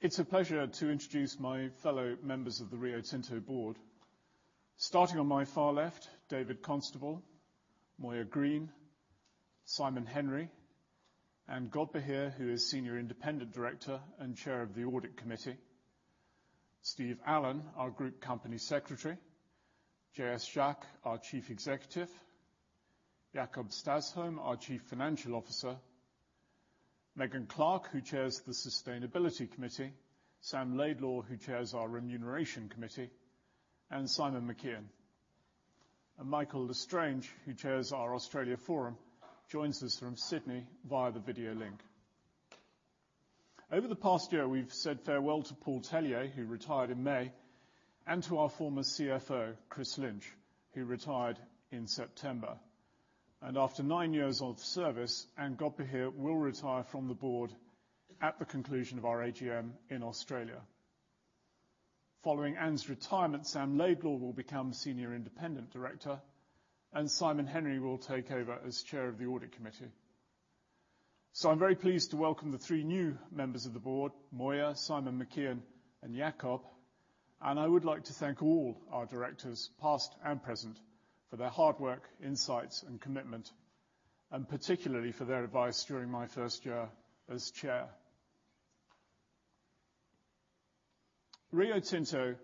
It's a pleasure to introduce my fellow members of the Rio Tinto board. Starting on my far left, David Constable, Moya Greene, Simon Henry, Ann Godbehere, who is Senior Independent Director and Chair of the Audit Committee, Steve Allen, our Group Company Secretary, JS Jacques, our Chief Executive, Jakob Stausholm, our Chief Financial Officer, Megan Clark, who Chairs the Sustainability Committee, Sam Laidlaw, who Chairs our Remuneration Committee, Simon McKeon. Michael L'Estrange, who Chairs our Australia Forum, joins us from Sydney via the video link. Over the past year, we've said farewell to Paul Tellier, who retired in May, to our former CFO, Chris Lynch, who retired in September. After nine years of service, Ann Godbehere will retire from the board at the conclusion of our AGM in Australia. Following Ann's retirement, Sam Laidlaw will become Senior Independent Director, Simon Henry will take over as Chair of the Audit Committee. I'm very pleased to welcome the three new members of the board, Moya, Simon McKeon, Jakob. I would like to thank all our directors, past and present, for their hard work, insights, commitment, particularly for their advice during my first year as chair. Rio Tinto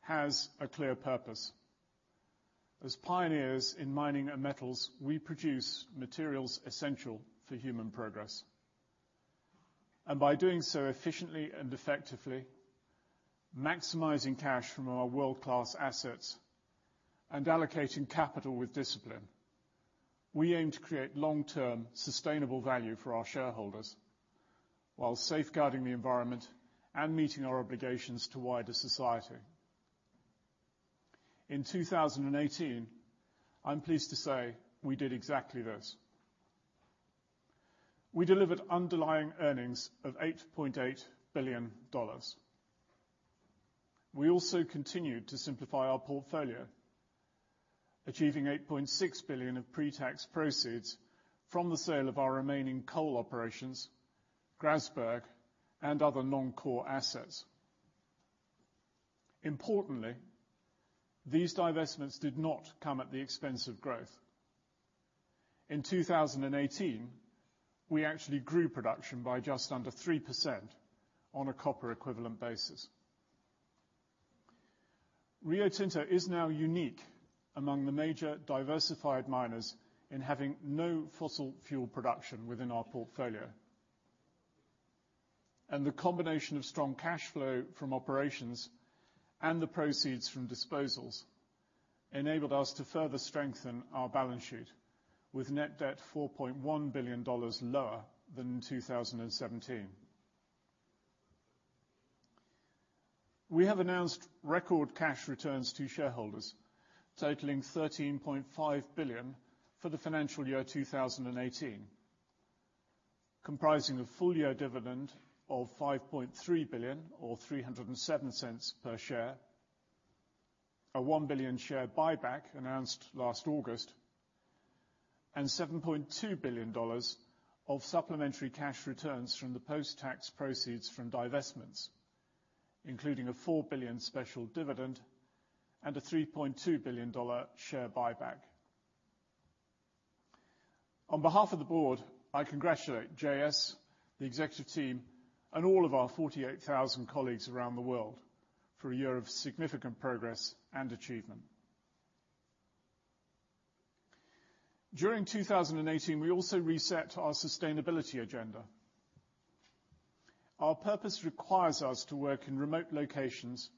has a clear purpose. As pioneers in mining and metals, we produce materials essential for human progress. By doing so efficiently and effectively, maximizing cash from our world-class assets, allocating capital with discipline, we aim to create long-term sustainable value for our shareholders while safeguarding the environment and meeting our obligations to wider society. In 2018, I'm pleased to say we did exactly this. We delivered underlying earnings of GBP 8.8 billion. We also continued to simplify our portfolio, achieving $8.6 billion of pre-tax proceeds from the sale of our remaining coal operations, Grasberg, and other non-core assets. Importantly, these divestments did not come at the expense of growth. In 2018, we actually grew production by just under 3% on a copper equivalent basis. Rio Tinto is now unique among the major diversified miners in having no fossil fuel production within our portfolio. The combination of strong cash flow from operations and the proceeds from disposals enabled us to further strengthen our balance sheet with net debt $4.1 billion lower than in 2017. We have announced record cash returns to shareholders totaling $13.5 billion for the financial year 2018, comprising a full-year dividend of $5.3 billion or $3.07 per share, a $1 billion share buyback announced last August, and $7.2 billion of supplementary cash returns from the post-tax proceeds from divestments, including a $4 billion special dividend and a $3.2 billion share buyback. On behalf of the board, I congratulate JS, the executive team, and all of our 48,000 colleagues around the world for a year of significant progress and achievement. During 2018, we also reset our sustainability agenda. Our purpose requires us to work in remote locations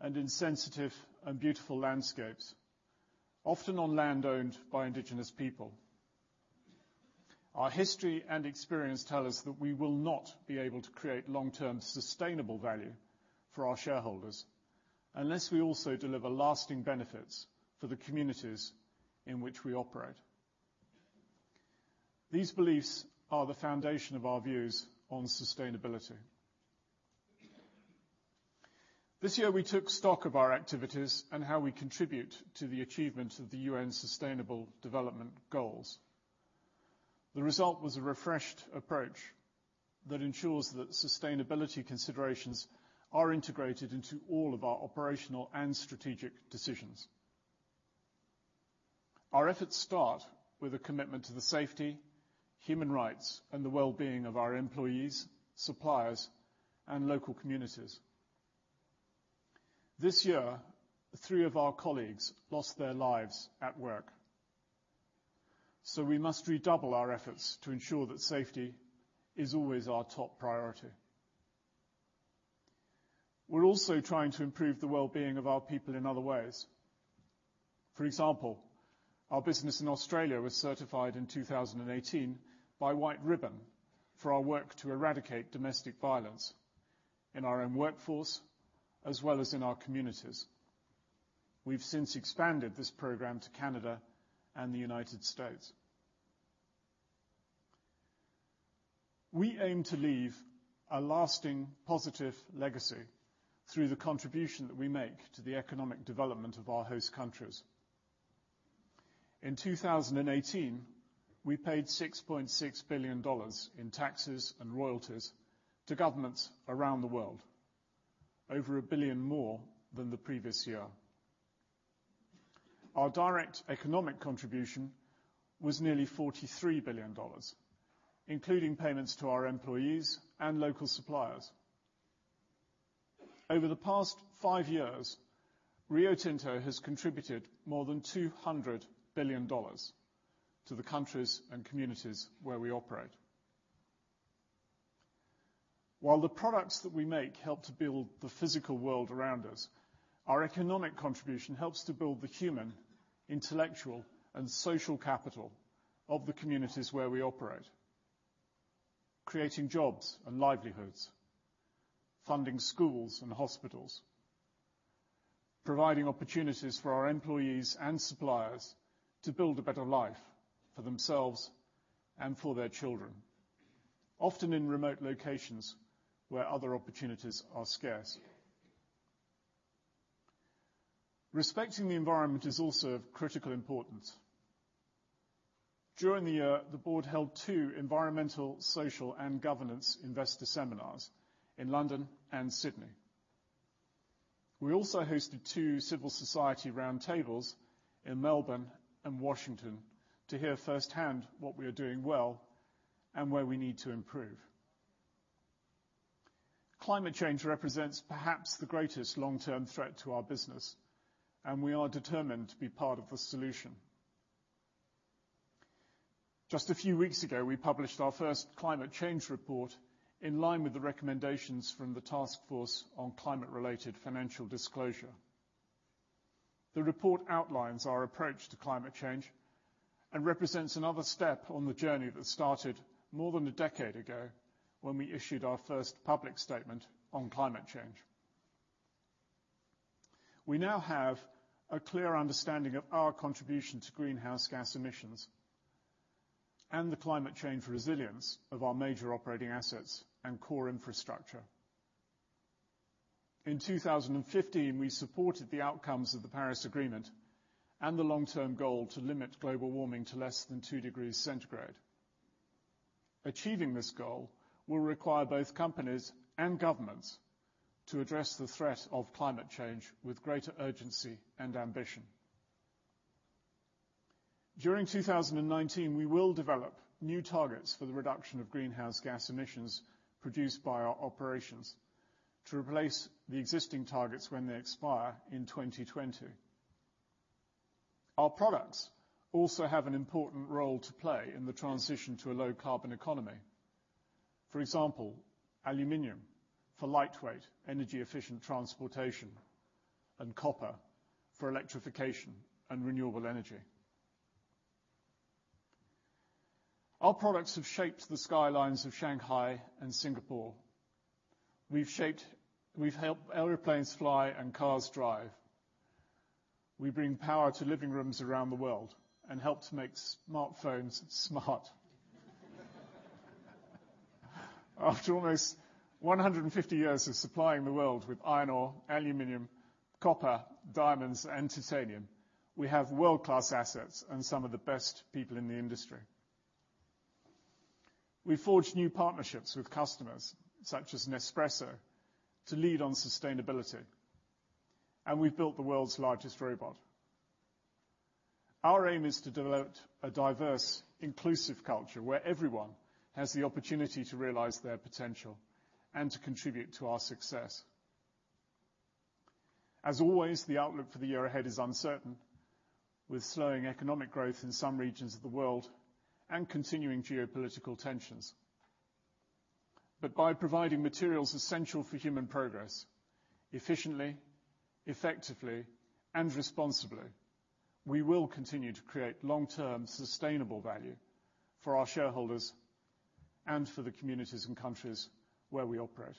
and in sensitive and beautiful landscapes, often on land owned by indigenous people. Our history and experience tell us that we will not be able to create long-term sustainable value for our shareholders unless we also deliver lasting benefits for the communities in which we operate. These beliefs are the foundation of our views on sustainability. This year we took stock of our activities and how we contribute to the achievement of the UN Sustainable Development Goals. The result was a refreshed approach that ensures that sustainability considerations are integrated into all of our operational and strategic decisions. Our efforts start with a commitment to the safety, human rights, and the well-being of our employees, suppliers, and local communities. This year, three of our colleagues lost their lives at work. We must redouble our efforts to ensure that safety is always our top priority. We're also trying to improve the well-being of our people in other ways. For example, our business in Australia was certified in 2018 by White Ribbon for our work to eradicate domestic violence in our own workforce, as well as in our communities. We've since expanded this program to Canada and the United States. We aim to leave a lasting, positive legacy through the contribution that we make to the economic development of our host countries. In 2018, we paid $6.6 billion in taxes and royalties to governments around the world, over $1 billion more than the previous year. Our direct economic contribution was nearly $43 billion, including payments to our employees and local suppliers. Over the past five years, Rio Tinto has contributed more than $200 billion to the countries and communities where we operate. While the products that we make help to build the physical world around us, our economic contribution helps to build the human, intellectual, and social capital of the communities where we operate, creating jobs and livelihoods, funding schools and hospitals, providing opportunities for our employees and suppliers to build a better life for themselves and for their children, often in remote locations where other opportunities are scarce. Respecting the environment is also of critical importance. During the year, the board held two environmental, social, and governance investor seminars in London and Sydney. We also hosted two civil society roundtables in Melbourne and Washington to hear firsthand what we are doing well and where we need to improve. Climate change represents perhaps the greatest long-term threat to our business, and we are determined to be part of the solution. Just a few weeks ago, we published our first climate change report in line with the recommendations from the Task Force on Climate-related Financial Disclosures. The report outlines our approach to climate change and represents another step on the journey that started more than a decade ago, when we issued our first public statement on climate change. We now have a clear understanding of our contribution to greenhouse gas emissions and the climate change resilience of our major operating assets and core infrastructure. In 2015, we supported the outcomes of the Paris Agreement and the long-term goal to limit global warming to less than two degrees centigrade. Achieving this goal will require both companies and governments to address the threat of climate change with greater urgency and ambition. During 2019, we will develop new targets for the reduction of greenhouse gas emissions produced by our operations to replace the existing targets when they expire in 2020. Our products also have an important role to play in the transition to a low-carbon economy. For example, aluminum for lightweight, energy-efficient transportation, and copper for electrification and renewable energy. Our products have shaped the skylines of Shanghai and Singapore. We've helped airplanes fly and cars drive. We bring power to living rooms around the world and help to make smartphones smart. After almost 150 years of supplying the world with iron ore, aluminum, copper, diamonds, and titanium, we have world-class assets and some of the best people in the industry. We forge new partnerships with customers, such as Nespresso, to lead on sustainability, and we've built the world's largest robot. Our aim is to develop a diverse, inclusive culture where everyone has the opportunity to realize their potential and to contribute to our success. As always, the outlook for the year ahead is uncertain, with slowing economic growth in some regions of the world and continuing geopolitical tensions. By providing materials essential for human progress efficiently, effectively, and responsibly, we will continue to create long-term sustainable value for our shareholders and for the communities and countries where we operate.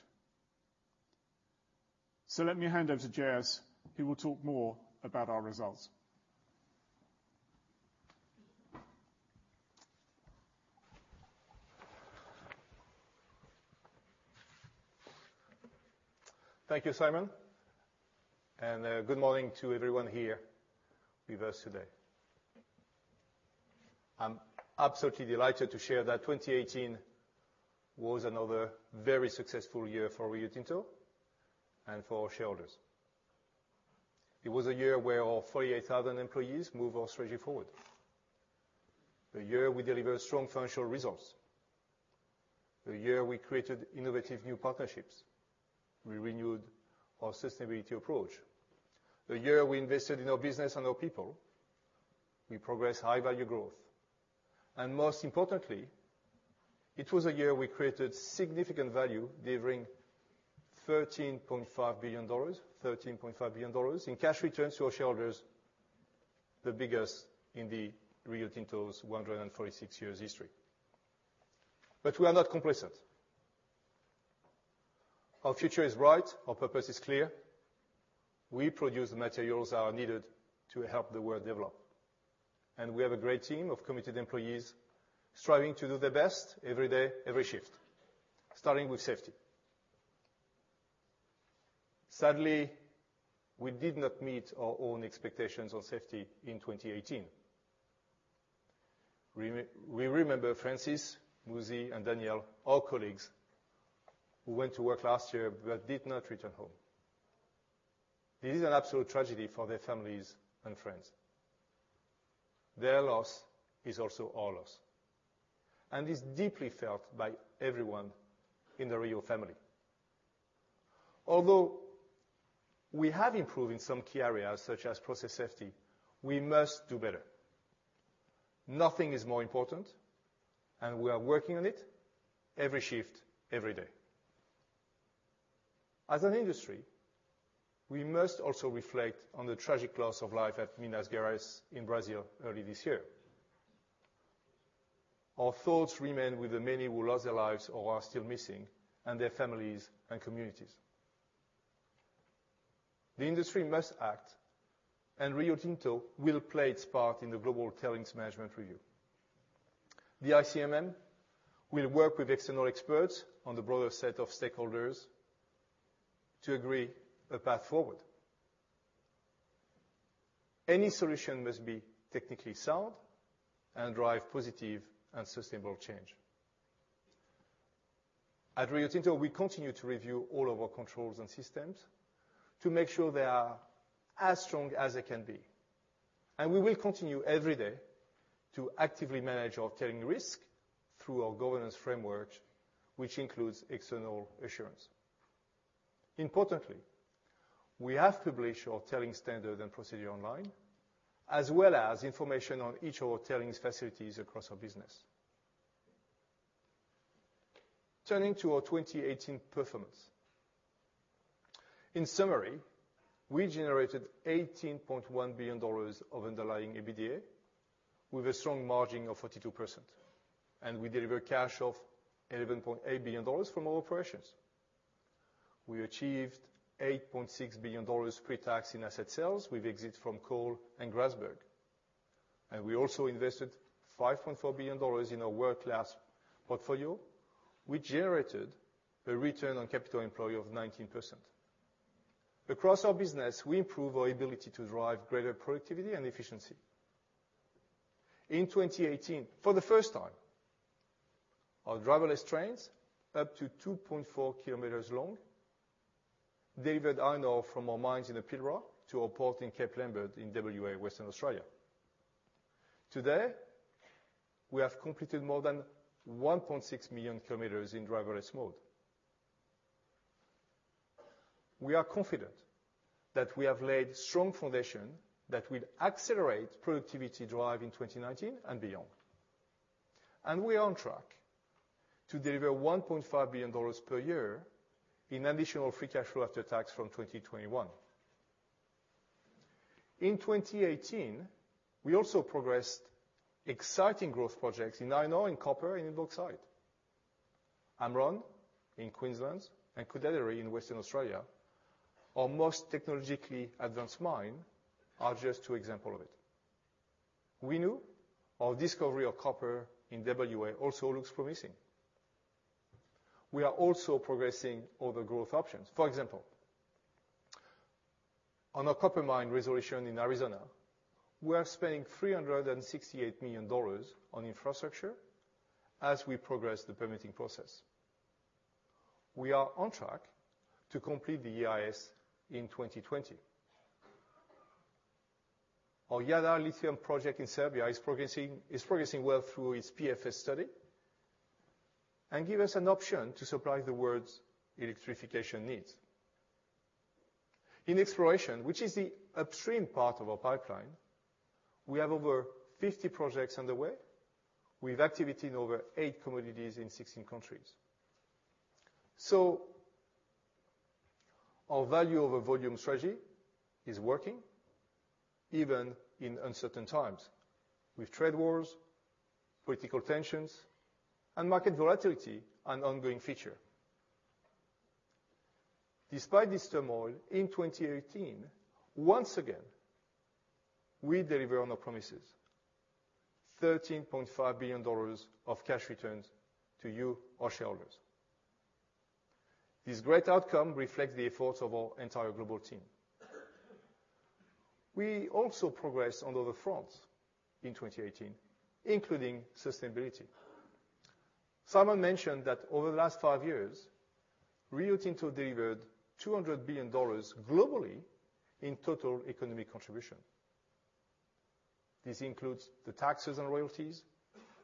Let me hand over to J.S., who will talk more about our results. Thank you, Simon. Good morning to everyone here with us today. I'm absolutely delighted to share that 2018 was another very successful year for Rio Tinto and for our shareholders. It was a year where all 48,000 employees move our strategy forward. The year we delivered strong financial results. The year we created innovative new partnerships. We renewed our sustainability approach. The year we invested in our business and our people. We progress high-value growth. Most importantly, it was a year we created significant value delivering $13.5 billion in cash returns to our shareholders, the biggest in Rio Tinto's 146-year history. We are not complacent. Our future is bright. Our purpose is clear. We produce the materials that are needed to help the world develop. We have a great team of committed employees striving to do their best every day, every shift, starting with safety. Sadly, we did not meet our own expectations on safety in 2018. We remember Francis, Muzy, and Daniel, our colleagues, who went to work last year but did not return home. It is an absolute tragedy for their families and friends. Their loss is also our loss and is deeply felt by everyone in the Rio family. Although we have improved in some key areas such as process safety, we must do better. Nothing is more important, and we are working on it every shift, every day. As an industry, we must also reflect on the tragic loss of life at Minas Gerais in Brazil early this year. Our thoughts remain with the many who lost their lives or are still missing, and their families and communities. The industry must act, and Rio Tinto will play its part in the global tailings management review. The ICMM will work with external experts on the broader set of stakeholders to agree a path forward. Any solution must be technically sound and drive positive and sustainable change. At Rio Tinto, we continue to review all of our controls and systems to make sure they are as strong as they can be. We will continue every day to actively manage our tailings risk through our governance framework, which includes external assurance. Importantly, we have published our tailings standard and procedure online, as well as information on each of our tailings facilities across our business. Turning to our 2018 performance. In summary, we generated $18.1 billion of underlying EBITDA with a strong margin of 42%, and we delivered cash of $11.8 billion from our operations. We achieved $8.6 billion pre-tax in asset sales with exit from Coal and Grasberg. We also invested $5.4 billion in our world-class portfolio, which generated a return on capital employed of 19%. Across our business, we improve our ability to drive greater productivity and efficiency. In 2018, for the first time, our driverless trains, up to 2.4 kilometers long, delivered iron ore from our mines in the Pilbara to our port in Cape Lambert in W.A., Western Australia. Today, we have completed more than 1.6 million kilometers in driverless mode. We are confident that we have laid strong foundation that will accelerate productivity drive in 2019 and beyond. We are on track to deliver $1.5 billion per year in additional free cash flow after tax from 2021. In 2018, we also progressed exciting growth projects in iron ore, in copper, and in bauxite. Amrun in Queensland and Koodaideri in Western Australia, our most technologically advanced mine, are just two example of it. Winu, our discovery of copper in WA, also looks promising. We are also progressing other growth options. For example, on our copper mine Resolution in Arizona, we are spending $368 million on infrastructure as we progress the permitting process. We are on track to complete the EIS in 2020. Our Jadar lithium project in Serbia is progressing well through its PFS study and give us an option to supply the world's electrification needs. In exploration, which is the upstream part of our pipeline, we have over 50 projects underway. We have activity in over eight commodities in 16 countries. Our value over volume strategy is working even in uncertain times, with trade wars, political tensions, and market volatility an ongoing feature. Despite this turmoil, in 2018, once again, we deliver on our promises, $13.5 billion of cash returns to you, our shareholders. This great outcome reflects the efforts of our entire global team. We also progressed on other fronts in 2018, including sustainability. Simon mentioned that over the last five years, Rio Tinto delivered $200 billion globally in total economic contribution. This includes the taxes and royalties,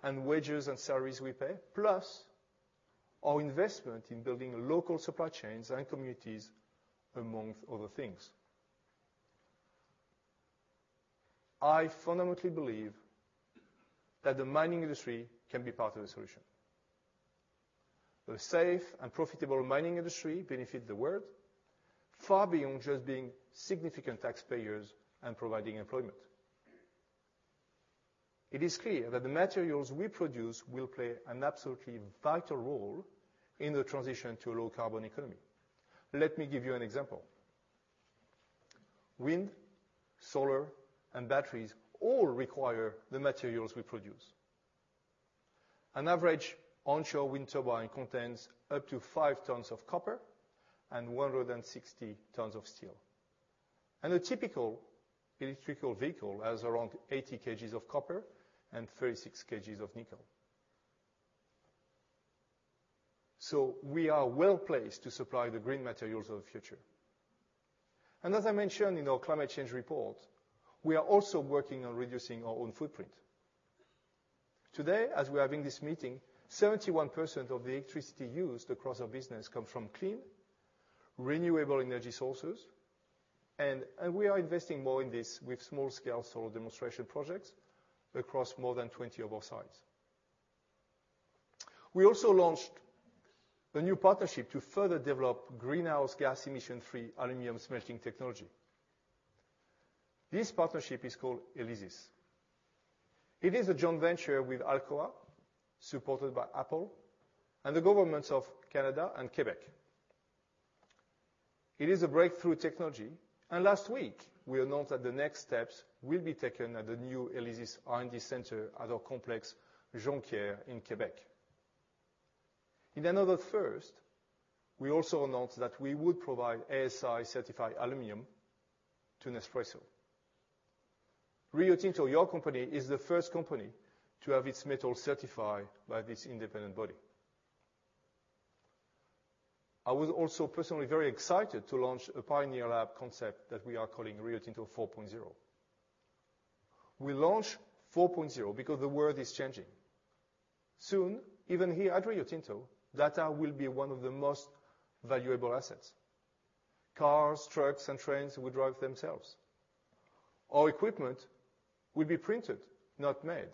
and wages and salaries we pay, plus our investment in building local supply chains and communities, amongst other things. I fundamentally believe that the mining industry can be part of the solution. A safe and profitable mining industry benefits the world far beyond just being significant taxpayers and providing employment. It is clear that the materials we produce will play an absolutely vital role in the transition to a low-carbon economy. Let me give you an example. Wind, solar, and batteries all require the materials we produce. An average onshore wind turbine contains up to five tons of copper and 160 tons of steel. A typical electrical vehicle has around 80 kgs of copper and 36 kgs of nickel. We are well-placed to supply the green materials of the future. As I mentioned in our climate change report, we are also working on reducing our own footprint. Today, as we are having this meeting, 71% of the electricity used across our business comes from clean, renewable energy sources. We are investing more in this with small-scale solar demonstration projects across more than 20 of our sites. We also launched a new partnership to further develop greenhouse gas emission-free aluminum smelting technology. This partnership is called ELYSIS. It is a joint venture with Alcoa, supported by Apple and the governments of Canada and Quebec. It is a breakthrough technology, last week we announced that the next steps will be taken at the new ELYSIS R&D center at our complex, Jonquière, in Quebec. In another first, we also announced that we would provide ASI-certified aluminum to Nespresso. Rio Tinto, your company, is the first company to have its metal certified by this independent body. I was also personally very excited to launch a Pioneer Lab concept that we are calling Rio Tinto 4.0. We launch 4.0 because the world is changing. Soon, even here at Rio Tinto, data will be one of the most valuable assets. Cars, trucks, and trains will drive themselves. Our equipment will be printed, not made.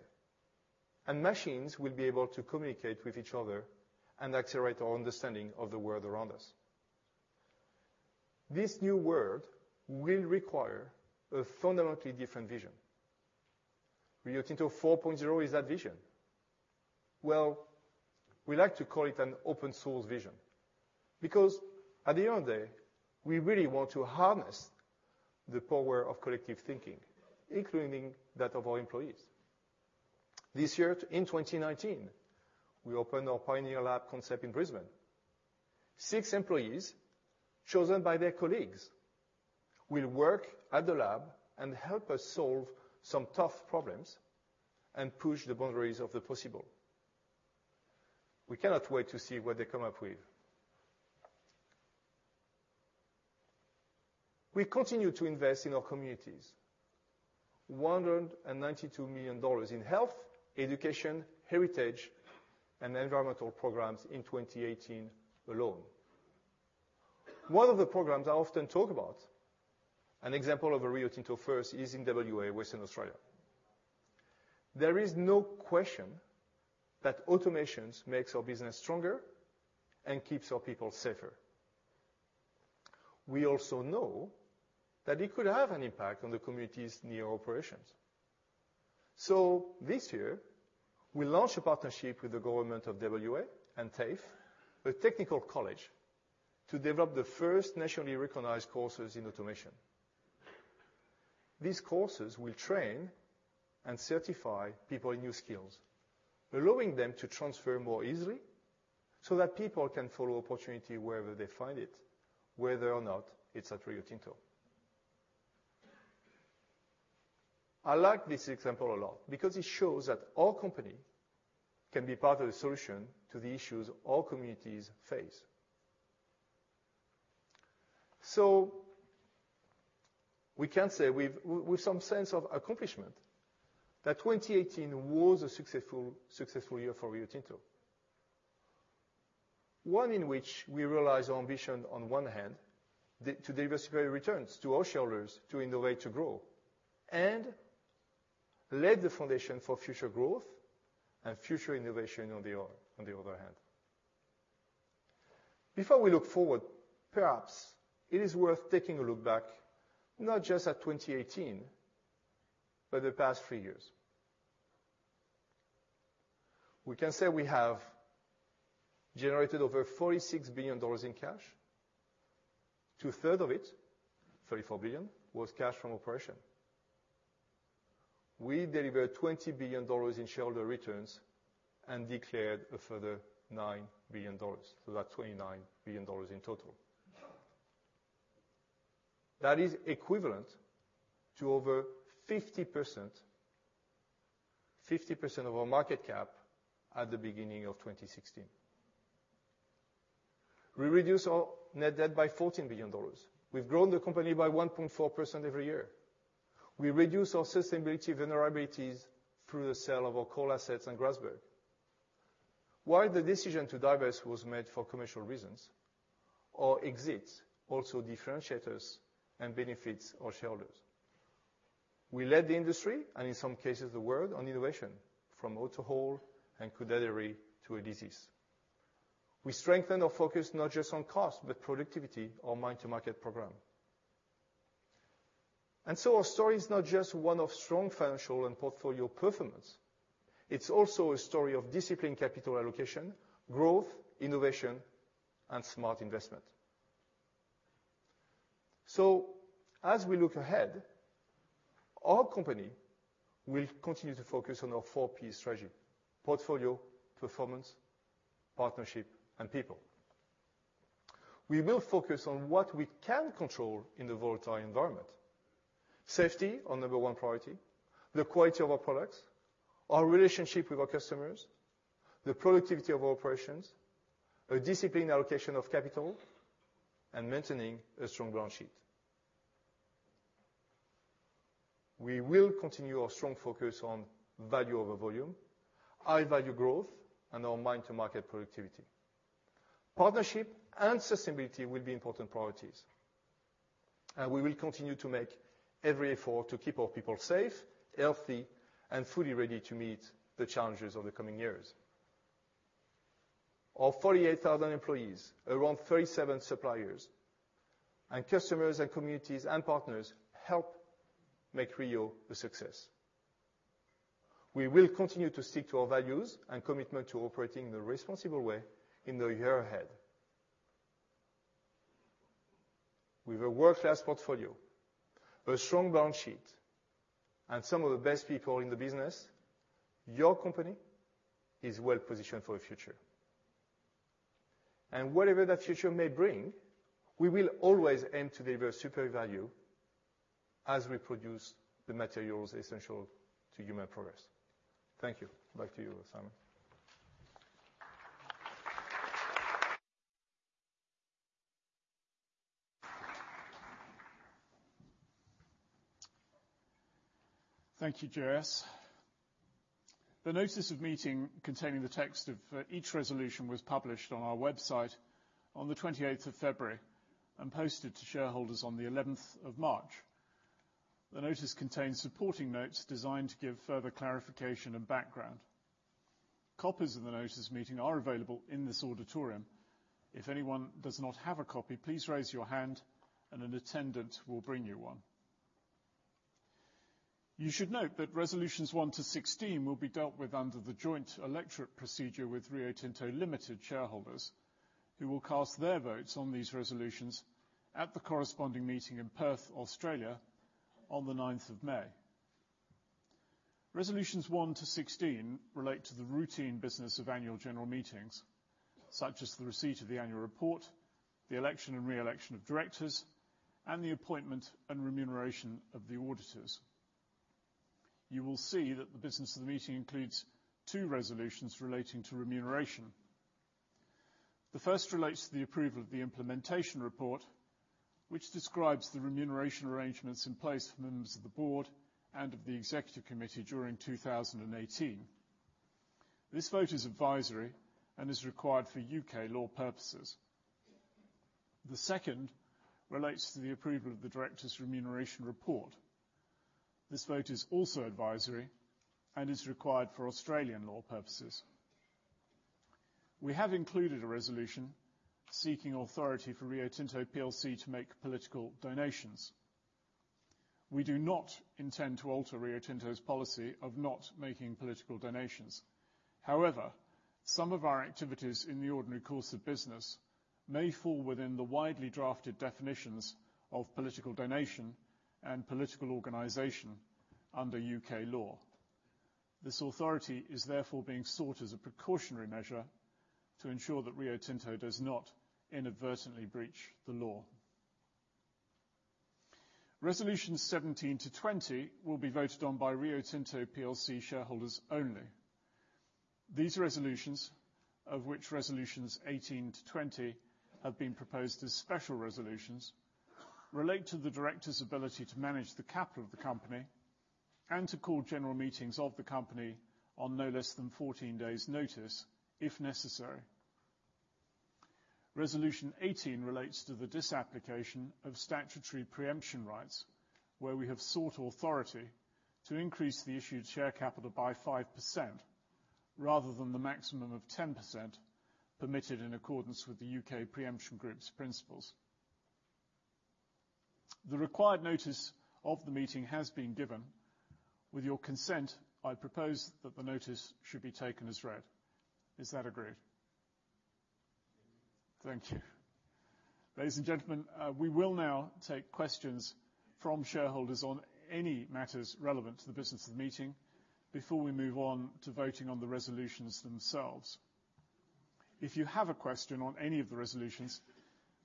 Machines will be able to communicate with each other and accelerate our understanding of the world around us. This new world will require a fundamentally different vision. Rio Tinto 4.0 is that vision. Well, we like to call it an open-source vision because at the end of the day, we really want to harness the power of collective thinking, including that of our employees. This year, in 2019, we opened our Pioneer Lab concept in Brisbane. Six employees, chosen by their colleagues, will work at the lab and help us solve some tough problems and push the boundaries of the possible. We cannot wait to see what they come up with. We continue to invest in our communities. GBP 192 million in health, education, heritage, and environmental programs in 2018 alone. One of the programs I often talk about, an example of a Rio Tinto first, is in WA, Western Australia. There is no question that automation makes our business stronger and keeps our people safer. We also know that it could have an impact on the communities near our operations. This year, we launched a partnership with the government of WA and TAFE, a technical college, to develop the first nationally recognized courses in automation. These courses will train and certify people in new skills, allowing them to transfer more easily so that people can follow opportunity wherever they find it, whether or not it's at Rio Tinto. I like this example a lot because it shows that our company can be part of the solution to the issues all communities face. We can say with some sense of accomplishment that 2018 was a successful year for Rio Tinto. One in which we realized our ambition on one hand to diversify returns to our shareholders, to innovate, to grow, and lay the foundation for future growth and future innovation on the other hand. Before we look forward, perhaps it is worth taking a look back, not just at 2018, but the past three years. We can say we have generated over GBP 46 billion in cash. Two-thirds of it, 34 billion, was cash from operation. We delivered GBP 20 billion in shareholder returns and declared a further GBP 9 billion, so that's GBP 29 billion in total. That is equivalent to over 50% of our market cap at the beginning of 2016. We've reduced our net debt by GBP 14 billion. We've grown the company by 1.4% every year. We reduced our sustainability vulnerabilities through the sale of our coal assets and Grasberg. While the decision to divest was made for commercial reasons, our exit also differentiates us and benefits our shareholders. We led the industry, and in some cases the world, on innovation from AutoHaul and Koodaideri to [Elysis]. We strengthened our focus not just on cost, but productivity, our mine to market program. Our story is not just one of strong financial and portfolio performance. It's also a story of disciplined capital allocation, growth, innovation, and smart investment. As we look ahead, our company will continue to focus on our 4 P strategy, portfolio, performance, partnership, and people. We will focus on what we can control in the volatile environment. Safety, our number 1 priority, the quality of our products, our relationship with our customers, the productivity of our operations, a disciplined allocation of capital, and maintaining a strong balance sheet. We will continue our strong focus on value over volume, high value growth, and our mine to market productivity. Partnership and sustainability will be important priorities. We will continue to make every effort to keep our people safe, healthy, and fully ready to meet the challenges of the coming years. Our 48,000 employees, around 37 suppliers, and customers and communities and partners help make Rio a success. We will continue to stick to our values and commitment to operating the responsible way in the year ahead. With a world-class portfolio, a strong balance sheet, and some of the best people in the business, your company is well-positioned for the future. Whatever that future may bring, we will always aim to deliver superior value as we produce the materials essential to human progress. Thank you. Back to you, Simon. Thank you, J.S. The notice of meeting containing the text of each resolution was published on our website on the 28th of February and posted to shareholders on the 11th of March. The notice contains supporting notes designed to give further clarification and background. Copies of the notice meeting are available in this auditorium. If anyone does not have a copy, please raise your hand and an attendant will bring you one. You should note that resolutions 1 to 16 will be dealt with under the joint electorate procedure with Rio Tinto Limited shareholders, who will cast their votes on these resolutions at the corresponding meeting in Perth, Australia on the 9th of May. Resolutions 1 to 16 relate to the routine business of annual general meetings, such as the receipt of the annual report, the election and re-election of directors, and the appointment and remuneration of the auditors. You will see that the business of the meeting includes two resolutions relating to remuneration. The first relates to the approval of the implementation report, which describes the remuneration arrangements in place for members of the board and of the executive committee during 2018. This vote is advisory and is required for U.K. law purposes. The second relates to the approval of the directors' remuneration report. This vote is also advisory and is required for Australian law purposes. We have included a resolution seeking authority for Rio Tinto plc to make political donations. We do not intend to alter Rio Tinto's policy of not making political donations. However, some of our activities in the ordinary course of business may fall within the widely drafted definitions of political donation and political organization under U.K. law. This authority is therefore being sought as a precautionary measure to ensure that Rio Tinto does not inadvertently breach the law. Resolutions 17 to 20 will be voted on by Rio Tinto plc shareholders only. These resolutions, of which resolutions 18 to 20 have been proposed as special resolutions, relate to the directors' ability to manage the capital of the company and to call general meetings of the company on no less than 14 days' notice if necessary. Resolution 18 relates to the disapplication of statutory preemption rights, where we have sought authority to increase the issued share capital by 5% rather than the maximum of 10% permitted in accordance with the U.K. Pre-Emption Group's principles. The required notice of the meeting has been given. With your consent, I propose that the notice should be taken as read. Is that agreed? Thank you. Ladies and gentlemen, we will now take questions from shareholders on any matters relevant to the business of the meeting before we move on to voting on the resolutions themselves. If you have a question on any of the resolutions,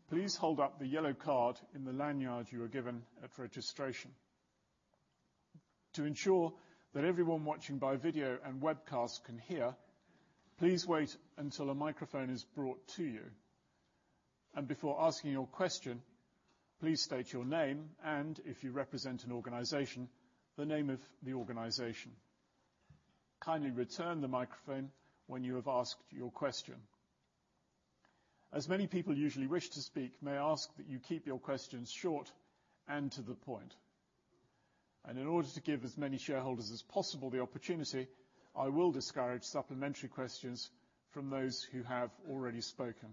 please hold up the yellow card in the lanyard you were given at registration. To ensure that everyone watching by video and webcast can hear, please wait until a microphone is brought to you. Before asking your question, please state your name and if you represent an organization, the name of the organization. Kindly return the microphone when you have asked your question. As many people usually wish to speak, may I ask that you keep your questions short and to the point. In order to give as many shareholders as possible the opportunity, I will discourage supplementary questions from those who have already spoken.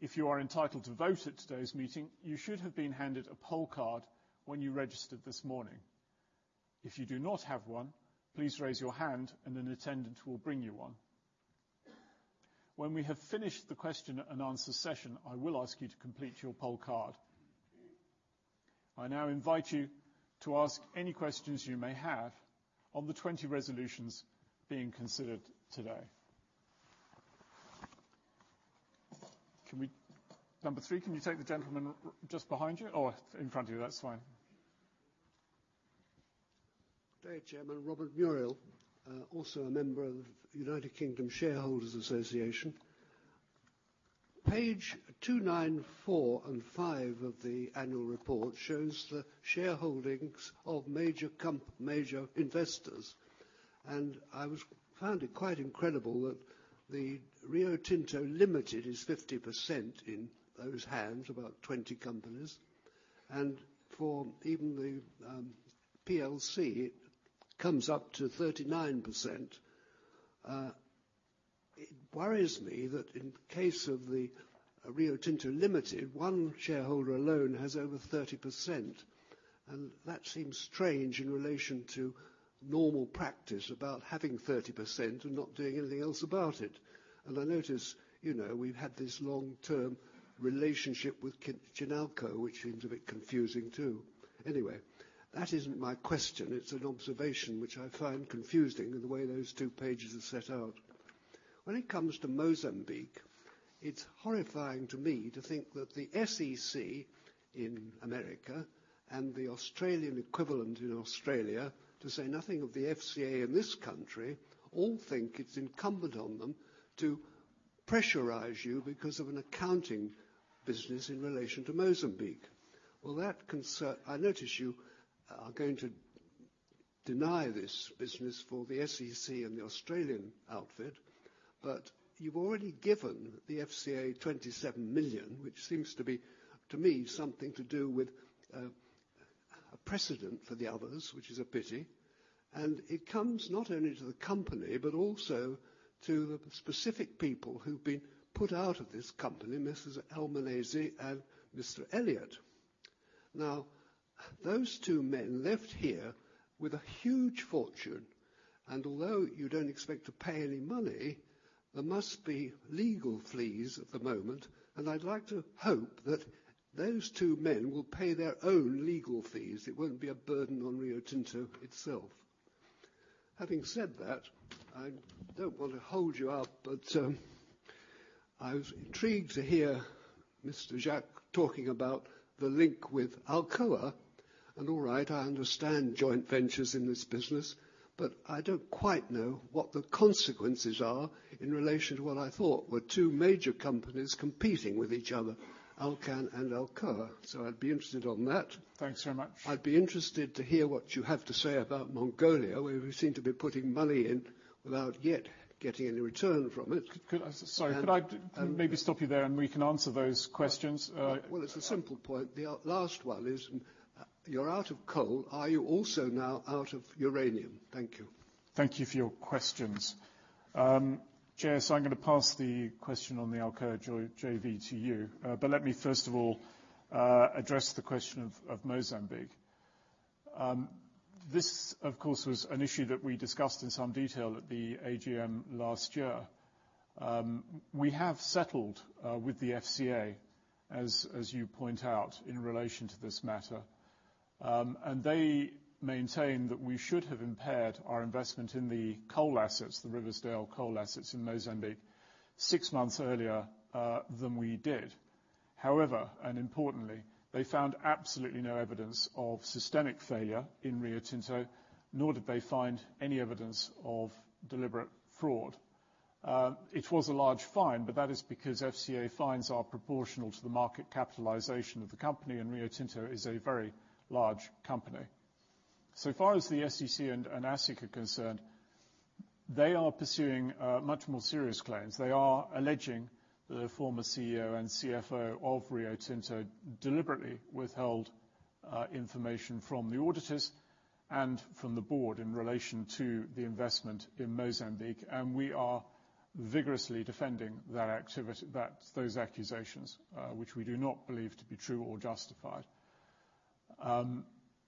If you are entitled to vote at today's meeting, you should have been handed a poll card when you registered this morning. If you do not have one, please raise your hand and an attendant will bring you one. When we have finished the question and answer session, I will ask you to complete your poll card. I now invite you to ask any questions you may have on the 20 resolutions being considered today. Number 3, can you take the gentleman just behind you? In front of you. That's fine. Good day, Chairman. Robert Muriel, also a member of the United Kingdom Shareholders Association. Page 294 and 295 of the annual report shows the shareholdings of major investors. I found it quite incredible that the Rio Tinto Limited is 50% in those hands, about 20 companies. For even the PLC, it comes up to 39%. It worries me that in case of the Rio Tinto Limited, one shareholder alone has over 30%, and that seems strange in relation to normal practice about having 30% and not doing anything else about it. I notice, we've had this long-term relationship with Chinalco, which seems a bit confusing too. Anyway, that isn't my question. It's an observation which I find confusing in the way those two pages are set out. When it comes to Mozambique, it's horrifying to me to think that the SEC in America and the Australian equivalent in Australia, to say nothing of the FCA in this country, all think it's incumbent on them to pressurize you because of an accounting business in relation to Mozambique. I notice you are going to deny this business for the SEC and the Australian outfit, but you've already given the FCA $27 million, which seems to be, to me, something to do with a precedent for the others, which is a pity. It comes not only to the company, but also to the specific people who've been put out of this company, Mrs. Albanese and Mr. Elliott. Those two men left here with a huge fortune, and although you don't expect to pay any money, there must be legal fees at the moment, and I'd like to hope that those two men will pay their own legal fees. It won't be a burden on Rio Tinto itself. Having said that, I don't want to hold you up, but I was intrigued to hear Mr. Jacques talking about the link with Alcoa. All right, I understand joint ventures in this business, but I don't quite know what the consequences are in relation to what I thought were two major companies competing with each other, Alcan and Alcoa. I'd be interested on that. Thanks very much. I'd be interested to hear what you have to say about Mongolia, where we seem to be putting money in without yet getting any return from it. Sorry, could I maybe stop you there and we can answer those questions? Well, it's a simple point. The last one is, you're out of coal. Are you also now out of uranium? Thank you. Thank you for your questions, J.S. I'm going to pass the question on the Alcoa JV to you. Let me first of all address the question of Mozambique. This, of course, was an issue that we discussed in some detail at the AGM last year. We have settled with the FCA, as you point out, in relation to this matter. They maintain that we should have impaired our investment in the coal assets, the Riversdale coal assets in Mozambique, six months earlier than we did. However, importantly, they found absolutely no evidence of systemic failure in Rio Tinto, nor did they find any evidence of deliberate fraud. It was a large fine, but that is because FCA fines are proportional to the market capitalization of the company, and Rio Tinto is a very large company. Far as the SEC and ASIC are concerned, they are pursuing much more serious claims. They are alleging that a former CEO and CFO of Rio Tinto deliberately withheld information from the auditors and from the board in relation to the investment in Mozambique. We are vigorously defending those accusations, which we do not believe to be true or justified.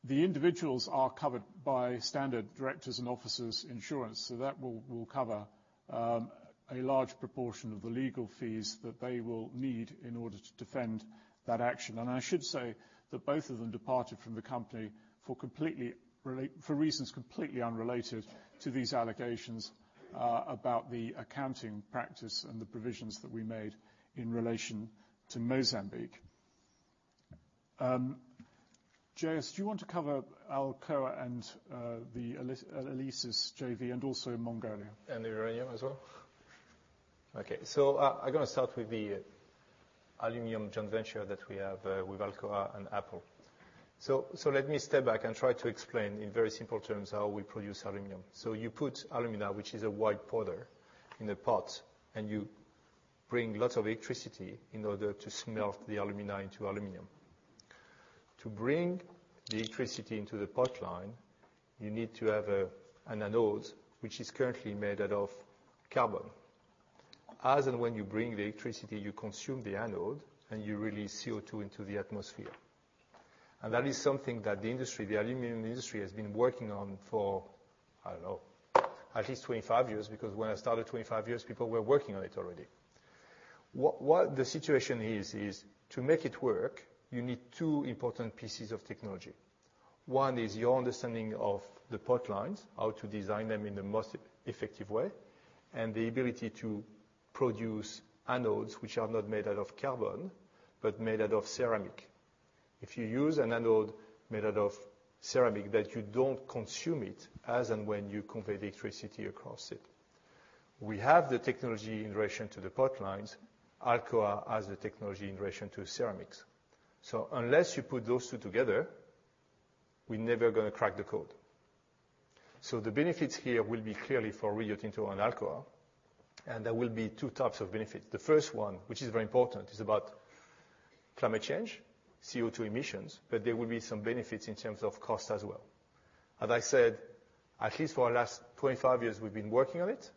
The individuals are covered by standard directors and officers insurance, so that will cover a large proportion of the legal fees that they will need in order to defend that action. I should say that both of them departed from the company for reasons completely unrelated to these allegations about the accounting practice and the provisions that we made in relation to Mozambique. Jay, do you want to cover Alcoa and the ELYSIS JV and also Mongolia? Uranium as well? Okay. I'm going to start with the aluminum joint venture that we have with Alcoa and Apple. Let me step back and try to explain in very simple terms how we produce aluminum. You put alumina, which is a white powder, in a pot. You bring lots of electricity in order to smelt the alumina into aluminum. To bring the electricity into the pot line, you need to have an anode, which is currently made out of carbon. As and when you bring the electricity, you consume the anode. You release CO2 into the atmosphere. That is something that the industry, the aluminum industry, has been working on for, I don't know, at least 25 years, because when I started 25 years ago, people were working on it already. What the situation is to make it work, you need two important pieces of technology. One is your understanding of the pot lines, how to design them in the most effective way, and the ability to produce anodes which are not made out of carbon, but made out of ceramic. If you use an anode made out of ceramic that you don't consume it as and when you convey the electricity across it. We have the technology in relation to the pot lines. Alcoa has the technology in relation to ceramics. Unless you put those two together, we're never going to crack the code. The benefits here will be clearly for Rio Tinto and Alcoa, and there will be 2 types of benefits. The first one, which is very important, is about climate change, CO2 emissions, but there will be some benefits in terms of cost as well. As I said, at least for the last 25 years, we've been working on it.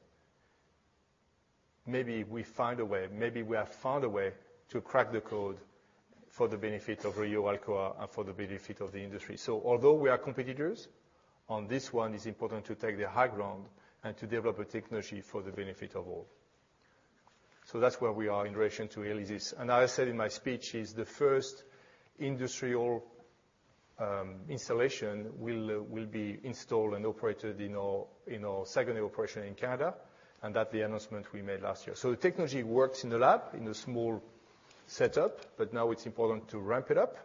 Maybe we find a way. Maybe we have found a way to crack the code for the benefit of Rio Alcoa and for the benefit of the industry. Although we are competitors, on this one, it's important to take the high ground and to develop a technology for the benefit of all. That's where we are in relation to ELYSIS. As I said in my speech, it's the first industrial installation will be installed and operated in our second operation in Canada, and that the announcement we made last year. The technology works in the lab, in a small setup, but now it's important to ramp it up,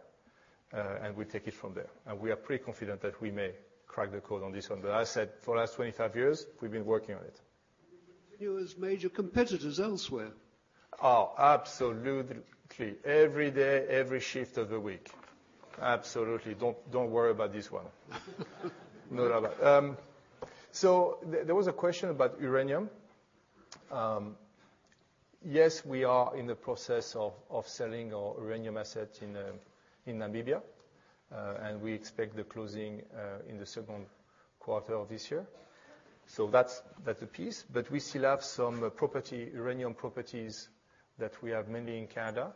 and we take it from there. We are pretty confident that we may crack the code on this one. As I said, for the last 25 years, we've been working on it. You as major competitors elsewhere. Oh, absolutely. Every day, every shift of the week. Absolutely. Don't worry about this one. No. There was a question about uranium. Yes, we are in the process of selling our uranium assets in Namibia, and we expect the closing in the second quarter of this year. That's a piece, but we still have some uranium properties that we have mainly in Canada.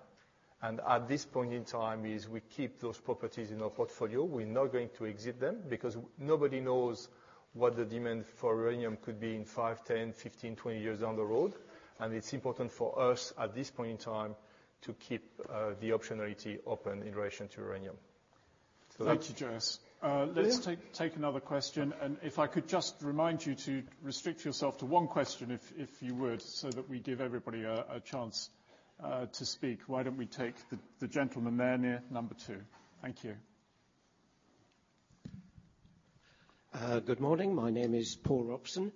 At this point in time is we keep those properties in our portfolio. We're not going to exit them because nobody knows what the demand for uranium could be in five, 10, 15, 20 years down the road. It's important for us, at this point in time, to keep the optionality open in relation to uranium. Thank you, J.S. Let's take another question. If I could just remind you to restrict yourself to one question, if you would, so that we give everybody a chance to speak. Why don't we take the gentleman there near number 2? Thank you. Good morning. My name is Paul Robson.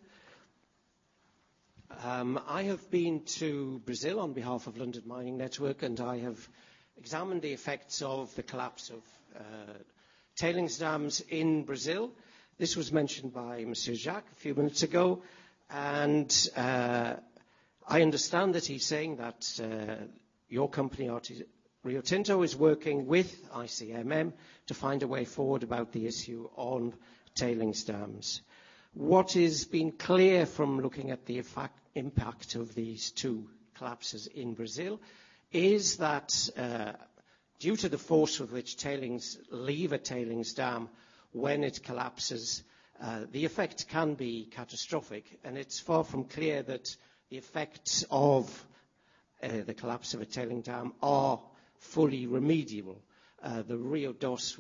I have been to Brazil on behalf of London Mining Network. I have examined the effects of the collapse of tailings dams in Brazil. This was mentioned by Monsieur Jacques a few minutes ago. I understand that he's saying that your company, Rio Tinto, is working with ICMM to find a way forward about the issue on tailings dams. What has been clear from looking at the impact of these two collapses in Brazil is that due to the force with which leave a tailings dam when it collapses, the effect can be catastrophic, and it's far from clear that the effects of the collapse of a tailings dam are fully remedial. The Rio Doce,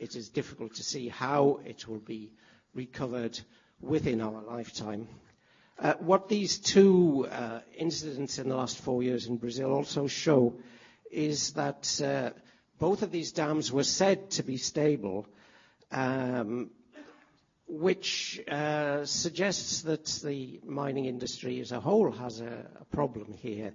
it is difficult to see how it will be recovered within our lifetime. What these two incidents in the last four years in Brazil also show is that both of these dams were said to be stable, which suggests that the mining industry as a whole has a problem here.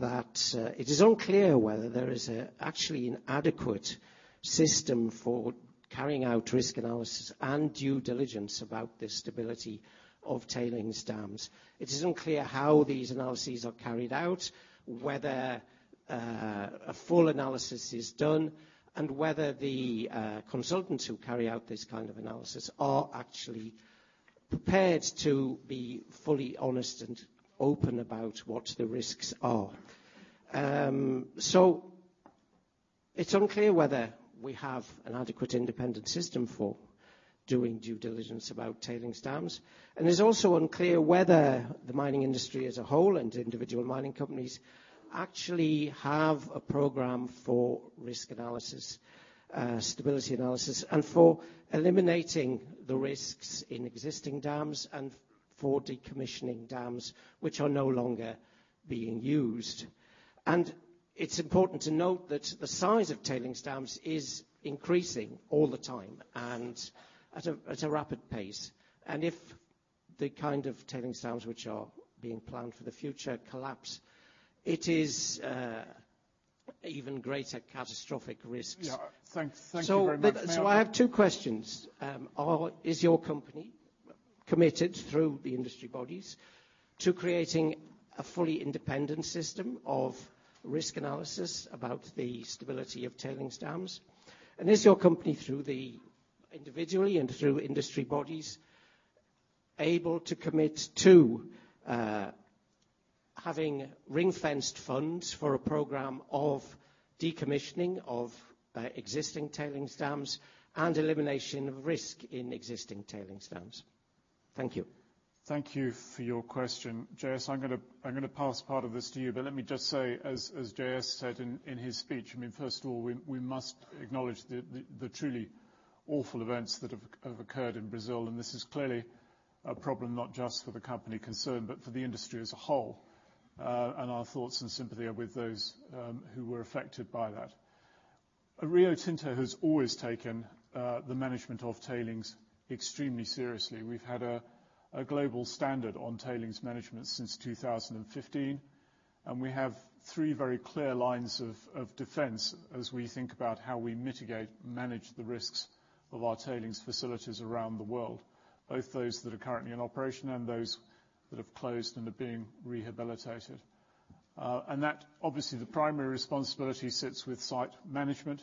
That it is unclear whether there is actually an adequate system for carrying out risk analysis and due diligence about the stability of tailings dams. It is unclear how these analyses are carried out, whether a full analysis is done, and whether the consultants who carry out this kind of analysis are actually prepared to be fully honest and open about what the risks are. It's unclear whether we have an adequate independent system for doing due diligence about tailings dams, and it's also unclear whether the mining industry as a whole and individual mining companies actually have a program for risk analysis, stability analysis, and for eliminating the risks in existing dams and for decommissioning dams which are no longer being used. It's important to note that the size of tailings dams is increasing all the time and at a rapid pace. If the kind of tailings dams which are being planned for the future collapse, it is even greater catastrophic risks. Yeah. Thank you very much. I have two questions. Is your company committed through the industry bodies to creating a fully independent system of risk analysis about the stability of tailings dams? Is your company, individually and through industry bodies, able to commit to having ring-fenced funds for a program of decommissioning of existing tailings dams and elimination of risk in existing tailings dams? Thank you. Thank you for your question. JS, I'm going to pass part of this to you, but let me just say as JS said in his speech, first of all, we must acknowledge the truly awful events that have occurred in Brazil, and this is clearly a problem not just for the company concerned, but for the industry as a whole. Our thoughts and sympathy are with those who were affected by that. Rio Tinto has always taken the management of tailings extremely seriously. We've had a global standard on tailings management since 2015, and we have three very clear lines of defense as we think about how we mitigate and manage the risks of our tailings facilities around the world, both those that are currently in operation and those that have closed and are being rehabilitated. That obviously the primary responsibility sits with site management.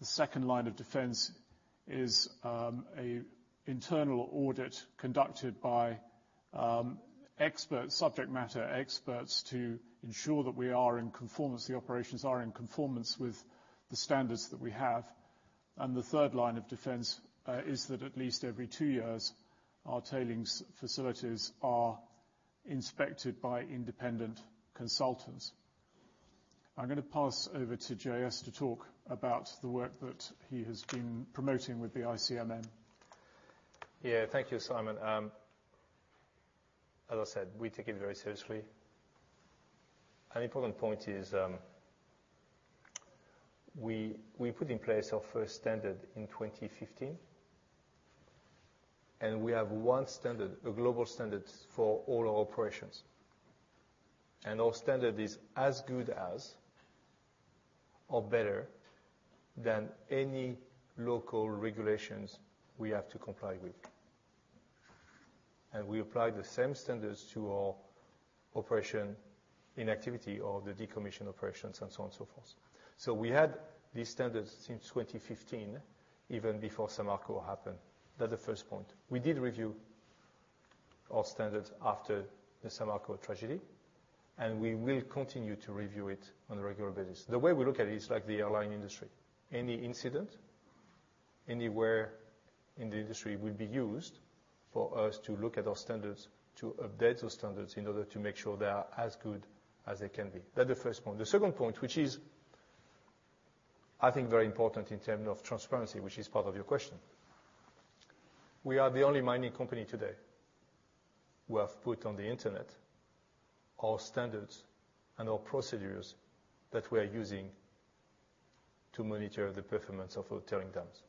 The second line of defense is an internal audit conducted by subject matter experts to ensure that we are in conformance, the operations are in conformance with the standards that we have. The third line of defense is that at least every 2 years, our tailings facilities are inspected by independent consultants. I'm going to pass over to JS to talk about the work that he has been promoting with the ICMM. Yeah. Thank you, Simon. As I said, we take it very seriously. An important point is we put in place our first standard in 2015. We have one standard, a global standard for all our operations. Our standard is as good as or better than any local regulations we have to comply with. We apply the same standards to all operation inactivity or the decommission operations and so on and so forth. We had these standards since 2015, even before Samarco happened. That's the first point. We did review our standards after the Samarco tragedy. We will continue to review it on a regular basis. The way we look at it is like the airline industry. Any incident anywhere in the industry will be used for us to look at our standards, to update those standards in order to make sure they are as good as they can be. That's the first point. The second point, which is I think very important in terms of transparency, which is part of your question. We are the only mining company today who have put on the internet our standards and our procedures that we are using to monitor the performance of our tailing dams.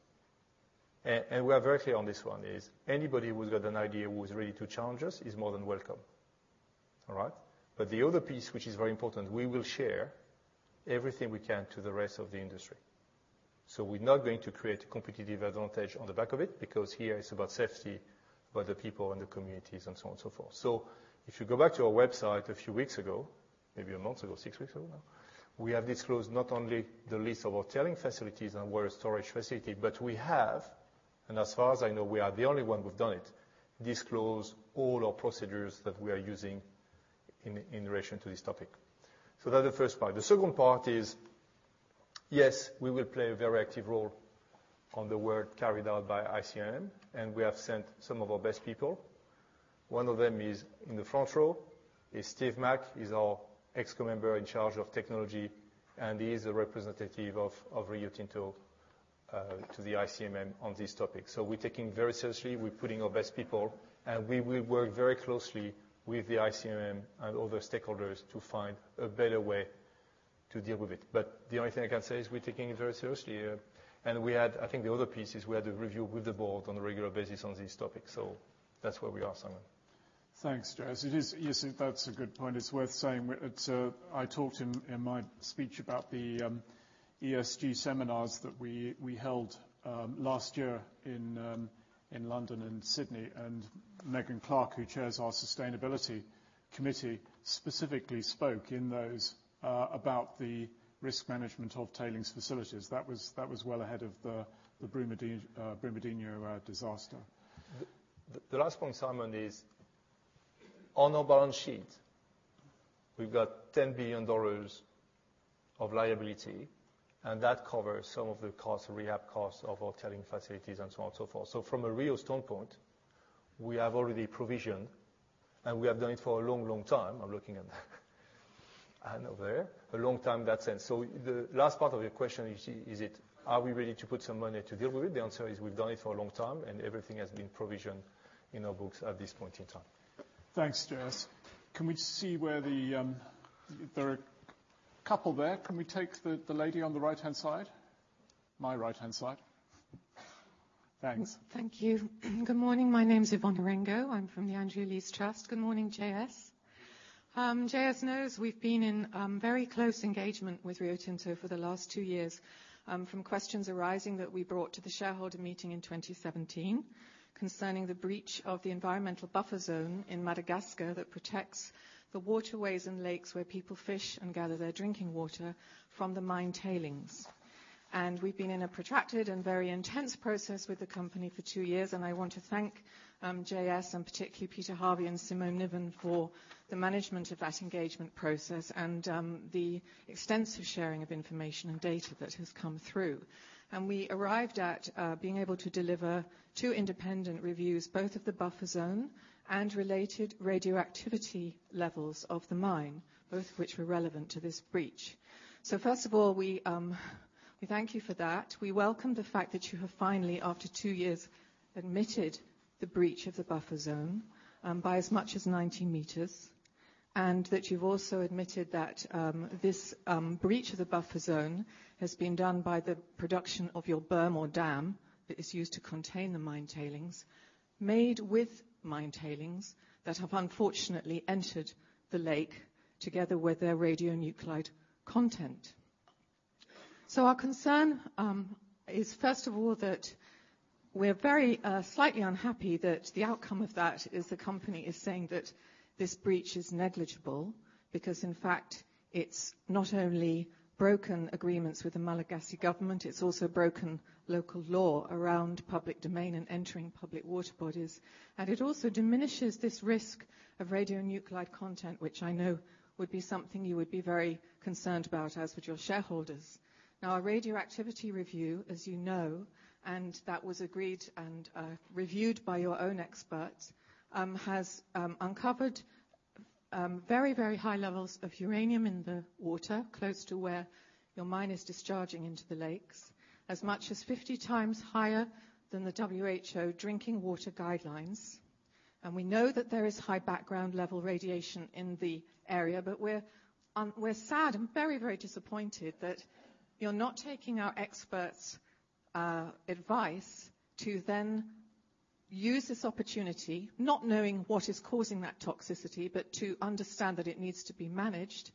We are very clear on this one is anybody who's got an idea who's ready to challenge us is more than welcome. All right? The other piece, which is very important, we will share everything we can to the rest of the industry. We're not going to create a competitive advantage on the back of it because here it's about safety for the people and the communities and so on and so forth. If you go back to our website a few weeks ago, maybe a month ago, 6 weeks ago now, we have disclosed not only the list of our tailing facilities and where is storage facility, but we have, and as far as I know, we are the only one who've done it, disclosed all our procedures that we are using in relation to this topic. That's the first part. The second part is, yes, we will play a very active role on the work carried out by ICMM. We have sent some of our best people. One of them is in the front row, is Steve Mack. He's our ExCo member in charge of technology, and he is a representative of Rio Tinto to the ICMM on this topic. We're taking it very seriously. We're putting our best people, and we will work very closely with the ICMM and other stakeholders to find a better way to deal with it. The only thing I can say is we're taking it very seriously here. I think the other piece is we have the review with the board on a regular basis on this topic. That's where we are, Simon. Thanks, JS. That's a good point. It's worth saying, I talked in my speech about the ESG seminars that we held last year in London and Sydney. Megan Clark, who chairs our sustainability committee, specifically spoke in those about the risk management of tailings facilities. That was well ahead of the Brumadinho disaster. The last point, Simon, is on our balance sheet, we've got $10 billion of liability, and that covers some of the rehab costs of our tailing facilities and so on and so forth. From a Rio standpoint, we have already provisioned, and we have done it for a long, long time. I'm looking at Ann over there. A long time that since. The last part of your question, you see, are we ready to put some money to deal with it? The answer is, we've done it for a long time, and everything has been provisioned in our books at this point in time. Thanks, JS. Can we see where there are a couple there. Can we take the lady on the right-hand side, my right-hand side? Thanks. Thank you. Good morning. My name's Yvonne Orengo. I'm from The Andrew Lees Trust. Good morning, JS. JS knows we've been in very close engagement with Rio Tinto for the last 2 years, from questions arising that we brought to the shareholder meeting in 2017 concerning the breach of the environmental buffer zone in Madagascar that protects the waterways and lakes where people fish and gather their drinking water from the mine tailings. We've been in a protracted and very intense process with the company for 2 years, and I want to thank JS, and particularly Peter Harvey and Simone Niven for the management of that engagement process and the extensive sharing of information and data that has come through. We arrived at being able to deliver 2 independent reviews, both of the buffer zone and related radioactivity levels of the mine, both of which were relevant to this breach. First of all, we thank you for that. We welcome the fact that you have finally, after 2 years, admitted the breach of the buffer zone by as much as 90 meters, and that you've also admitted that this breach of the buffer zone has been done by the production of your berm or dam that is used to contain the mine tailings, made with mine tailings that have unfortunately entered the lake together with their radionuclide content. Our concern is, first of all, that we're very slightly unhappy that the outcome of that is the company is saying that this breach is negligible because, in fact, it's not only broken agreements with the Malagasy government, it's also broken local law around public domain and entering public water bodies. It also diminishes this risk of radionuclide content, which I know would be something you would be very concerned about, as would your shareholders. Now, our radioactivity review, as you know, and that was agreed and reviewed by your own experts, has uncovered very high levels of uranium in the water close to where your mine is discharging into the lakes, as much as 50 times higher than the WHO drinking water guidelines. We know that there is high background level radiation in the area. We're sad and very disappointed that you're not taking our experts' advice to then use this opportunity, not knowing what is causing that toxicity, but to understand that it needs to be managed.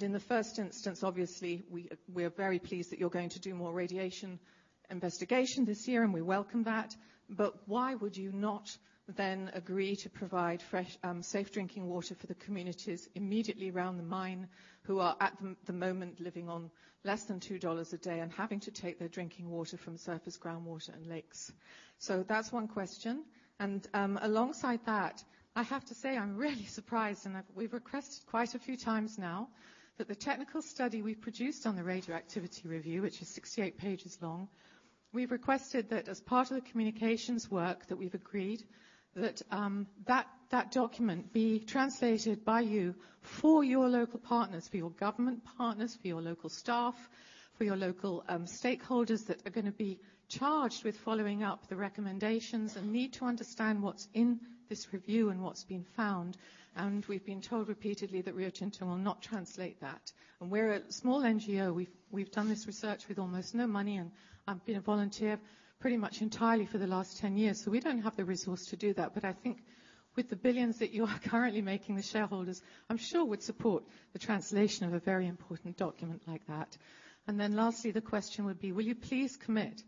In the first instance, obviously, we are very pleased that you're going to do more radiation investigation this year, and we welcome that. Why would you not then agree to provide fresh, safe drinking water for the communities immediately around the mine who are at the moment living on less than $2 a day and having to take their drinking water from surface groundwater and lakes? That's one question. Alongside that, I have to say, I'm really surprised, we've requested quite a few times now that the technical study we produced on the radioactivity review, which is 68 pages long, we've requested that as part of the communications work that we've agreed, that that document be translated by you for your local partners, for your government partners, for your local staff, for your local stakeholders that are going to be charged with following up the recommendations and need to understand what's in this review and what's been found. We've been told repeatedly that Rio Tinto will not translate that. We're a small NGO. We've done this research with almost no money, I've been a volunteer pretty much entirely for the last 10 years. We don't have the resource to do that. I think with the billions that you are currently making, the shareholders, I'm sure, would support the translation of a very important document like that. Lastly, the question would be, will you please commit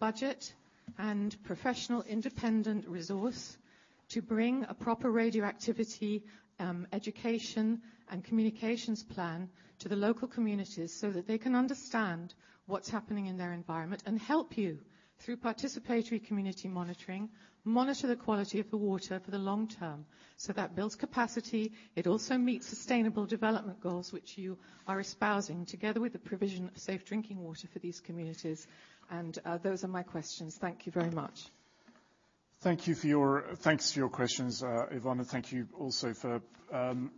budget and professional independent resource to bring a proper radioactivity education and communications plan to the local communities so that they can understand what's happening in their environment and help you through participatory community monitoring, monitor the quality of the water for the long term. That builds capacity. It also meets Sustainable Development Goals, which you are espousing, together with the provision of safe drinking water for these communities. Those are my questions. Thank you very much. Thanks for your questions, Yvonne, and thank you also for the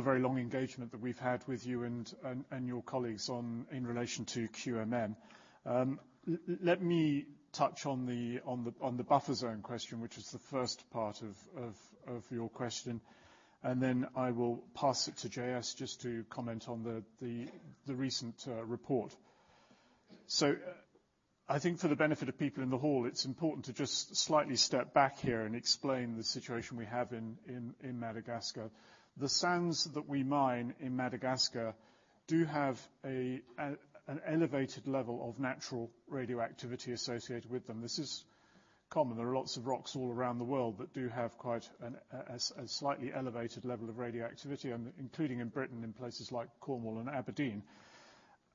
very long engagement that we've had with you and your colleagues in relation to QMM. Let me touch on the buffer zone question, which is the first part of your question, then I will pass it to JS just to comment on the recent report. I think for the benefit of people in the hall, it's important to just slightly step back here and explain the situation we have in Madagascar. The sands that we mine in Madagascar do have an elevated level of natural radioactivity associated with them. This is common. There are lots of rocks all around the world that do have quite a slightly elevated level of radioactivity, including in Britain, in places like Cornwall and Aberdeen.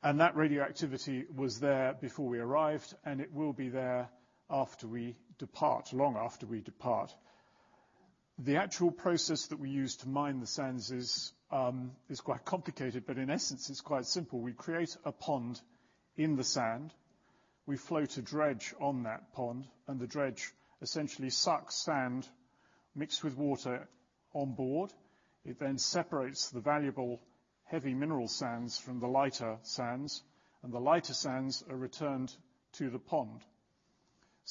That radioactivity was there before we arrived, and it will be there after we depart, long after we depart. The actual process that we use to mine the sands is quite complicated, but in essence, it's quite simple. We create a pond in the sand. We float a dredge on that pond, the dredge essentially sucks sand mixed with water on board. It then separates the valuable heavy mineral sands from the lighter sands, the lighter sands are returned to the pond.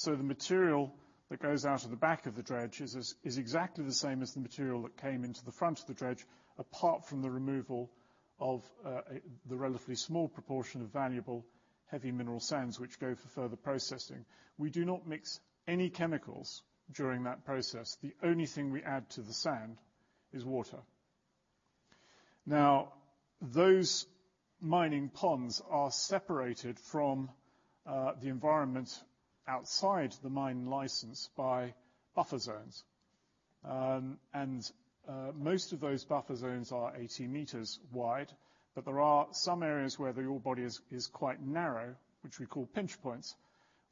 The material that goes out of the back of the dredge is exactly the same as the material that came into the front of the dredge, apart from the removal of the relatively small proportion of valuable heavy mineral sands, which go for further processing. We do not mix any chemicals during that process. The only thing we add to the sand is water. Those mining ponds are separated from the environment outside the mining license by buffer zones. Most of those buffer zones are 80 meters wide, but there are some areas where the ore body is quite narrow, which we call pinch points,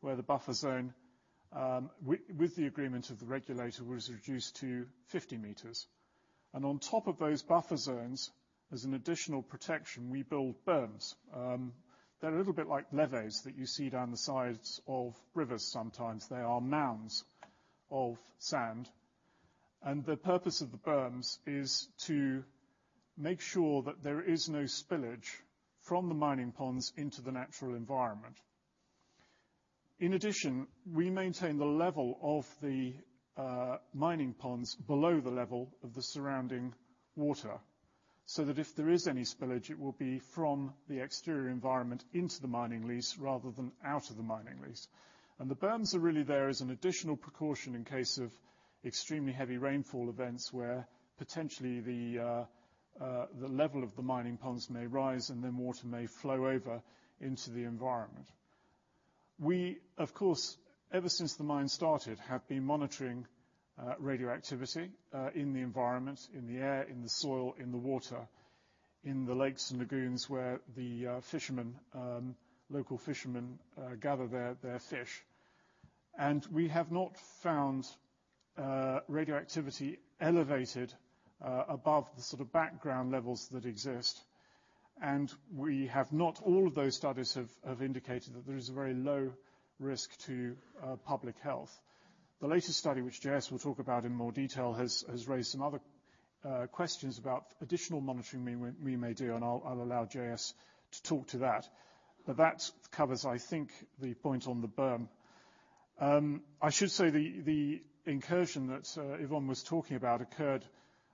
where the buffer zone, with the agreement of the regulator, was reduced to 50 meters. On top of those buffer zones, as an additional protection, we build berms. They're a little bit like levees that you see down the sides of rivers sometimes. They are mounds of sand. The purpose of the berms is to make sure that there is no spillage from the mining ponds into the natural environment. In addition, we maintain the level of the mining ponds below the level of the surrounding water, so that if there is any spillage, it will be from the exterior environment into the mining lease rather than out of the mining lease. The berms are really there as an additional precaution in case of extremely heavy rainfall events where potentially the level of the mining ponds may rise and then water may flow over into the environment. We, of course, ever since the mine started, have been monitoring radioactivity in the environment, in the air, in the soil, in the water, in the lakes and lagoons where the local fishermen gather their fish. We have not found radioactivity elevated above the sort of background levels that exist. All of those studies have indicated that there is a very low risk to public health. The latest study, which JS will talk about in more detail, has raised some other questions about additional monitoring we may do, and I'll allow JS to talk to that. That covers, I think, the point on the berm. I should say the incursion that Yvonne was talking about occurred,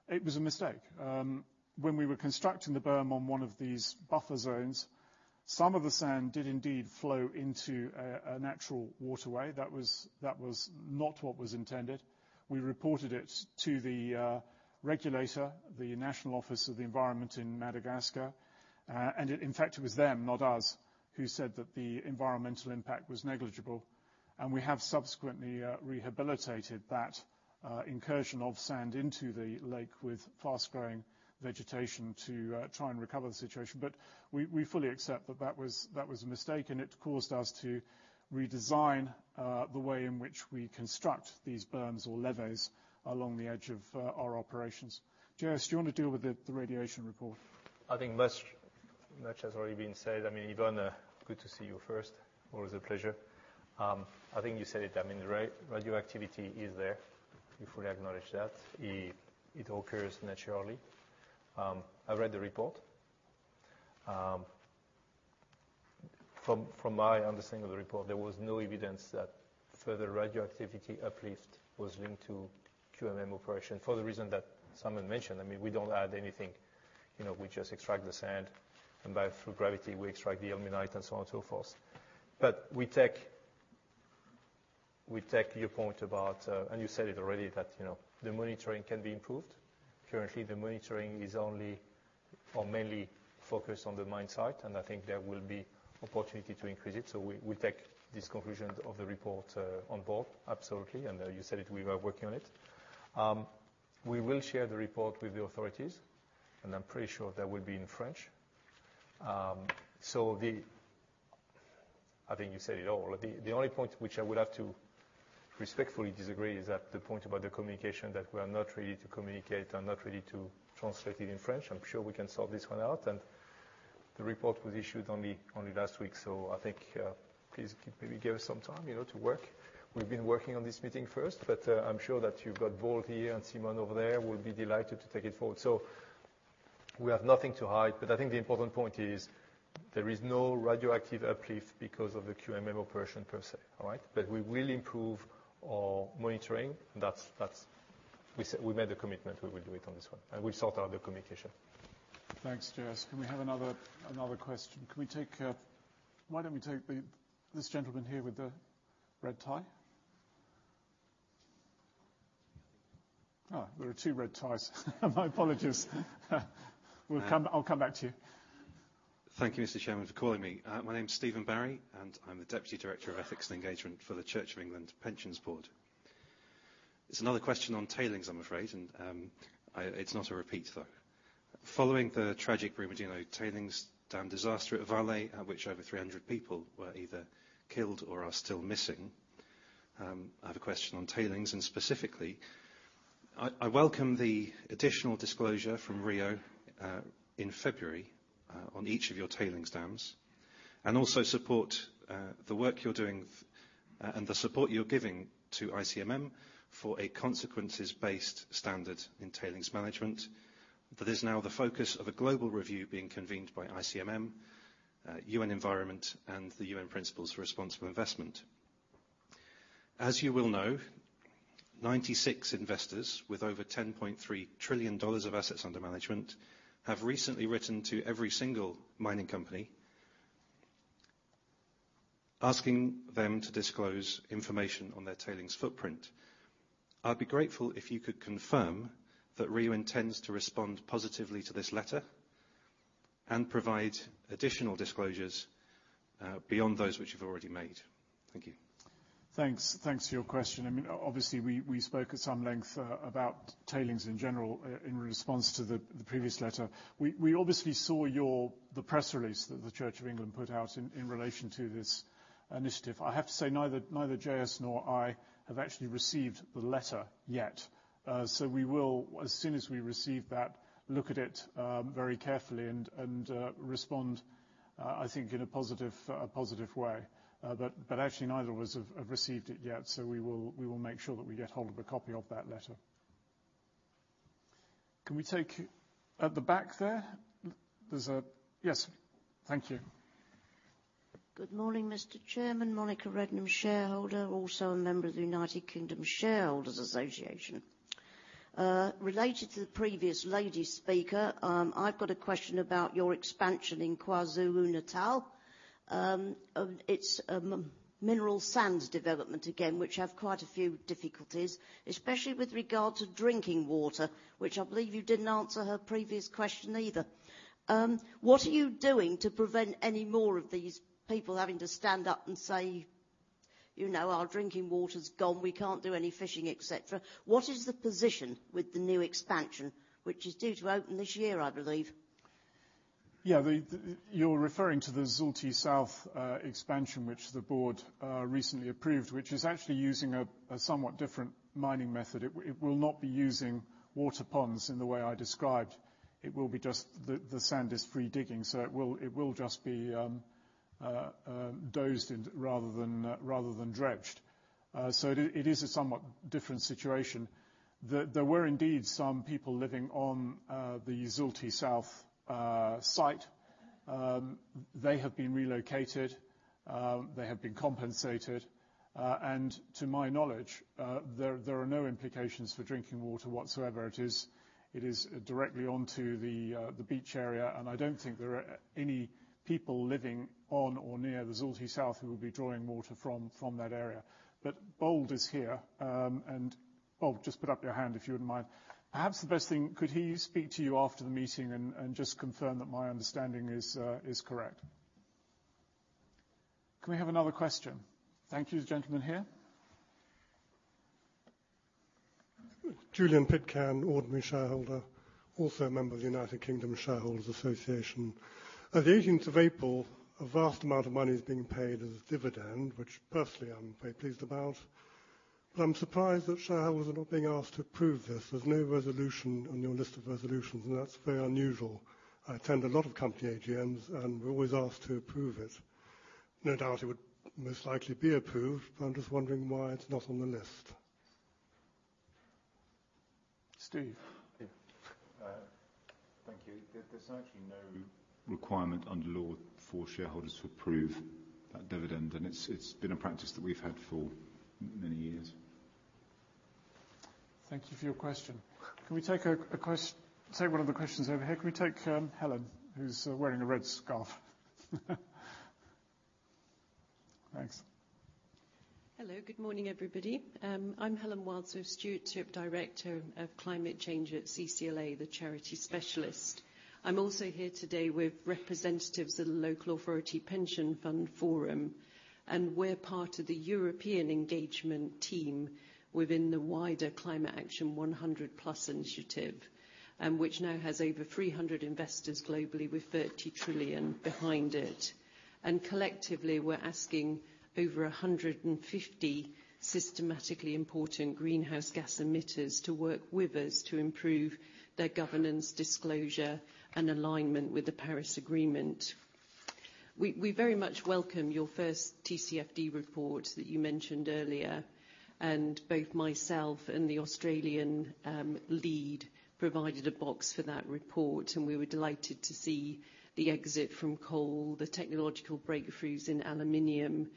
it was a mistake. When we were constructing the berm on one of these buffer zones, some of the sand did indeed flow into a natural waterway. That was not what was intended. We reported it to the regulator, the Office National pour l'Environnement in Madagascar. In fact, it was them, not us, who said that the environmental impact was negligible. We have subsequently rehabilitated that incursion of sand into the lake with fast-growing vegetation to try and recover the situation. We fully accept that was a mistake, and it caused us to redesign the way in which we construct these berms or levees along the edge of our operations. JS, do you want to deal with the radiation report? I think much has already been said. Yvonne, good to see you first. Always a pleasure. I think you said it. Radioactivity is there. We fully acknowledge that. It occurs naturally. I read the report. From my understanding of the report, there was no evidence that further radioactivity uplift was linked to QMM operation for the reason that Simon mentioned. We don't add anything. We just extract the sand, and through gravity, we extract the ilmenite and so on and so forth. We take your point about, and you said it already, that the monitoring can be improved. Currently, the monitoring is only, or mainly focused on the mine site, and I think there will be opportunity to increase it. We take this conclusion of the report on board, absolutely. You said it, we are working on it. We will share the report with the authorities, I'm pretty sure that will be in French. I think you said it all. The only point which I would have to respectfully disagree is that the point about the communication, that we are not ready to communicate and not ready to translate it in French. I'm sure we can sort this one out. The report was issued only last week, so I think, please maybe give us some time to work. We've been working on this meeting first, but I'm sure that you've got Paul here and Simone over there will be delighted to take it forward. We have nothing to hide, but I think the important point is there is no radioactive uplift because of the QMM operation per se. All right? We will improve our monitoring. We made a commitment. We will do it on this one, we'll sort out the communication. Thanks, J.S. Can we have another question? Why don't we take this gentleman here with the red tie? Oh, there are two red ties. My apologies. I'll come back to you. Thank you, Mr. Chairman, for calling me. My name is Stephen Barry, and I'm the Deputy Director of Ethics and Engagement for the Church of England Pensions Board. It's another question on tailings, I'm afraid. It's not a repeat, though. Following the tragic Brumadinho tailings dam disaster at Vale, which over 300 people were either killed or are still missing, I have a question on tailings and specifically, I welcome the additional disclosure from Rio in February on each of your tailings dams, and also support the work you're doing and the support you're giving to ICMM for a consequences-based standard in tailings management that is now the focus of a global review being convened by ICMM, UN Environment, and the UN Principles for Responsible Investment. As you well know, 96 investors with over GBP 10.3 trillion of assets under management have recently written to every single mining company asking them to disclose information on their tailings footprint. I'd be grateful if you could confirm that Rio intends to respond positively to this letter and provide additional disclosures beyond those which you've already made. Thank you. Thanks for your question. Obviously, we spoke at some length about tailings in general in response to the previous letter. We obviously saw the press release that the Church of England put out in relation to this initiative. I have to say neither JS nor I have actually received the letter yet. We will, as soon as we receive that, look at it very carefully and respond, I think in a positive way. Actually neither of us have received it yet, so we will make sure that we get hold of a copy of that letter. Can we take at the back there? Yes. Thank you. Good morning, Mr. Chairman. Monica Redman, shareholder, also a member of the U.K. Shareholders' Association. Related to the previous lady speaker, I've got a question about your expansion in KwaZulu-Natal. It's a mineral sands development again, which have quite a few difficulties, especially with regard to drinking water, which I believe you didn't answer her previous question either. What are you doing to prevent any more of these people having to stand up and say, "Our drinking water's gone. We can't do any fishing," et cetera? What is the position with the new expansion, which is due to open this year, I believe? You're referring to the Zulti South expansion which the board recently approved, which is actually using a somewhat different mining method. It will not be using water ponds in the way I described. It will be just the sand is free digging, so it will just be dozed rather than dredged. It is a somewhat different situation. There were indeed some people living on the Zulti South site. They have been relocated. They have been compensated. To my knowledge, there are no implications for drinking water whatsoever. It is directly onto the beach area, I don't think there are any people living on or near the Zulti South who will be drawing water from that area. Bold is here. Bold, just put up your hand if you wouldn't mind. Perhaps the best thing, could he speak to you after the meeting and just confirm that my understanding is correct? Can we have another question? Thank you. The gentleman here. Julian Potton, ordinary shareholder, also a member of the UK Shareholders' Association. At the 18th of April, a vast amount of money is being paid as a dividend, which personally I'm very pleased about. I'm surprised that shareholders are not being asked to approve this. There's no resolution on your list of resolutions, that's very unusual. I attend a lot of company AGMs and we're always asked to approve it. No doubt it would most likely be approved, but I'm just wondering why it's not on the list. Steve. Thank you. There's actually no requirement under law for shareholders to approve that dividend, it's been a practice that we've had for many years. Thank you for your question. Can we take one of the questions over here? Can we take Helen, who's wearing a red scarf? Thanks. Hello. Good morning, everybody. I'm Helen Wildsmith, Director of Climate Change at CCLA, the charity specialist. I'm also here today with representatives of the Local Authority Pension Fund Forum, we're part of the European engagement team within the wider Climate Action 100+ initiative, which now has over 300 investors globally with 30 trillion behind it. Collectively, we're asking over 150 systematically important greenhouse gas emitters to work with us to improve their governance, disclosure, and alignment with the Paris Agreement. We very much welcome your first TCFD report that you mentioned earlier, both myself and the Australian lead provided a box for that report, we were delighted to see the exit from coal, the technological breakthroughs in aluminum,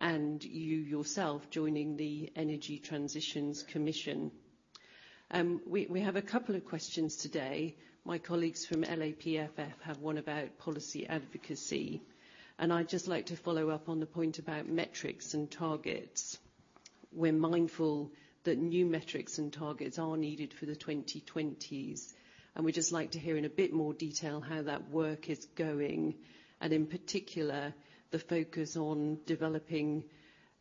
and you yourself joining the Energy Transitions Commission. We have a couple of questions today. My colleagues from LAPFF have one about policy advocacy, I'd just like to follow up on the point about metrics and targets. We're mindful that new metrics and targets are needed for the 2020s, we'd just like to hear in a bit more detail how that work is going, in particular, the focus on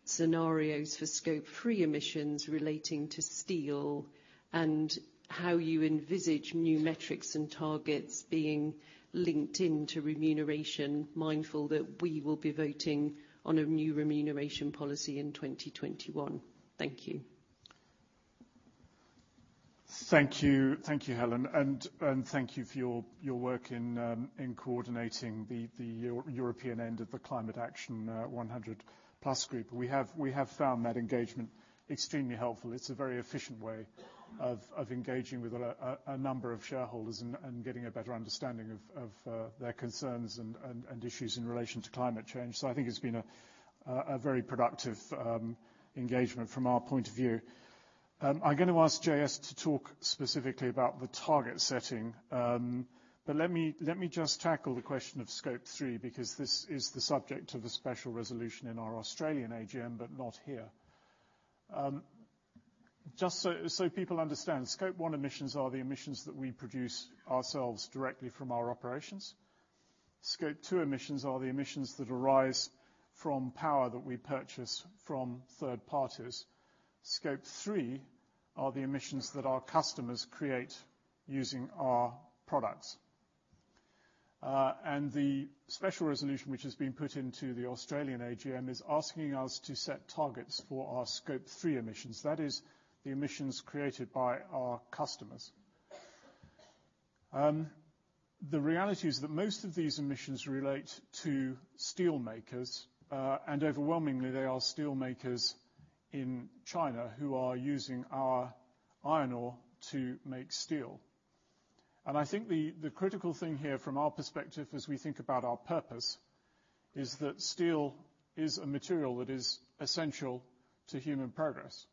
scenarios for Scope 3 emissions relating to steel, and how you envisage new metrics and targets being linked in to remuneration, mindful that we will be voting on a new remuneration policy in 2021. Thank you. Thank you, Helen, thank you for your work in coordinating the European end of the Climate Action 100+ group. We have found that engagement extremely helpful. It's a very efficient way of engaging with a number of shareholders and getting a better understanding of their concerns and issues in relation to climate change. I think it's been a very productive engagement from our point of view. I'm going to ask JS to talk specifically about the target setting. Let me just tackle the question of Scope 3, because this is the subject of a special resolution in our Australian AGM, but not here. Just so people understand, Scope 1 emissions are the emissions that we produce ourselves directly from our operations. Scope 2 emissions are the emissions that arise from power that we purchase from third parties. Scope 3 are the emissions that our customers create using our products. The special resolution which has been put into the Australian AGM is asking us to set targets for our Scope 3 emissions. That is the emissions created by our customers. The reality is that most of these emissions relate to steel makers. Overwhelmingly, they are steel makers in China who are using our iron ore to make steel. I think the critical thing here from our perspective as we think about our purpose, is that steel is a material that is essential to human progress.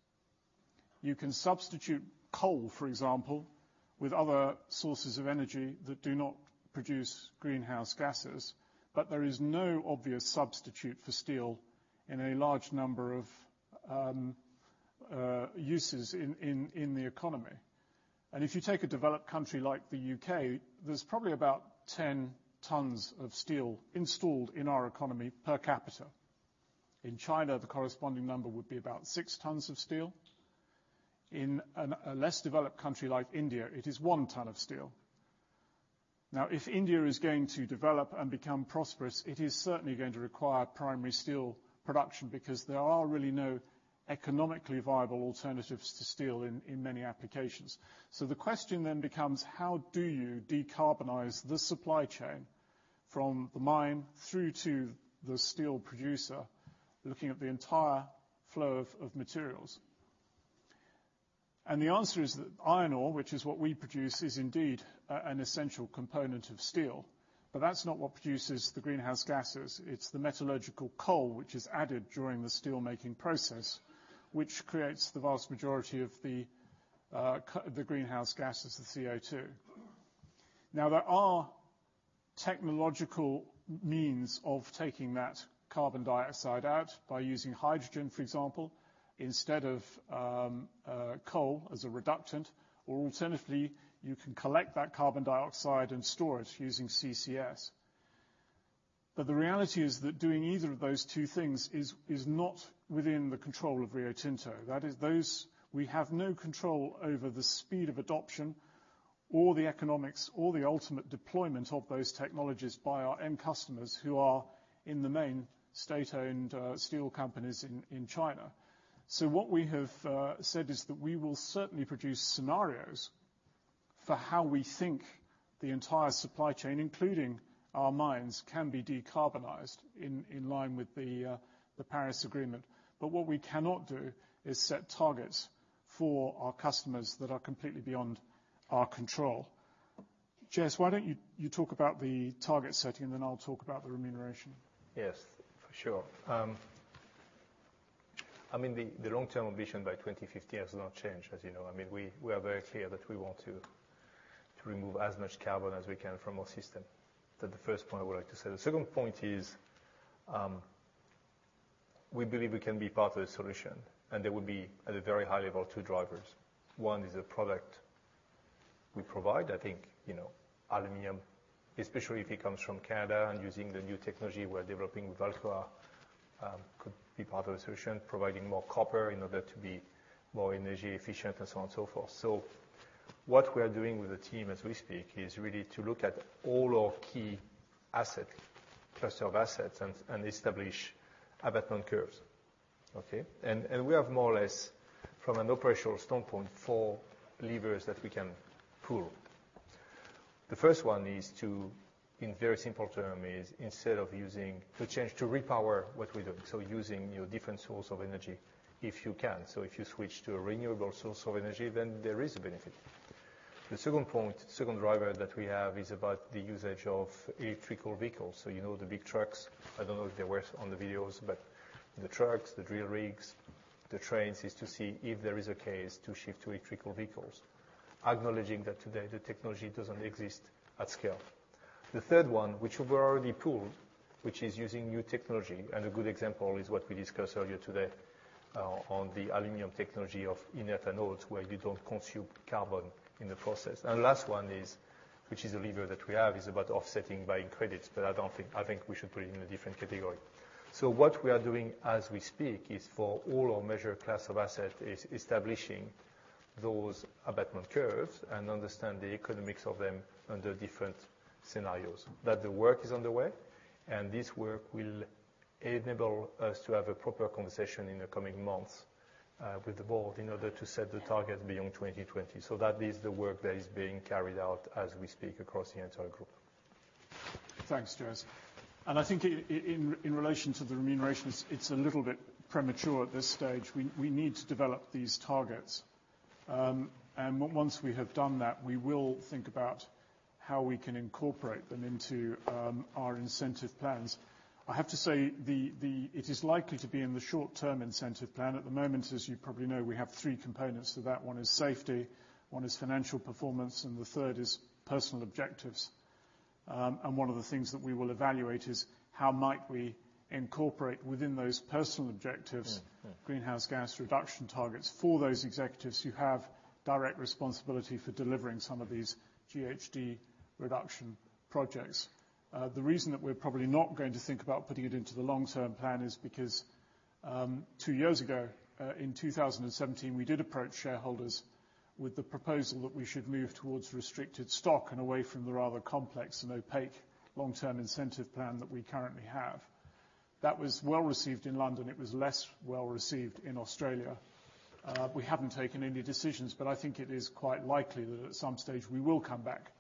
You can substitute coal, for example, with other sources of energy that do not produce greenhouse gases, but there is no obvious substitute for steel in a large number of uses in the economy. If you take a developed country like the U.K., there's probably about 10 tons of steel installed in our economy per capita. In China, the corresponding number would be about six tons of steel. In a less developed country like India, it is one ton of steel. If India is going to develop and become prosperous, it is certainly going to require primary steel production because there are really no economically viable alternatives to steel in many applications. The question then becomes, how do you decarbonize the supply chain from the mine through to the steel producer, looking at the entire flow of materials? The answer is that iron ore, which is what we produce, is indeed an essential component of steel. That's not what produces the greenhouse gases. It's the metallurgical coal, which is added during the steel-making process, which creates the vast majority of the greenhouse gases, the CO2. There are technological means of taking that carbon dioxide out by using hydrogen, for example, instead of coal as a reductant. Alternatively, you can collect that carbon dioxide and store it using CCS. The reality is that doing either of those two things is not within the control of Rio Tinto. That is, we have no control over the speed of adoption or the economics or the ultimate deployment of those technologies by our end customers, who are, in the main, state-owned steel companies in China. What we have said is that we will certainly produce scenarios for how we think the entire supply chain, including our mines, can be decarbonized in line with the Paris Agreement. What we cannot do is set targets for our customers that are completely beyond our control. JS, why don't you talk about the target setting, I'll talk about the remuneration. Yes, for sure. The long-term ambition by 2050 has not changed, as you know. We are very clear that we want to remove as much carbon as we can from our system. That the first point I would like to say. The second point is, we believe we can be part of the solution, and there will be, at a very high level, two drivers. One is the product we provide. I think, aluminum, especially if it comes from Canada and using the new technology we're developing with Alcoa, could be part of the solution. Providing more copper in order to be more energy efficient and so on and so forth. What we are doing with the team as we speak is really to look at all our key cluster of assets and establish abatement curves. Okay. We have more or less, from an operational standpoint, four levers that we can pull. The first one is to, in very simple term, is instead of to change to repower what we do. Using different source of energy if you can. If you switch to a renewable source of energy, then there is a benefit. The second point, second driver that we have is about the usage of electrical vehicles. You know the big trucks, I don't know if they were on the videos, but the trucks, the drill rigs, the trains, is to see if there is a case to shift to electrical vehicles. Acknowledging that today the technology doesn't exist at scale. The third one, which we already pulled, which is using new technology, and a good example is what we discussed earlier today on the aluminum technology of inert anodes, where you don't consume carbon in the process. Last one, which is a lever that we have, is about offsetting buying credits, but I think we should put it in a different category. What we are doing as we speak is for all our measure class of asset, is establishing those abatement curves and understand the economics of them under different scenarios. That the work is underway and this work will enable us to have a proper conversation in the coming months with the board in order to set the target beyond 2020. That is the work that is being carried out as we speak across the entire group. Thanks, J.S. I think in relation to the remunerations, it's a little bit premature at this stage. We need to develop these targets. Once we have done that, we will think about how we can incorporate them into our incentive plans. I have to say, it is likely to be in the short-term incentive plan. At the moment, as you probably know, we have three components to that. One is safety, one is financial performance, and the third is personal objectives. One of the things that we will evaluate is how might we incorporate within those personal objectives. Yeah greenhouse gas reduction targets for those executives who have direct responsibility for delivering some of these GHG reduction projects. The reason that we're probably not going to think about putting it into the long-term plan is because two years ago, in 2017, we did approach shareholders with the proposal that we should move towards restricted stock and away from the rather complex and opaque long-term incentive plan that we currently have. That was well-received in London. It was less well-received in Australia. We haven't taken any decisions, but I think it is quite likely that at some stage we will come back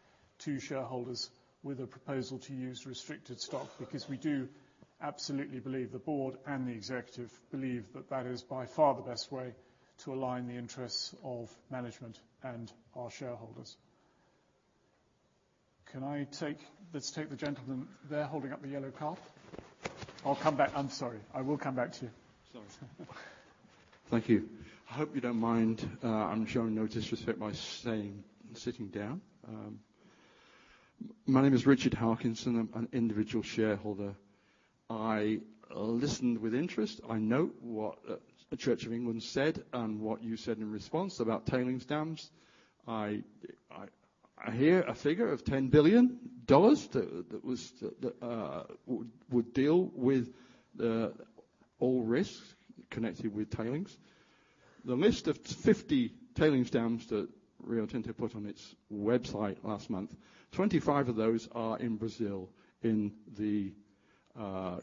to shareholders with a proposal to use restricted stock, because we do absolutely believe, the board and the executive believe that that is by far the best way to align the interests of management and our shareholders. Let's take the gentleman there holding up the yellow card. I'll come back. I'm sorry. I will come back to you. Sorry. Thank you. I hope you don't mind. I'm showing no disrespect by sitting down. My name is Richard Harkinson. I'm an individual shareholder. I listened with interest. I note what the Church of England said and what you said in response about tailings dams. I hear a figure of $10 billion that would deal with all risks connected with tailings. The list of 50 tailings dams that Rio Tinto put on its website last month, 25 of those are in Brazil, in the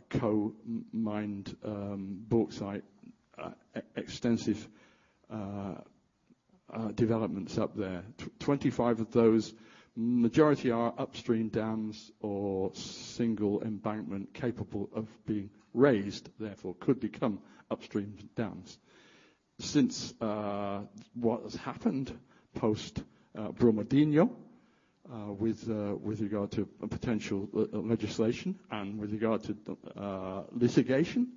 co-mined bauxite extensive developments up there. 25 of those, majority are upstream dams or single embankment capable of being raised, therefore could become upstream dams. Since what has happened post-Brumadinho with regard to potential legislation and with regard to litigation,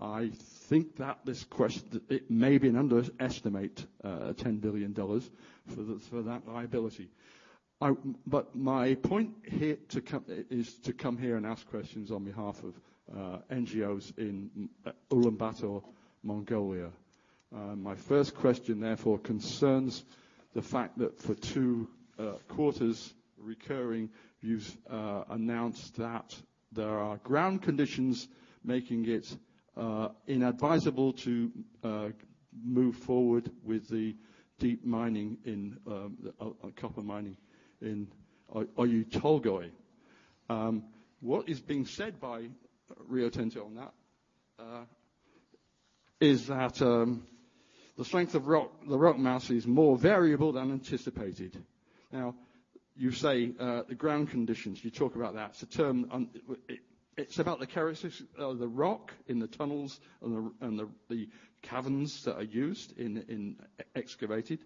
I think that this question, it may be an underestimate, $10 billion for that liability. My point is to come here and ask questions on behalf of NGOs in Ulaanbaatar, Mongolia. My first question therefore concerns the fact that for two quarters recurring, you've announced that there are ground conditions making it inadvisable to move forward with the deep mining copper mining in Oyu Tolgoi. What is being said by Rio Tinto on that is that the strength of the rock mass is more variable than anticipated. Now, you say the ground conditions. You talk about that. It's about the characteristics of the rock in the tunnels and the caverns that are used and excavated.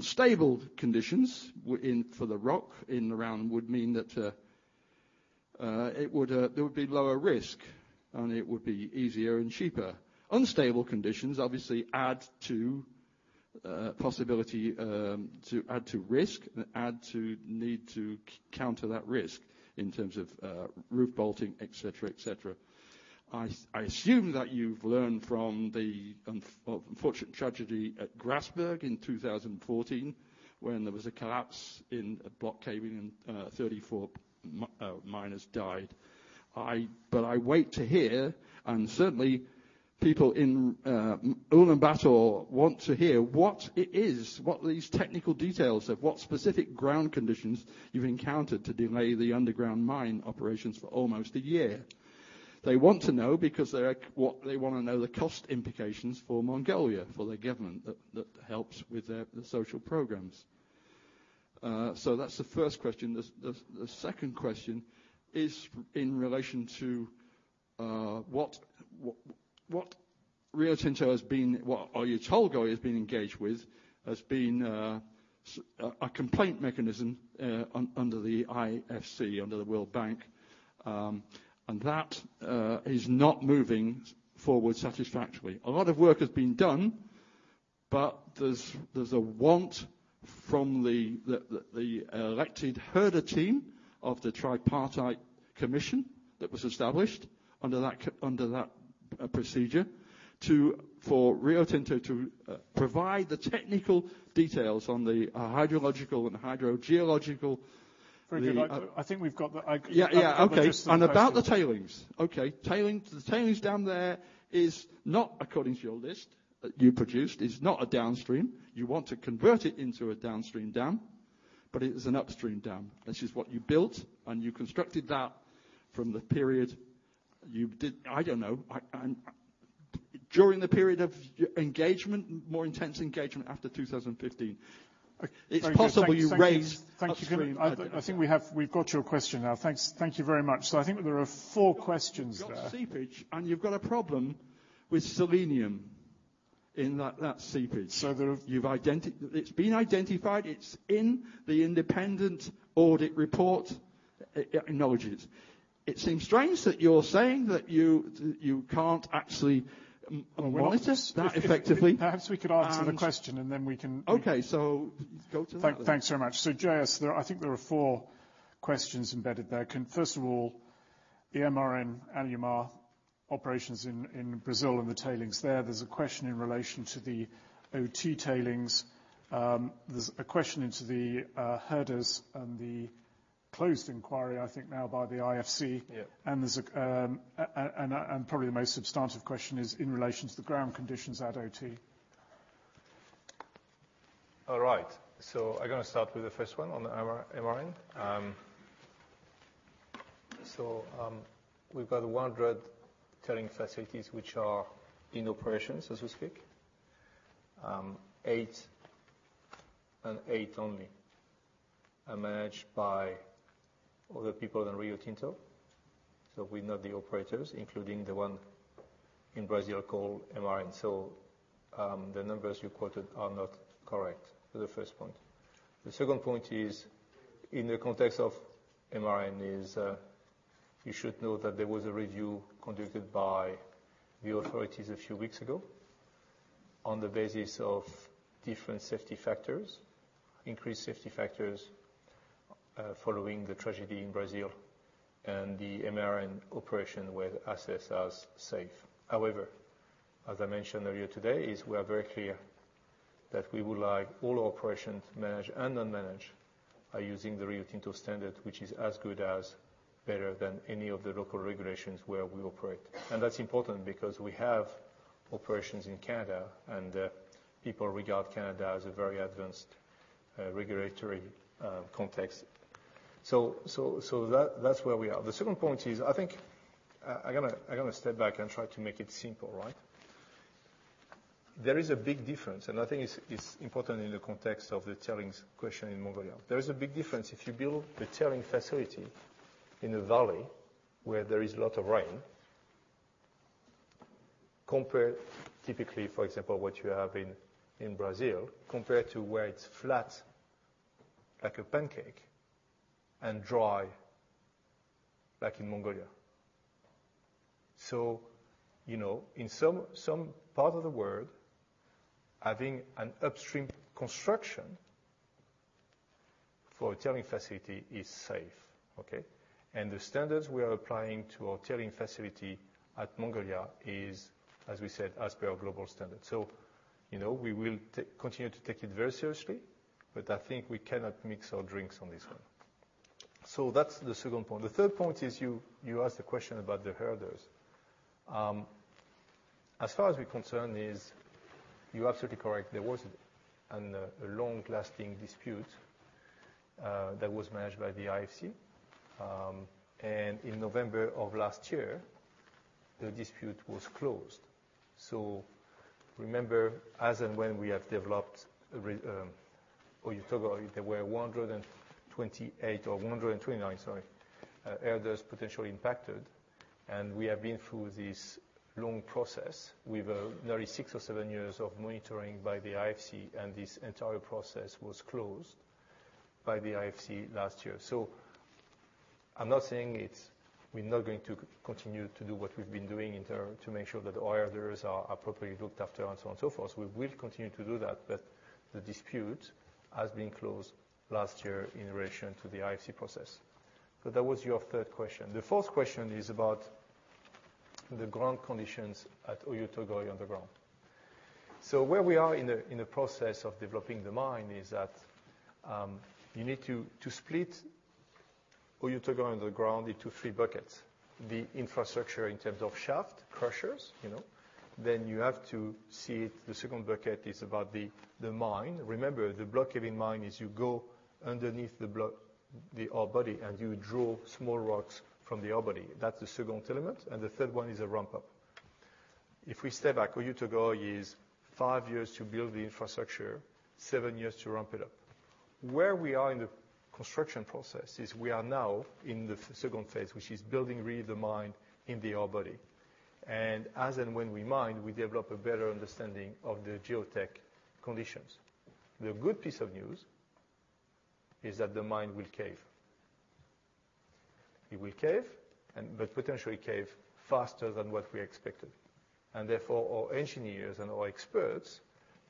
Stable conditions for the rock in the ground would mean that there would be lower risk, and it would be easier and cheaper. Unstable conditions obviously add to possibility to add to risk and add to need to counter that risk in terms of roof bolting, et cetera. I assume that you've learned from the unfortunate tragedy at Grasberg in 2014 when there was a collapse in a block cave and 34 miners died. I wait to hear, and certainly people in Ulaanbaatar want to hear what it is, what these technical details of what specific ground conditions you've encountered to delay the underground mine operations for almost a year. They want to know because they want to know the cost implications for Mongolia, for their government, that helps with the social programs. That's the first question. The second question is in relation to what Oyu Tolgoi has been engaged with, a complaint mechanism under the IFC, under the World Bank. That is not moving forward satisfactorily. A lot of work has been done. There's a want from the elected herder team of the Tripartite Commission that was established under that procedure for Rio Tinto to provide the technical details on the hydrological and hydrogeological. Very good. I think we've got. Yeah. Okay. Let me just. About the tailings. Okay. The tailings down there is not according to your list that you produced. It's not a downstream. You want to convert it into a downstream dam, but it is an upstream dam. This is what you built, and you constructed that from the period you did I don't know. During the period of engagement, more intense engagement after 2015. It's possible you raised upstream. Thank you. I think we've got your question now. Thanks. Thank you very much. I think there are four questions there. You've got seepage, and you've got a problem with selenium in that seepage. It's been identified. It's in the independent audit report. It acknowledges. It seems strange that you're saying that you can't actually monitor that effectively. Perhaps we could answer the question, and then we can- Okay. Go to that. Thanks very much. J.S., I think there are four questions embedded there. First of all, the MRN Alumar operations in Brazil and the tailings there. There's a question in relation to the OT tailings. There's a question into the herders and the closed inquiry, I think now by the IFC. Yeah. Probably the most substantive question is in relations to the ground conditions at OT. All right. I'm going to start with the first one on MRN. We've got 100 tailing facilities which are in operations as we speak. eight and eight only are managed by other people than Rio Tinto. We're not the operators, including the one in Brazil called MRN. The numbers you quoted are not correct for the first point. The second point is in the context of MRN, is you should know that there was a review conducted by the authorities a few weeks ago on the basis of different safety factors, increased safety factors, following the tragedy in Brazil and the MRN operation were assessed as safe. However, as I mentioned earlier today, is we are very clear that we would like all our operations managed and unmanaged are using the Rio Tinto standard, which is as good as, better than any of the local regulations where we operate. That's important because we have operations in Canada, and people regard Canada as a very advanced regulatory context. That's where we are. The second point is, I think I'm going to step back and try to make it simple, right? There is a big difference, and I think it's important in the context of the tailings question in Mongolia. There is a big difference if you build the tailing facility in a valley where there is a lot of rain. Compare typically, for example, what you have in Brazil, compared to where it's flat like a pancake and dry like in Mongolia. In some part of the world, having an upstream construction for a tailing facility is safe. Okay? The standards we are applying to our tailing facility at Mongolia is, as we said, as per our global standard. We will continue to take it very seriously, but I think we cannot mix our drinks on this one. That's the second point. The third point is, you asked a question about the herders. As far as we're concerned, you're absolutely correct. There was a long-lasting dispute, that was managed by the IFC. In November of last year, the dispute was closed. Remember, as and when we have developed Oyu Tolgoi, there were 128 or 129, sorry, herders potentially impacted, and we have been through this long process with nearly six or seven years of monitoring by the IFC, and this entire process was closed by the IFC last year. I'm not saying we're not going to continue to do what we've been doing in turn to make sure that the other herders are appropriately looked after and so on and so forth. We will continue to do that. The dispute has been closed last year in relation to the IFC process. That was your third question. The fourth question is about the ground conditions at Oyu Tolgoi underground. Where we are in the process of developing the mine is that, you need to split Oyu Tolgoi underground into three buckets. The infrastructure in terms of shaft, crushers. You have to see the second bucket is about the mine. Remember, the block cave in mine is you go underneath the ore body and you draw small rocks from the ore body. That's the second element, and the third one is a ramp-up. If we step back, Oyu Tolgoi is 5 years to build the infrastructure, 7 years to ramp it up. Where we are in the construction process is we are now in the phase 2, which is building really the mine in the ore body. As and when we mine, we develop a better understanding of the geotech conditions. The good piece of news is that the mine will cave. It will cave, but potentially cave faster than what we expected. Therefore, our engineers and our experts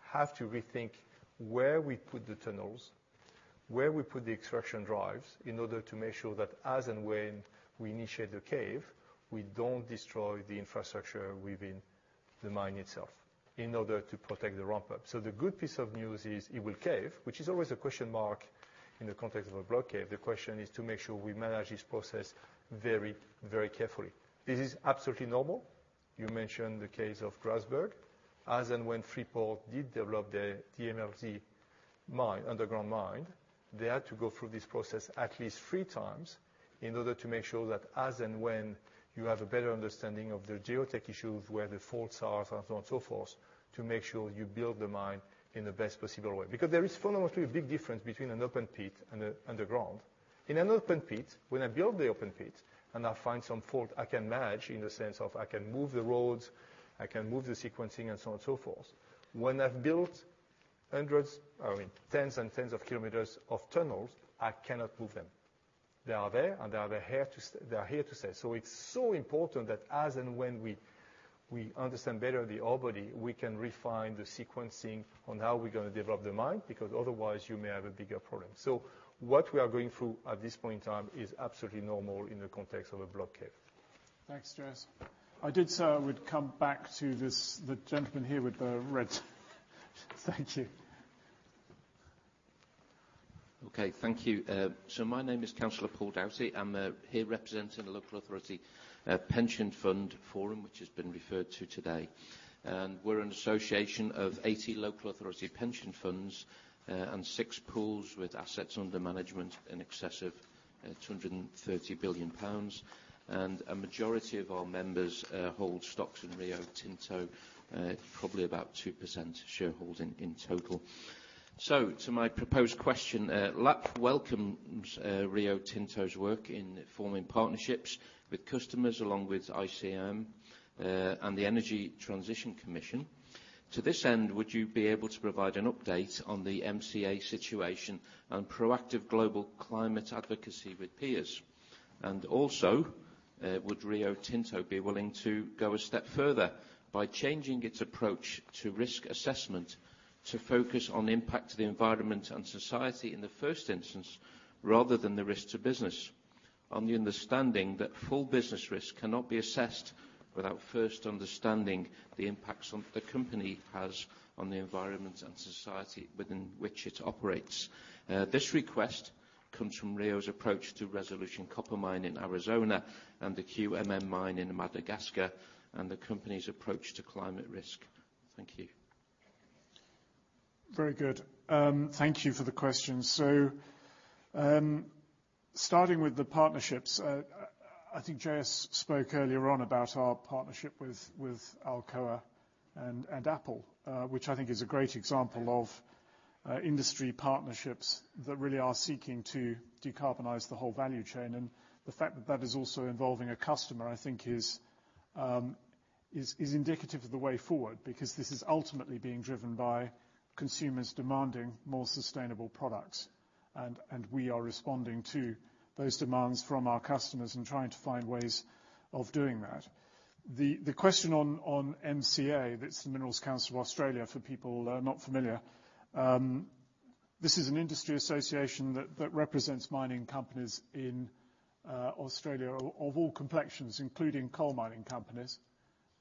have to rethink where we put the tunnels, where we put the extraction drives, in order to make sure that as and when we initiate the cave, we don't destroy the infrastructure within the mine itself in order to protect the ramp-up. The good piece of news is it will cave, which is always a question mark in the context of a block cave. The question is to make sure we manage this process very carefully. This is absolutely normal. You mentioned the case of Grasberg. As and when Freeport did develop the DMLZ underground mine, they had to go through this process at least three times in order to make sure that as and when you have a better understanding of the geotech issues, where the faults are, and so on and so forth, to make sure you build the mine in the best possible way. There is fundamentally a big difference between an open pit and underground. In an open pit, when I build the open pit and I find some fault, I can manage in the sense of I can move the roads, I can move the sequencing, and so on and so forth. When I've built tens and tens of kilometers of tunnels, I cannot move them. They are there, and they are here to stay. It's so important that as and when we understand better the ore body, we can refine the sequencing on how we're going to develop the mine, otherwise you may have a bigger problem. What we are going through at this point in time is absolutely normal in the context of a block cave. Thanks, Jacques. I did say I would come back to the gentleman here with the red tie. Thank you. Okay. Thank you. My name is Councilor Paul Doughty. I'm here representing the Local Authority Pension Fund Forum, which has been referred to today. We're an association of 80 local authority pension funds and six pools with assets under management in excess of 230 billion pounds. A majority of our members hold stocks in Rio Tinto, probably about 2% shareholding in total. To my proposed question, LAPF welcomes Rio Tinto's work in forming partnerships with customers along with ICMM and the Energy Transition Commission. To this end, would you be able to provide an update on the MCA situation and proactive global climate advocacy with peers? Also, would Rio Tinto be willing to go a step further by changing its approach to risk assessment to focus on impact to the environment and society in the first instance, rather than the risks to business, on the understanding that full business risk cannot be assessed without first understanding the impacts the company has on the environment and society within which it operates? This request comes from Rio's approach to Resolution Copper Mine in Arizona and the QMM mine in Madagascar and the company's approach to climate risk. Thank you. Very good. Thank you for the question. Starting with the partnerships, I think Jacques spoke earlier on about our partnership with Alcoa and Apple, which I think is a great example of industry partnerships that really are seeking to decarbonize the whole value chain. The fact that that is also involving a customer, I think is indicative of the way forward because this is ultimately being driven by consumers demanding more sustainable products. We are responding to those demands from our customers and trying to find ways of doing that. The question on MCA, that's the Minerals Council of Australia for people not familiar. This is an industry association that represents mining companies in Australia of all complexions, including coal mining companies.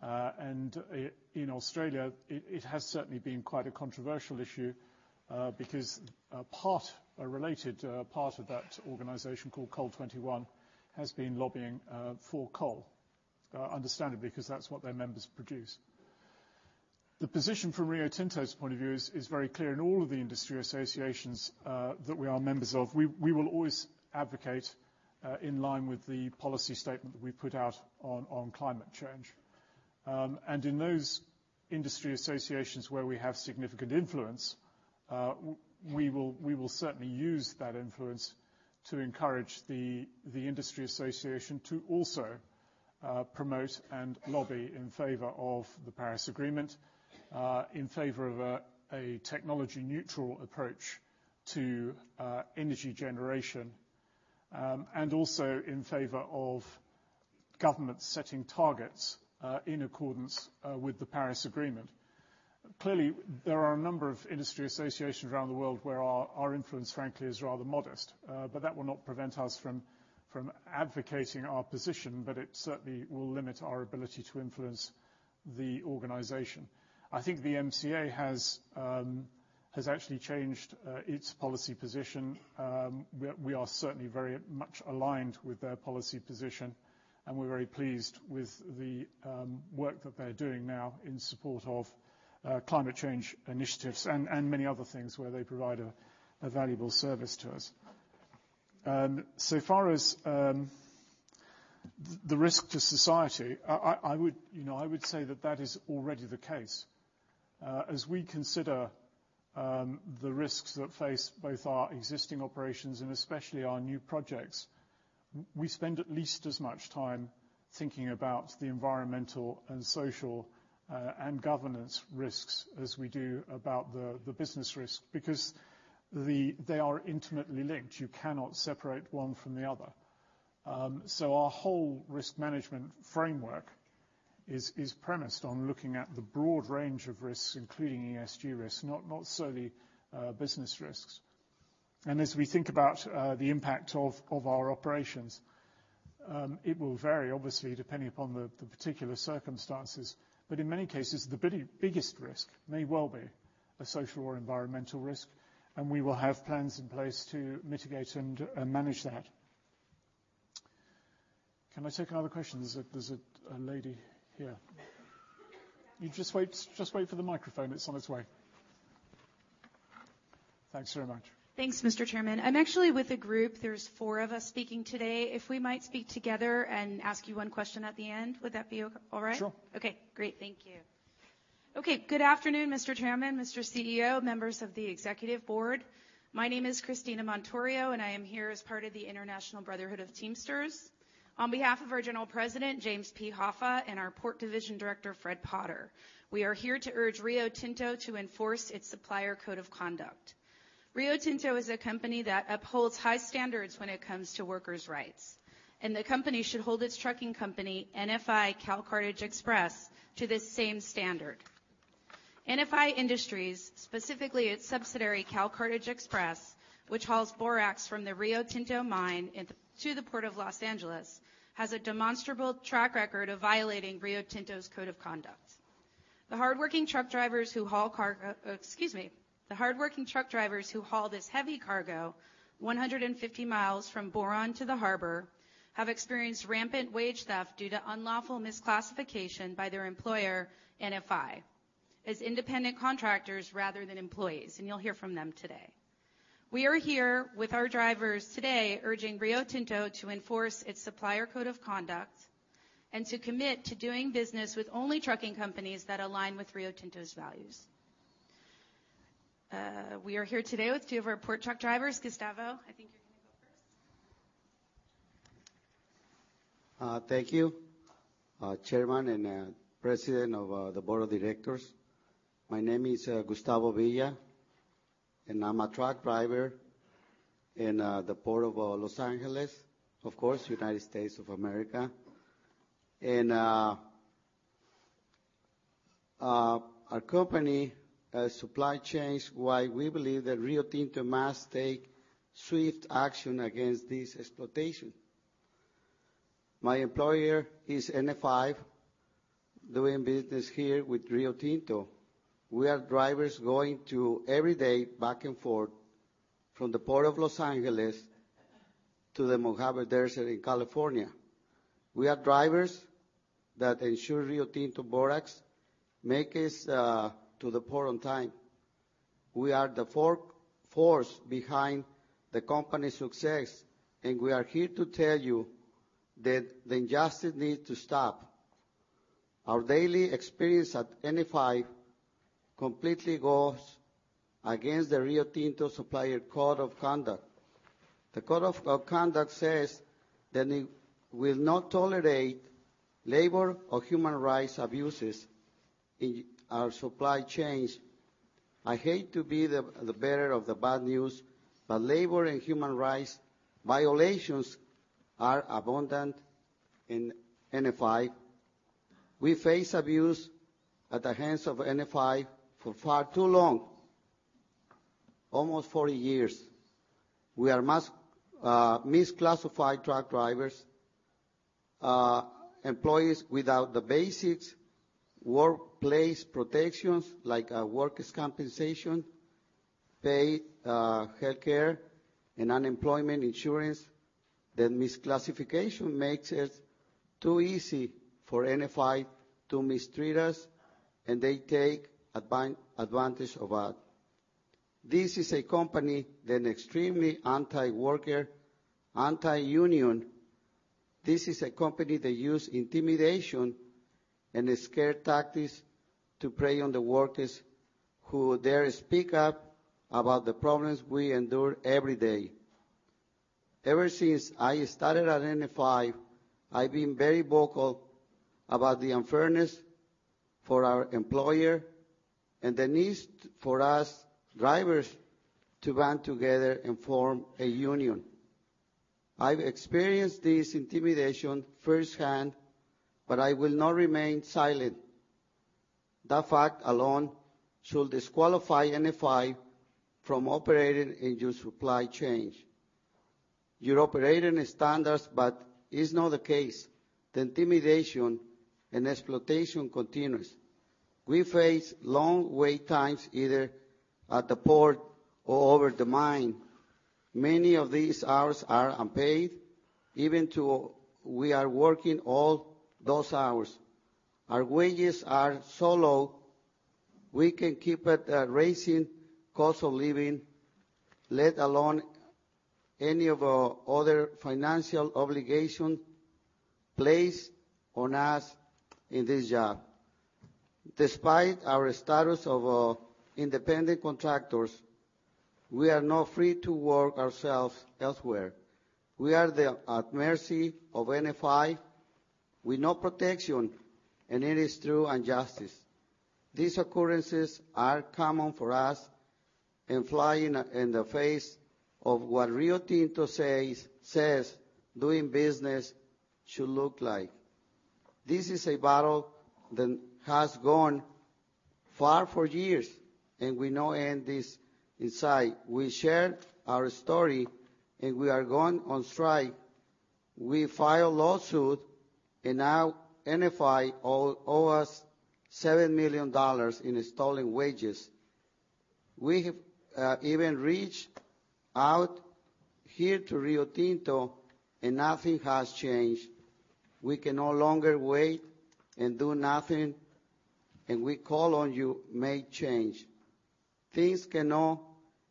In Australia, it has certainly been quite a controversial issue because a related part of that organization called COAL21 has been lobbying for coal, understandably, because that's what their members produce. The position from Rio Tinto's point of view is very clear. In all of the industry associations that we are members of, we will always advocate in line with the policy statement that we put out on climate change. In those industry associations where we have significant influence, we will certainly use that influence to encourage the industry association to also promote and lobby in favor of the Paris Agreement, in favor of a technology-neutral approach to energy generation, and also in favor of governments setting targets in accordance with the Paris Agreement. There are a number of industry associations around the world where our influence, frankly, is rather modest. That will not prevent us from advocating our position, it certainly will limit our ability to influence the organization. I think the MCA has actually changed its policy position. We are certainly very much aligned with their policy position, and we're very pleased with the work that they're doing now in support of climate change initiatives and many other things where they provide a valuable service to us. Far as the risk to society, I would say that that is already the case. As we consider the risks that face both our existing operations and especially our new projects, we spend at least as much time thinking about the environmental and social and governance risks as we do about the business risk because they are intimately linked. You cannot separate one from the other. Our whole risk management framework is premised on looking at the broad range of risks, including ESG risks, not solely business risks. As we think about the impact of our operations, it will vary obviously depending upon the particular circumstances. In many cases, the biggest risk may well be a social or environmental risk, and we will have plans in place to mitigate and manage that. Can I take another question? There's a lady here. You just wait for the microphone. It's on its way. Thanks very much. Thanks, Mr. Chairman. I'm actually with a group. There's four of us speaking today. If we might speak together and ask you one question at the end, would that be all right? Sure. Okay, great. Thank you. Okay, good afternoon, Mr. Chairman, Mr. CEO, members of the executive board. My name is Christina Montorio, and I am here as part of the International Brotherhood of Teamsters. On behalf of our General President, James P. Hoffa, and our Port Division Director, Fred Potter, we are here to urge Rio Tinto to enforce its supplier code of conduct. Rio Tinto is a company that upholds high standards when it comes to workers' rights, and the company should hold its trucking company, NFI Cal Cartage Express, to this same standard. NFI Industries, specifically its subsidiary CalCartage Express, which hauls borax from the Rio Tinto mine to the Port of Los Angeles, has a demonstrable track record of violating Rio Tinto's code of conduct. The hardworking truck drivers who haul this heavy cargo 150 miles from Boron to the harbor have experienced rampant wage theft due to unlawful misclassification by their employer, NFI, as independent contractors rather than employees, and you'll hear from them today. We are here with our drivers today urging Rio Tinto to enforce its supplier code of conduct and to commit to doing business with only trucking companies that align with Rio Tinto's values. We are here today with two of our port truck drivers. Gustavo, I think you're going to go first. Thank you, Chairman and President of the Board of Directors. My name is Gustavo Villa, and I'm a truck driver in the Port of Los Angeles, of course, United States of America. Our company supply chains, why we believe that Rio Tinto must take swift action against this exploitation. My employer is NFI, doing business here with Rio Tinto. We are drivers going to every day back and forth from the Port of Los Angeles to the Mojave Desert in California. We are drivers that ensure Rio Tinto borax makes it to the port on time. We are the force behind the company's success, and we are here to tell you that the injustice needs to stop. Our daily experience at NFI completely goes against the Rio Tinto supplier code of conduct. The code of conduct says that it will not tolerate labor or human rights abuses in our supply chains. I hate to be the bearer of the bad news, but labor and human rights violations are abundant in NFI. We face abuse at the hands of NFI for far too long, almost 40 years. We are misclassified truck drivers, employees without the basics, workplace protections like workers compensation, paid healthcare, and unemployment insurance. The misclassification makes it too easy for NFI to mistreat us, and they take advantage of us. This is a company that extremely anti-worker, anti-union. This is a company that use intimidation and scare tactics to prey on the workers who dare speak up about the problems we endure every day. Ever since I started at NFI, I've been very vocal about the unfairness for our employer and the need for us drivers to band together and form a union. I've experienced this intimidation firsthand, but I will not remain silent. That fact alone should disqualify NFI from operating in your supply chain. Your operating standards, but it's not the case. The intimidation and exploitation continues. We face long wait times, either at the port or over the mine. Many of these hours are unpaid, even though we are working all those hours. Our wages are so low we can keep it rising cost of living, let alone any of our other financial obligation placed on us in this job. Despite our status of independent contractors, we are not free to work ourselves elsewhere. We are at the mercy of NFI With no protection, it is true injustice. These occurrences are common for us and fly in the face of what Rio Tinto says doing business should look like. This is a battle that has gone far for years, we know end is in sight. We shared our story, we are going on strike. We file lawsuit, now NFI owe us $7 million in stolen wages. We have even reached out here to Rio Tinto, nothing has changed. We can no longer wait and do nothing, we call on you, make change. Things cannot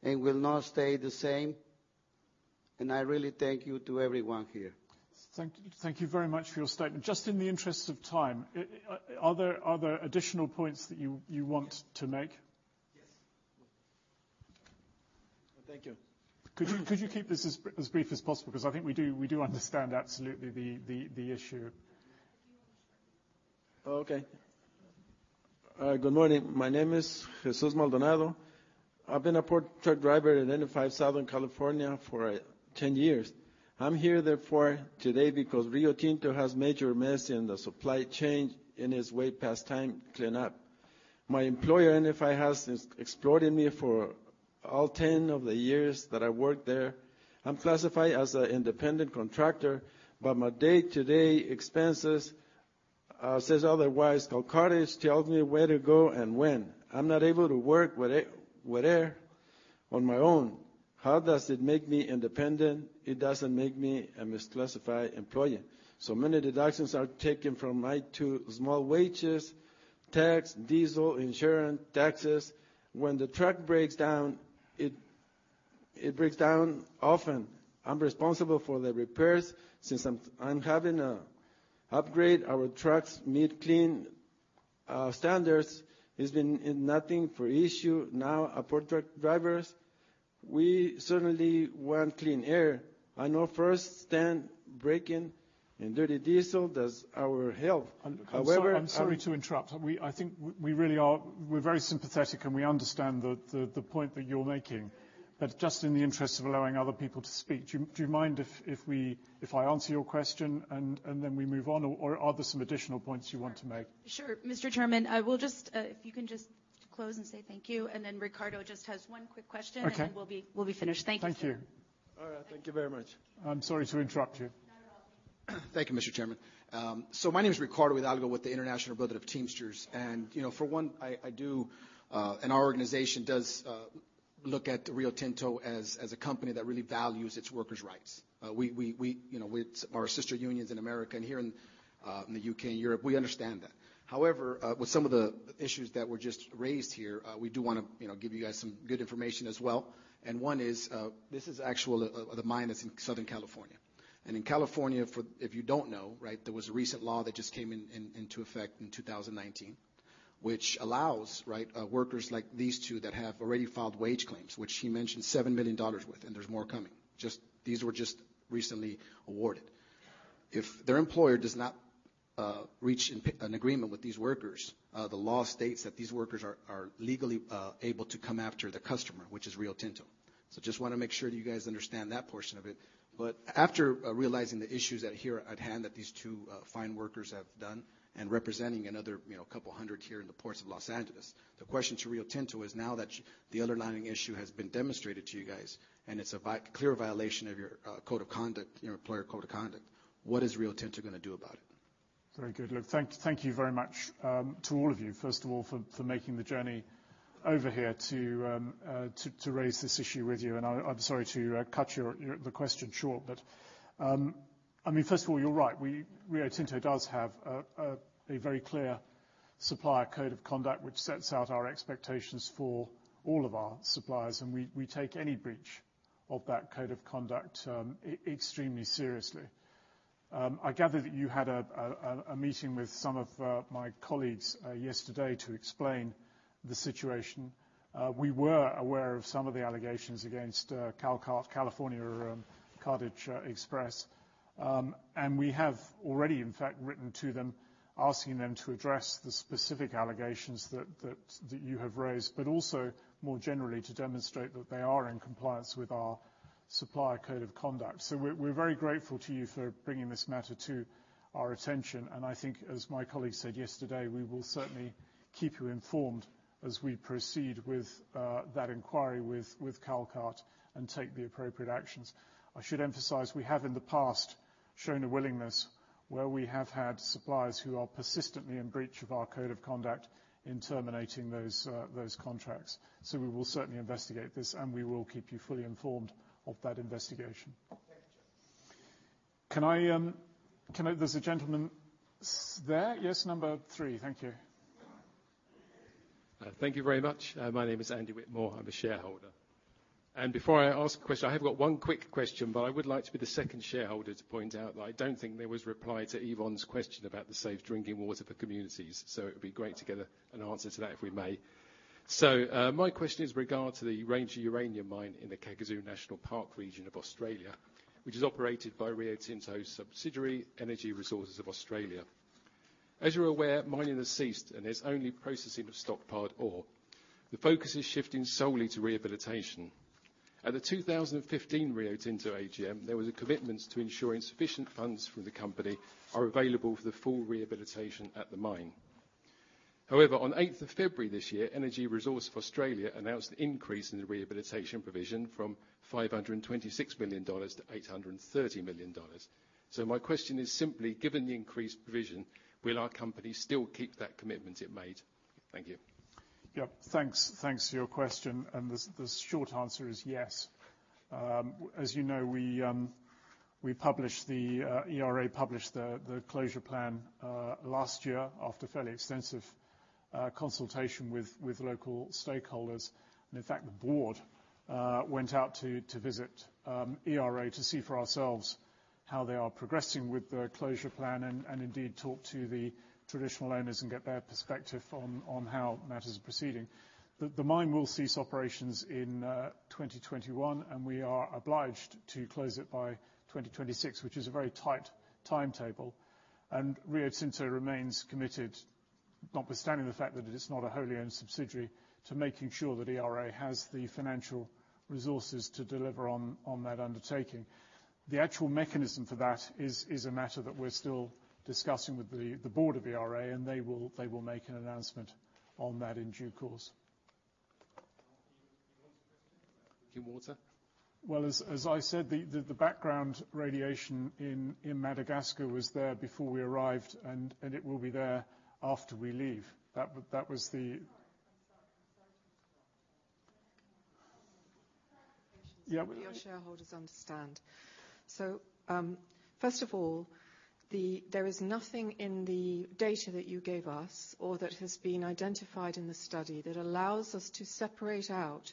and will not stay the same, I really thank you to everyone here. Thank you very much for your statement. Just in the interest of time, are there other additional points that you want to make? Yes. Thank you. Could you keep this as brief as possible? I think we do understand absolutely the issue. Okay. Good morning. My name is Jesus Maldonado. I've been a port truck driver at NFI Southern California for 10 years. I'm here therefore today because Rio Tinto has made your mess in the supply chain, and it's way past time to clean up. My employer, NFI, has exploited me for all 10 of the years that I worked there. I'm classified as an independent contractor, but my day-to-day expenses says otherwise. Cal Cart tells me where to go and when. I'm not able to work with any on my own. How does it make me independent? It doesn't make me a misclassified employee. So many deductions are taken from my too small wages, tax, diesel, insurance, taxes. When the truck breaks down, it breaks down often. I'm responsible for the repairs since I'm having to upgrade our trucks to meet clean standards. It's been nothing for issue. Port truck drivers, we certainly want clean air. I know firsthand braking and dirty diesel does our health. I'm sorry to interrupt. I think we're very sympathetic, and we understand the point that you're making. Just in the interest of allowing other people to speak, do you mind if I answer your question, and then we move on? Or are there some additional points you want to make? Sure. Mr. Chairman, if you can just close and say thank you, then Ricardo just has one quick question. Okay. We'll be finished. Thank you, sir. Thank you. All right. Thank you very much. I'm sorry to interrupt you. Not at all. Thank you, Mr. Chairman. My name is Ricardo Hidalgo with the International Brotherhood of Teamsters. For one, I do, and our organization does look at Rio Tinto as a company that really values its workers' rights. With our sister unions in America and here in the U.K. and Europe, we understand that. However, with some of the issues that were just raised here, we do want to give you guys some good information as well. One is, this is actual the mine that's in Southern California. In California, if you don't know, there was a recent law that just came into effect in 2019, which allows workers like these two that have already filed wage claims, which he mentioned $7 million worth, and there's more coming. These were just recently awarded. If their employer does not reach an agreement with these workers, the law states that these workers are legally able to come after the customer, which is Rio Tinto. I just want to make sure you guys understand that portion of it. After realizing the issues that here at hand that these two fine workers have done and representing another couple hundred here in the ports of Los Angeles, the question to Rio Tinto is now that the underlying issue has been demonstrated to you guys, and it's a clear violation of your employer code of conduct, what is Rio Tinto going to do about it? Very good. Thank you very much to all of you, first of all, for making the journey over here to raise this issue with you. I'm sorry to cut the question short, but first of all, you're right. Rio Tinto does have a very clear supplier code of conduct, which sets out our expectations for all of our suppliers, and we take any breach of that code of conduct extremely seriously. I gather that you had a meeting with some of my colleagues yesterday to explain the situation. We were aware of some of the allegations against Cal Cartage Express. We have already, in fact, written to them asking them to address the specific allegations that you have raised, but also more generally to demonstrate that they are in compliance with our supplier code of conduct. We're very grateful to you for bringing this matter to our attention. I think as my colleague said yesterday, we will certainly keep you informed as we proceed with that inquiry with Cal Cartage and take the appropriate actions. I should emphasize, we have in the past shown a willingness where we have had suppliers who are persistently in breach of our code of conduct in terminating those contracts. We will certainly investigate this, and we will keep you fully informed of that investigation. Thank you, Chair. There's a gentleman there. Yes, number 3. Thank you. Thank you very much. My name is Andy Whitmore. I am a shareholder. Before I ask a question, I have got one quick question, but I would like to be the second shareholder to point out that I do not think there was a reply to Yvonne's question about the safe drinking water for communities. It would be great to get an answer to that, if we may. My question is in regard to the Ranger Uranium Mine in the Kakadu National Park region of Australia, which is operated by Rio Tinto's subsidiary, Energy Resources of Australia. As you are aware, mining has ceased, and there is only processing of stockpiled ore. The focus is shifting solely to rehabilitation. At the 2015 Rio Tinto AGM, there was a commitment to ensuring sufficient funds from the company are available for the full rehabilitation at the mine. However, on eighth of February this year, Energy Resources of Australia announced an increase in the rehabilitation provision from $526 million to $830 million. My question is simply, given the increased provision, will our company still keep that commitment it made? Thank you. Thanks for your question. The short answer is yes. As you know, ERA published the closure plan last year after fairly extensive consultation with local stakeholders. In fact, the board went out to visit ERA to see for ourselves how they are progressing with the closure plan and indeed talk to the traditional owners and get their perspective on how matters are proceeding. The mine will cease operations in 2021, and we are obliged to close it by 2026, which is a very tight timetable. Rio Tinto remains committed, notwithstanding the fact that it is not a wholly owned subsidiary, to making sure that ERA has the financial resources to deliver on that undertaking. The actual mechanism for that is a matter that we are still discussing with the board of ERA, and they will make an announcement on that in due course. Drinking water question. Drinking water. As I said, the background radiation in Madagascar was there before we arrived, and it will be there after we leave. I'm sorry to interrupt. Yeah. Your shareholders understand. First of all, there is nothing in the data that you gave us or that has been identified in the study that allows us to separate out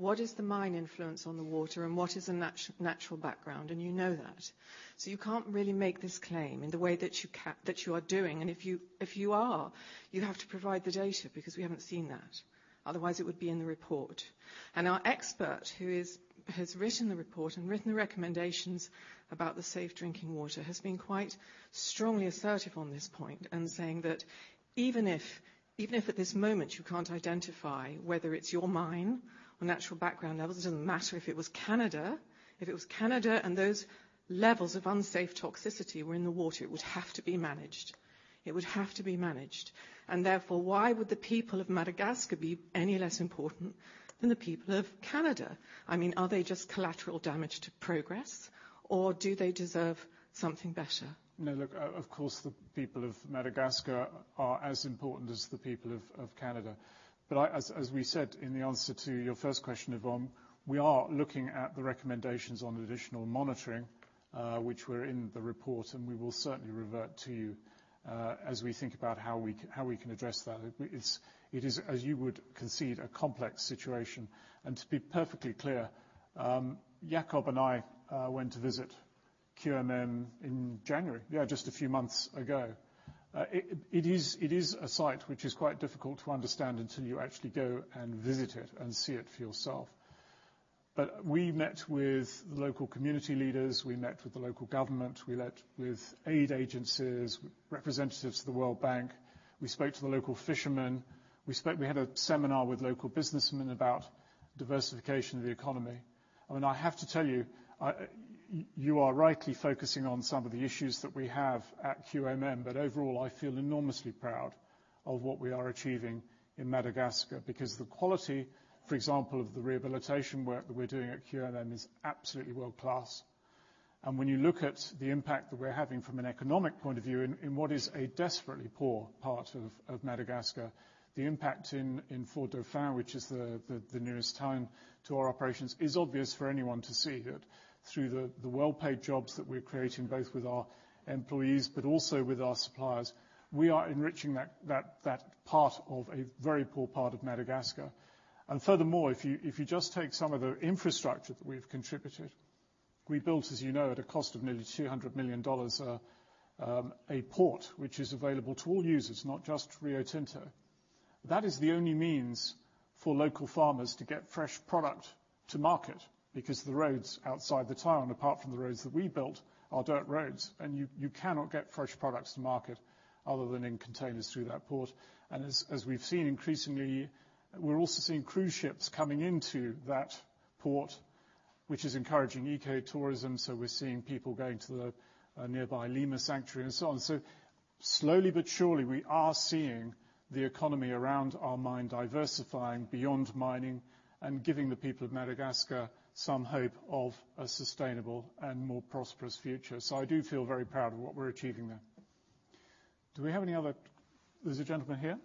what is the mine influence on the water and what is a natural background, and you know that. You can't really make this claim in the way that you are doing. If you are, you have to provide the data because we haven't seen that. Otherwise, it would be in the report. Our expert, who has written the report and written the recommendations about the safe drinking water, has been quite strongly assertive on this point in saying that even if at this moment you can't identify whether it's your mine or natural background levels, it doesn't matter if it was Canada. If it was Canada and those levels of unsafe toxicity were in the water, it would have to be managed. It would have to be managed. Therefore, why would the people of Madagascar be any less important than the people of Canada? Are they just collateral damage to progress, or do they deserve something better? No. Look, of course, the people of Madagascar are as important as the people of Canada. As we said in the answer to your first question, Yvonne, we are looking at the recommendations on additional monitoring, which were in the report, and we will certainly revert to you, as we think about how we can address that. It is, as you would concede, a complex situation. To be perfectly clear, Jakob and I went to visit QMM in January. Yeah, just a few months ago. It is a site which is quite difficult to understand until you actually go and visit it and see it for yourself. We met with the local community leaders. We met with the local government. We met with aid agencies, representatives of the World Bank. We spoke to the local fishermen. We had a seminar with local businessmen about diversification of the economy. I have to tell you are rightly focusing on some of the issues that we have at QMM. Overall, I feel enormously proud of what we are achieving in Madagascar because the quality, for example, of the rehabilitation work that we're doing at QMM is absolutely world-class. When you look at the impact that we're having from an economic point of view in what is a desperately poor part of Madagascar, the impact in Fort-Dauphin, which is the nearest town to our operations, is obvious for anyone to see that through the well-paid jobs that we're creating, both with our employees but also with our suppliers, we are enriching that part of a very poor part of Madagascar. Furthermore, if you just take some of the infrastructure that we've contributed. We built, as you know, at a cost of nearly $200 million, a port which is available to all users, not just Rio Tinto. That is the only means for local farmers to get fresh product to market because the roads outside the town, apart from the roads that we built, are dirt roads. You cannot get fresh products to market other than in containers through that port. As we've seen increasingly, we're also seeing cruise ships coming into that port, which is encouraging eco-tourism. We're seeing people going to the nearby Lemur Sanctuary and so on. Slowly but surely, we are seeing the economy around our mine diversifying beyond mining and giving the people of Madagascar some hope of a sustainable and more prosperous future. I do feel very proud of what we're achieving there. Do we have any other There's a gentleman here.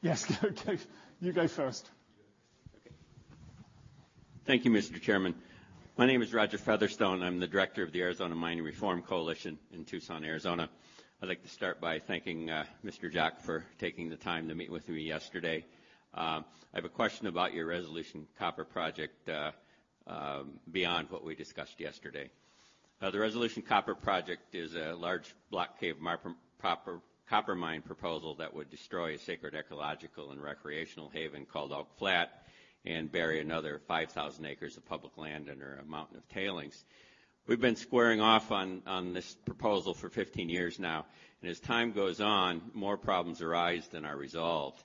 Yes. You go first. Okay. Thank you, Mr. Chairman. My name is Roger Featherstone. I'm the Director of the Arizona Mining Reform Coalition in Tucson, Arizona. I'd like to start by thanking Mr. Jacques for taking the time to meet with me yesterday. I have a question about your Resolution Copper project. Beyond what we discussed yesterday. The Resolution Copper project is a large block cave copper mine proposal that would destroy a sacred ecological and recreational haven called Oak Flat and bury another 5,000 acres of public land under a mountain of tailings. We've been squaring off on this proposal for 15 years now. As time goes on, more problems arise than are resolved.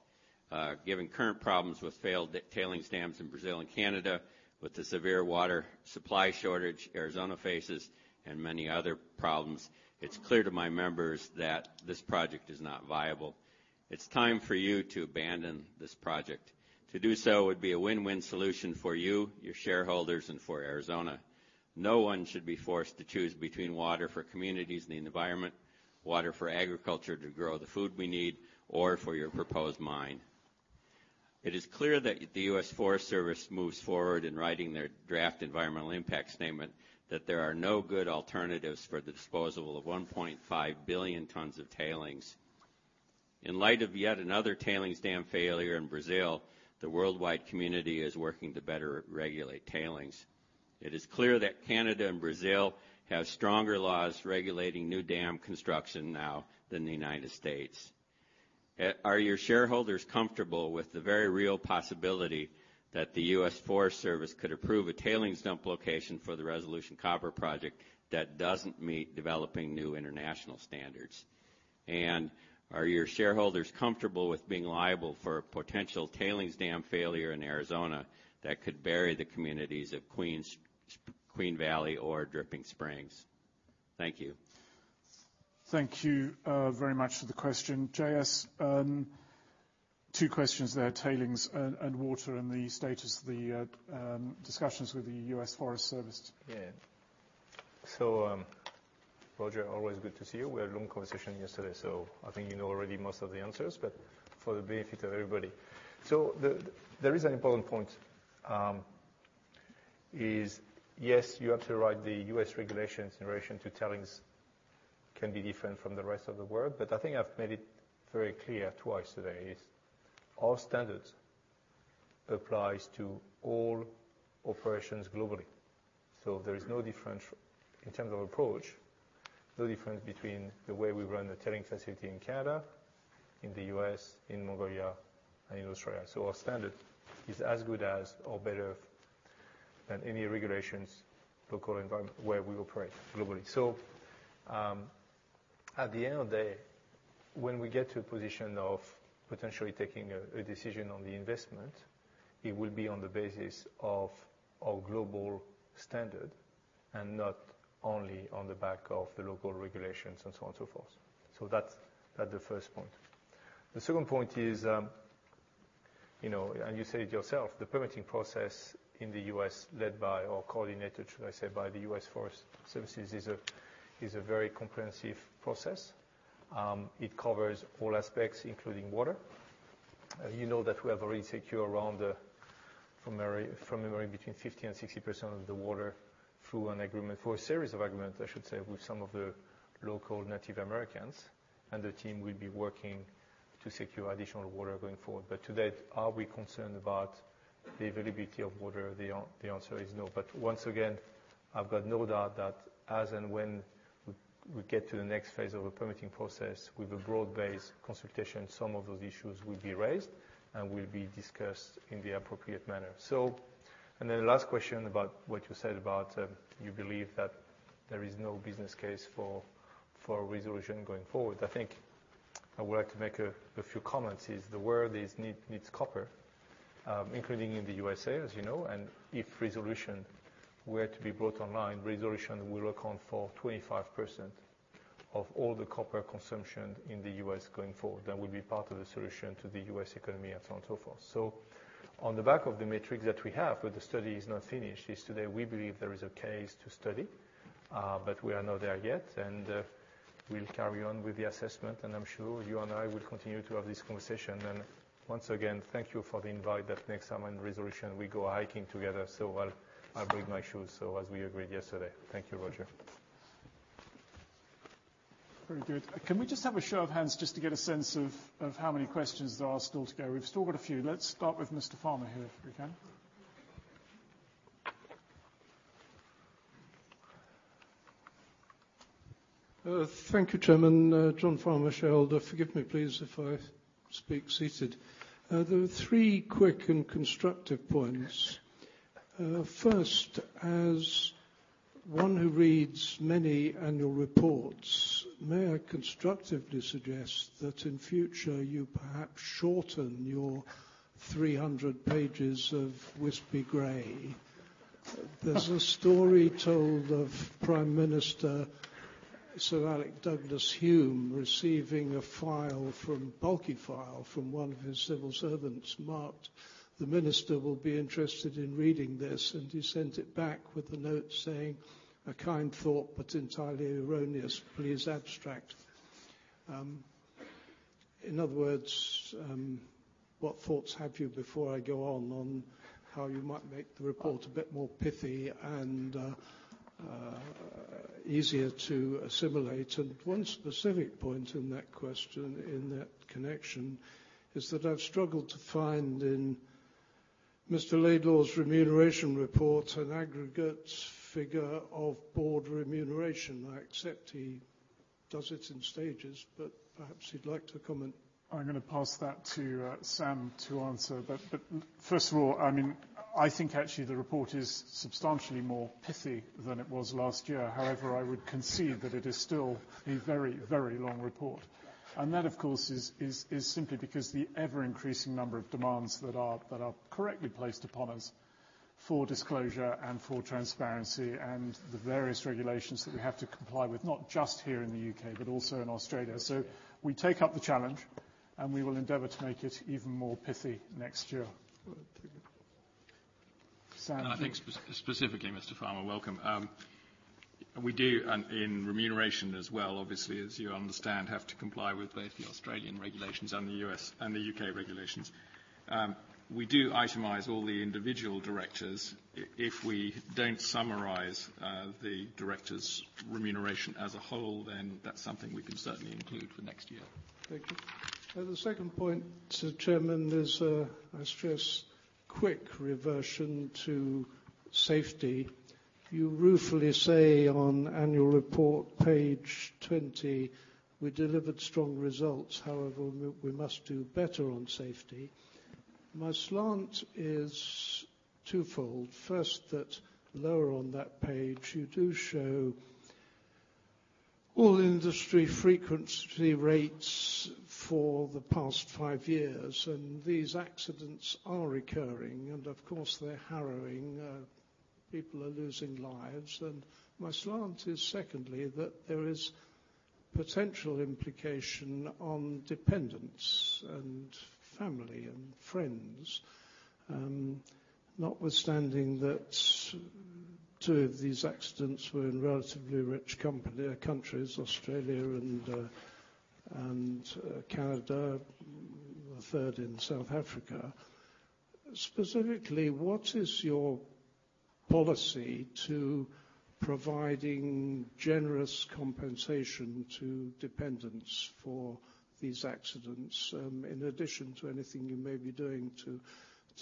Given current problems with failed tailings dams in Brazil and Canada, with the severe water supply shortage Arizona faces, and many other problems, it's clear to my members that this project is not viable. It's time for you to abandon this project. To do so would be a win-win solution for you, your shareholders, and for Arizona. No one should be forced to choose between water for communities and the environment, water for agriculture to grow the food we need, or for your proposed mine. It is clear that the U.S. Forest Service moves forward in writing their draft environmental impact statement, that there are no good alternatives for the disposal of 1.5 billion tons of tailings. In light of yet another tailings dam failure in Brazil, the worldwide community is working to better regulate tailings. It is clear that Canada and Brazil have stronger laws regulating new dam construction now than the United States. Are your shareholders comfortable with the very real possibility that the U.S. Forest Service could approve a tailings dump location for the Resolution Copper project that doesn't meet developing new international standards? Are your shareholders comfortable with being liable for a potential tailings dam failure in Arizona that could bury the communities of Queen Valley or Dripping Springs? Thank you. Thank you very much for the question. JS, two questions there, tailings and water and the status of the discussions with the U.S. Forest Service. Yeah. Roger, always good to see you. We had a long conversation yesterday, I think you know already most of the answers, for the benefit of everybody. There is an important point, is yes, you have to write the U.S. regulations in relation to tailings can be different from the rest of the world, I think I've made it very clear twice today is our standards applies to all operations globally. There is no difference in terms of approach, no difference between the way we run the tailing facility in Canada, in the U.S., in Mongolia and in Australia. Our standard is as good as or better than any regulations, local environment, where we operate globally. At the end of the day, when we get to a position of potentially taking a decision on the investment, it will be on the basis of our global standard and not only on the back of the local regulations and so on and so forth. That's the first point. The second point is, you said it yourself, the permitting process in the U.S. led by or coordinated, should I say, by the U.S. Forest Service is a very comprehensive process. It covers all aspects, including water. You know that we have already secured around from between 50% and 60% of the water through an agreement, through a series of agreements, I should say, with some of the local Native Americans. The team will be working to secure additional water going forward. To date, are we concerned about the availability of water? The answer is no. Once again, I've got no doubt that as and when we get to the next phase of a permitting process with a broad-based consultation, some of those issues will be raised and will be discussed in the appropriate manner. The last question about what you said about, you believe that there is no business case for Resolution going forward. I think I would like to make a few comments, is the world needs copper, including in the U.S.A., as you know. If Resolution were to be brought online, Resolution will account for 25% of all the copper consumption in the U.S. going forward. That will be part of the solution to the U.S. economy and so on and so forth. On the back of the matrix that we have, the study is not finished, is today we believe there is a case to study, we are not there yet. We'll carry on with the assessment, I'm sure you and I will continue to have this conversation. Once again, thank you for the invite that next time in Resolution, we go hiking together. I'll bring my shoes, as we agreed yesterday. Thank you, Roger. Very good. Can we just have a show of hands just to get a sense of how many questions there are still to go? We've still got a few. Let's start with Mr. Farmer here if we can. Thank you, Chairman. John Farmer, shareholder. Forgive me, please, if I speak seated. There are three quick and constructive points. First, as one who reads many annual reports, may I constructively suggest that in future you perhaps shorten your 300 pages of wispy gray? There's a story told of Prime Minister Sir Alec Douglas-Home receiving a bulky file from one of his civil servants marked, "The Minister will be interested in reading this." He sent it back with a note saying, "A kind thought, but entirely erroneous. Please abstract." In other words, what thoughts have you before I go on how you might make the report a bit more pithy and easier to assimilate. One specific point in that question in that connection is that I've struggled to find in Mr. Laidlaw's remuneration report an aggregate figure of board remuneration. I accept he does it in stages, but perhaps he'd like to comment. I'm going to pass that to Sam to answer. First of all, I think actually the report is substantially more pithy than it was last year. However, I would concede that it is still a very, very long report. That, of course, is simply because the ever-increasing number of demands that are correctly placed upon us for disclosure and for transparency and the various regulations that we have to comply with, not just here in the U.K., but also in Australia. We take up the challenge, and we will endeavor to make it even more pithy next year. Sam? I think specifically, Mr. Farmer, welcome. We do, and in remuneration as well, obviously, as you understand, have to comply with both the Australian regulations and the U.K. regulations. We do itemize all the individual directors. If we don't summarize the directors' remuneration as a whole, that's something we can certainly include for next year. Thank you. The second point, Chairman, is I stress quick reversion to safety. You ruefully say on annual report page 20, we delivered strong results. However, we must do better on safety. My slant is twofold. First, that lower on that page, you do show all industry frequency rates for the past five years, and these accidents are recurring, and of course, they're harrowing. People are losing lives. My slant is secondly, that there is potential implication on dependents and family and friends. Notwithstanding that two of these accidents were in relatively rich countries, Australia and Canada, a third in South Africa. Specifically, what is your policy to providing generous compensation to dependents for these accidents, in addition to anything you may be doing to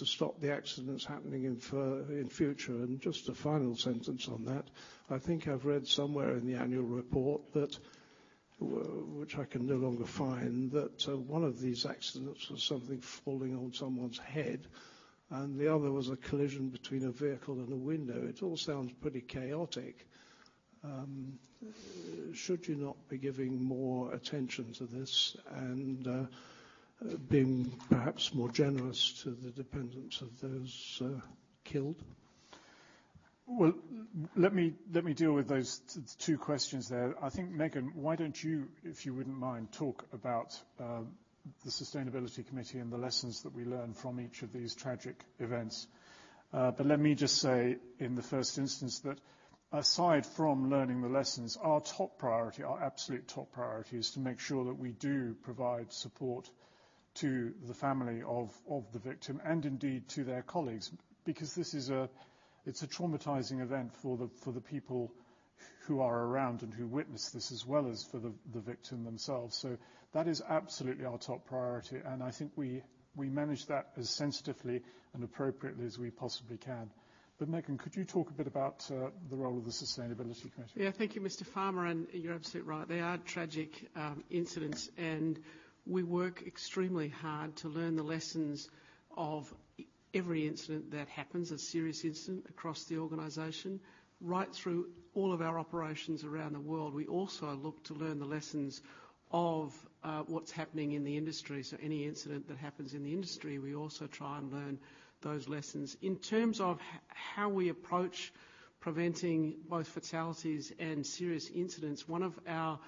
stop the accidents happening in future? Just a final sentence on that. I think I've read somewhere in the annual report, which I can no longer find, that one of these accidents was something falling on someone's head, and the other was a collision between a vehicle and a windrow. It all sounds pretty chaotic. Should you not be giving more attention to this and being perhaps more generous to the dependents of those killed? Let me deal with those two questions there. I think, Megan, why don't you, if you wouldn't mind, talk about the Sustainability Committee and the lessons that we learn from each of these tragic events. Let me just say in the first instance that aside from learning the lessons, our top priority, our absolute top priority is to make sure that we do provide support to the family of the victim and indeed to their colleagues, because this is a traumatizing event for the people who are around and who witness this, as well as for the victim themselves. That is absolutely our top priority, and I think we manage that as sensitively and appropriately as we possibly can. Megan, could you talk a bit about the role of the Sustainability Committee? Thank you, Mr. Farmer. You're absolutely right. They are tragic incidents, and we work extremely hard to learn the lessons of every incident that happens, a serious incident across the organization, right through all of our operations around the world. We also look to learn the lessons of what's happening in the industry. Any incident that happens in the industry, we also try and learn those lessons. In terms of how we approach preventing both fatalities and serious incidents, one of our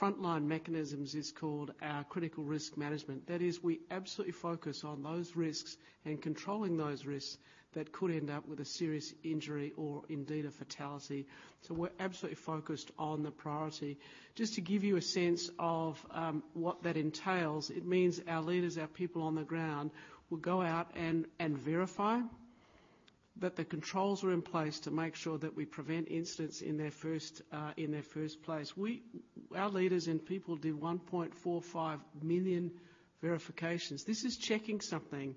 frontline mechanisms is called our critical risk management. That is, we absolutely focus on those risks and controlling those risks that could end up with a serious injury or indeed a fatality. We're absolutely focused on the priority. Just to give you a sense of what that entails, it means our leaders, our people on the ground, will go out and verify that the controls are in place to make sure that we prevent incidents in their first place. Our leaders and people do 1.45 million verifications. This is checking something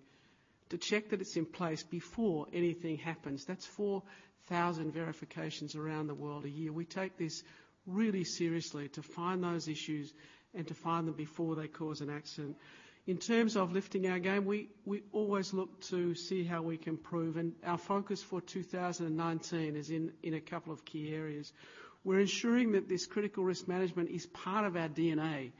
to check that it's in place before anything happens. That's 4,000 verifications around the world a year. We take this really seriously to find those issues and to find them before they cause an accident. In terms of lifting our game, we always look to see how we can improve. Our focus for 2019 is in a couple of key areas. We're ensuring that this critical risk management is part of our DNA.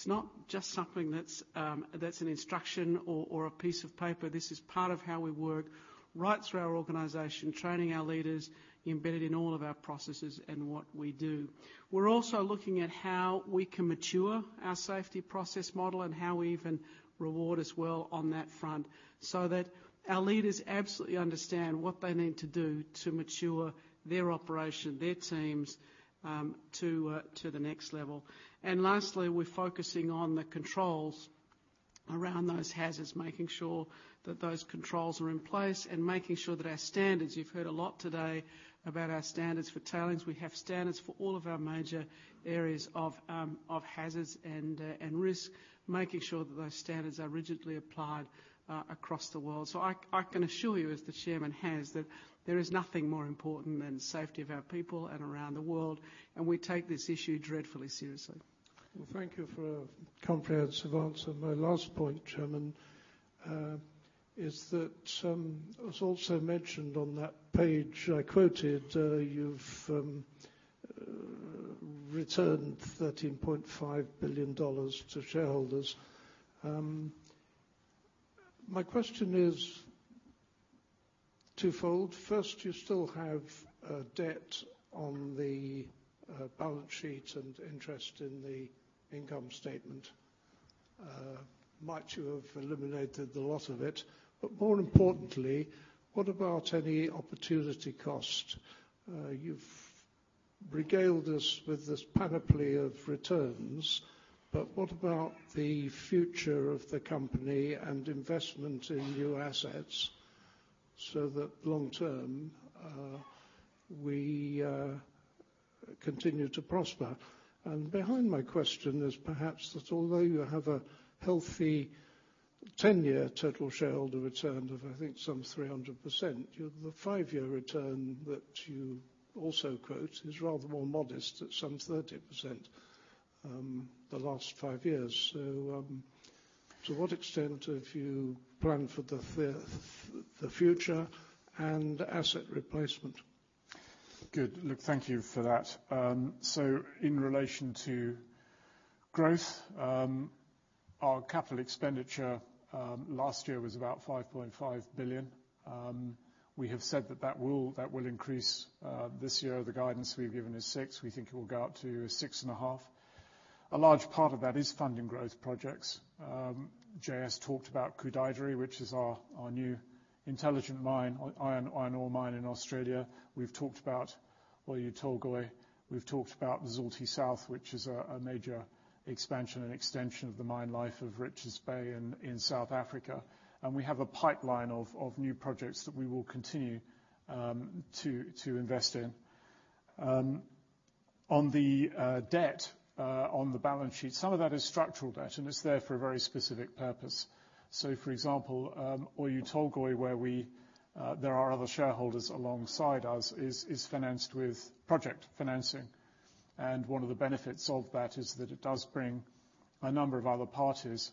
It's not just something that's an instruction or a piece of paper. This is part of how we work right through our organization, training our leaders, embedded in all of our processes and what we do. We're also looking at how we can mature our safety process model and how we even reward as well on that front so that our leaders absolutely understand what they need to do to mature their operation, their teams to the next level. Lastly, we're focusing on the controls around those hazards, making sure that those controls are in place and making sure that our standards, you've heard a lot today about our standards for tailings. We have standards for all of our major areas of hazards and risk. Making sure that those standards are rigidly applied across the world. I can assure you, as the chairman has, that there is nothing more important than the safety of our people and around the world. We take this issue dreadfully seriously. Well, thank you for a comprehensive answer. My last point, Chairman, is that it was also mentioned on that page I quoted, you've returned $13.5 billion to shareholders. My question is twofold. First, you still have a debt on the balance sheet and interest in the income statement. Much you have eliminated the lot of it, more importantly, what about any opportunity cost? You've regaled us with this panoply of returns, what about the future of the company and investment in new assets so that long-term, we continue to prosper? Behind my question is perhaps that although you have a healthy 10-year total shareholder return of, I think, some 300%, the five-year return that you also quote is rather more modest at some 30% the last five years. To what extent have you planned for the future and asset replacement? Good. Look, thank you for that. In relation to growth, our capital expenditure last year was about $5.5 billion. We have said that that will increase this year. The guidance we've given is $6 billion. We think it will go up to $6.5 billion. A large part of that is funding growth projects. JS talked about Koodaideri, which is our new intelligent mine, iron ore mine in Australia. We've talked about Oyu Tolgoi. We've talked about Zulti South, which is a major expansion and extension of the mine life of Richards Bay in South Africa. We have a pipeline of new projects that we will continue to invest in. On the debt on the balance sheet, some of that is structural debt, and it's there for a very specific purpose. For example, Oyu Tolgoi, where there are other shareholders alongside us, is financed with project financing. One of the benefits of that is that it does bring a number of other parties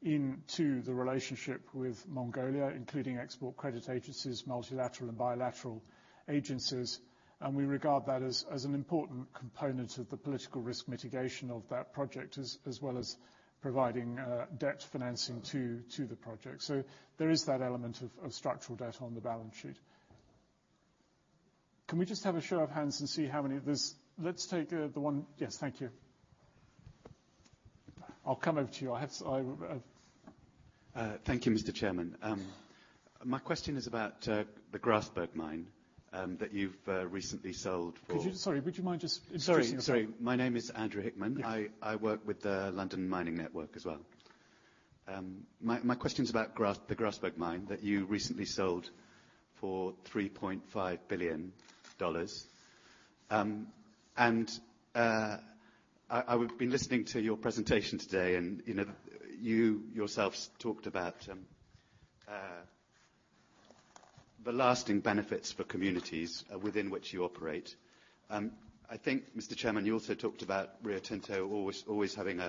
into the relationship with Mongolia, including export credit agencies, multilateral and bilateral agencies. We regard that as an important component of the political risk mitigation of that project, as well as providing debt financing to the project. There is that element of structural debt on the balance sheet. Can we just have a show of hands and see how many Let's take the one. Yes. Thank you. I'll come over to you. Thank you, Mr. Chairman. My question is about the Grasberg mine that you've recently sold for- Sorry, would you mind just introducing yourself? Sorry. My name is Andrew Hickman. Yeah. I work with the London Mining Network as well. My question's about the Grasberg mine that you recently sold for $3.5 billion. Been listening to your presentation today, and you yourselves talked about the lasting benefits for communities within which you operate. I think, Mr. Chairman, you also talked about Rio Tinto always having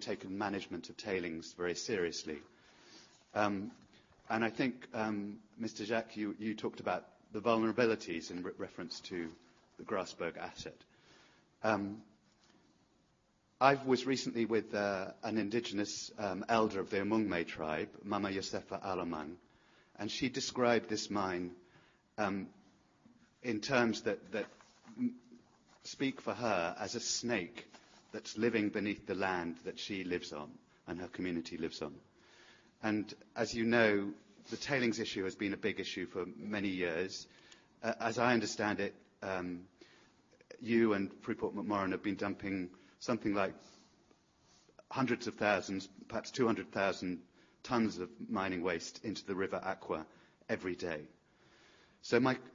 taken management of tailings very seriously. I think, Mr. Jacques, you talked about the vulnerabilities in reference to the Grasberg asset. I was recently with an indigenous elder of the Amungme tribe, Mama Yosepha Alomang, and she described this mine in terms that speak for her as a snake that's living beneath the land that she lives on and her community lives on. As you know, the tailings issue has been a big issue for many years. As I understand it, you and Freeport-McMoRan have been dumping something like hundreds of thousands, perhaps 200,000 tons of mining waste into the River Aikwa every day.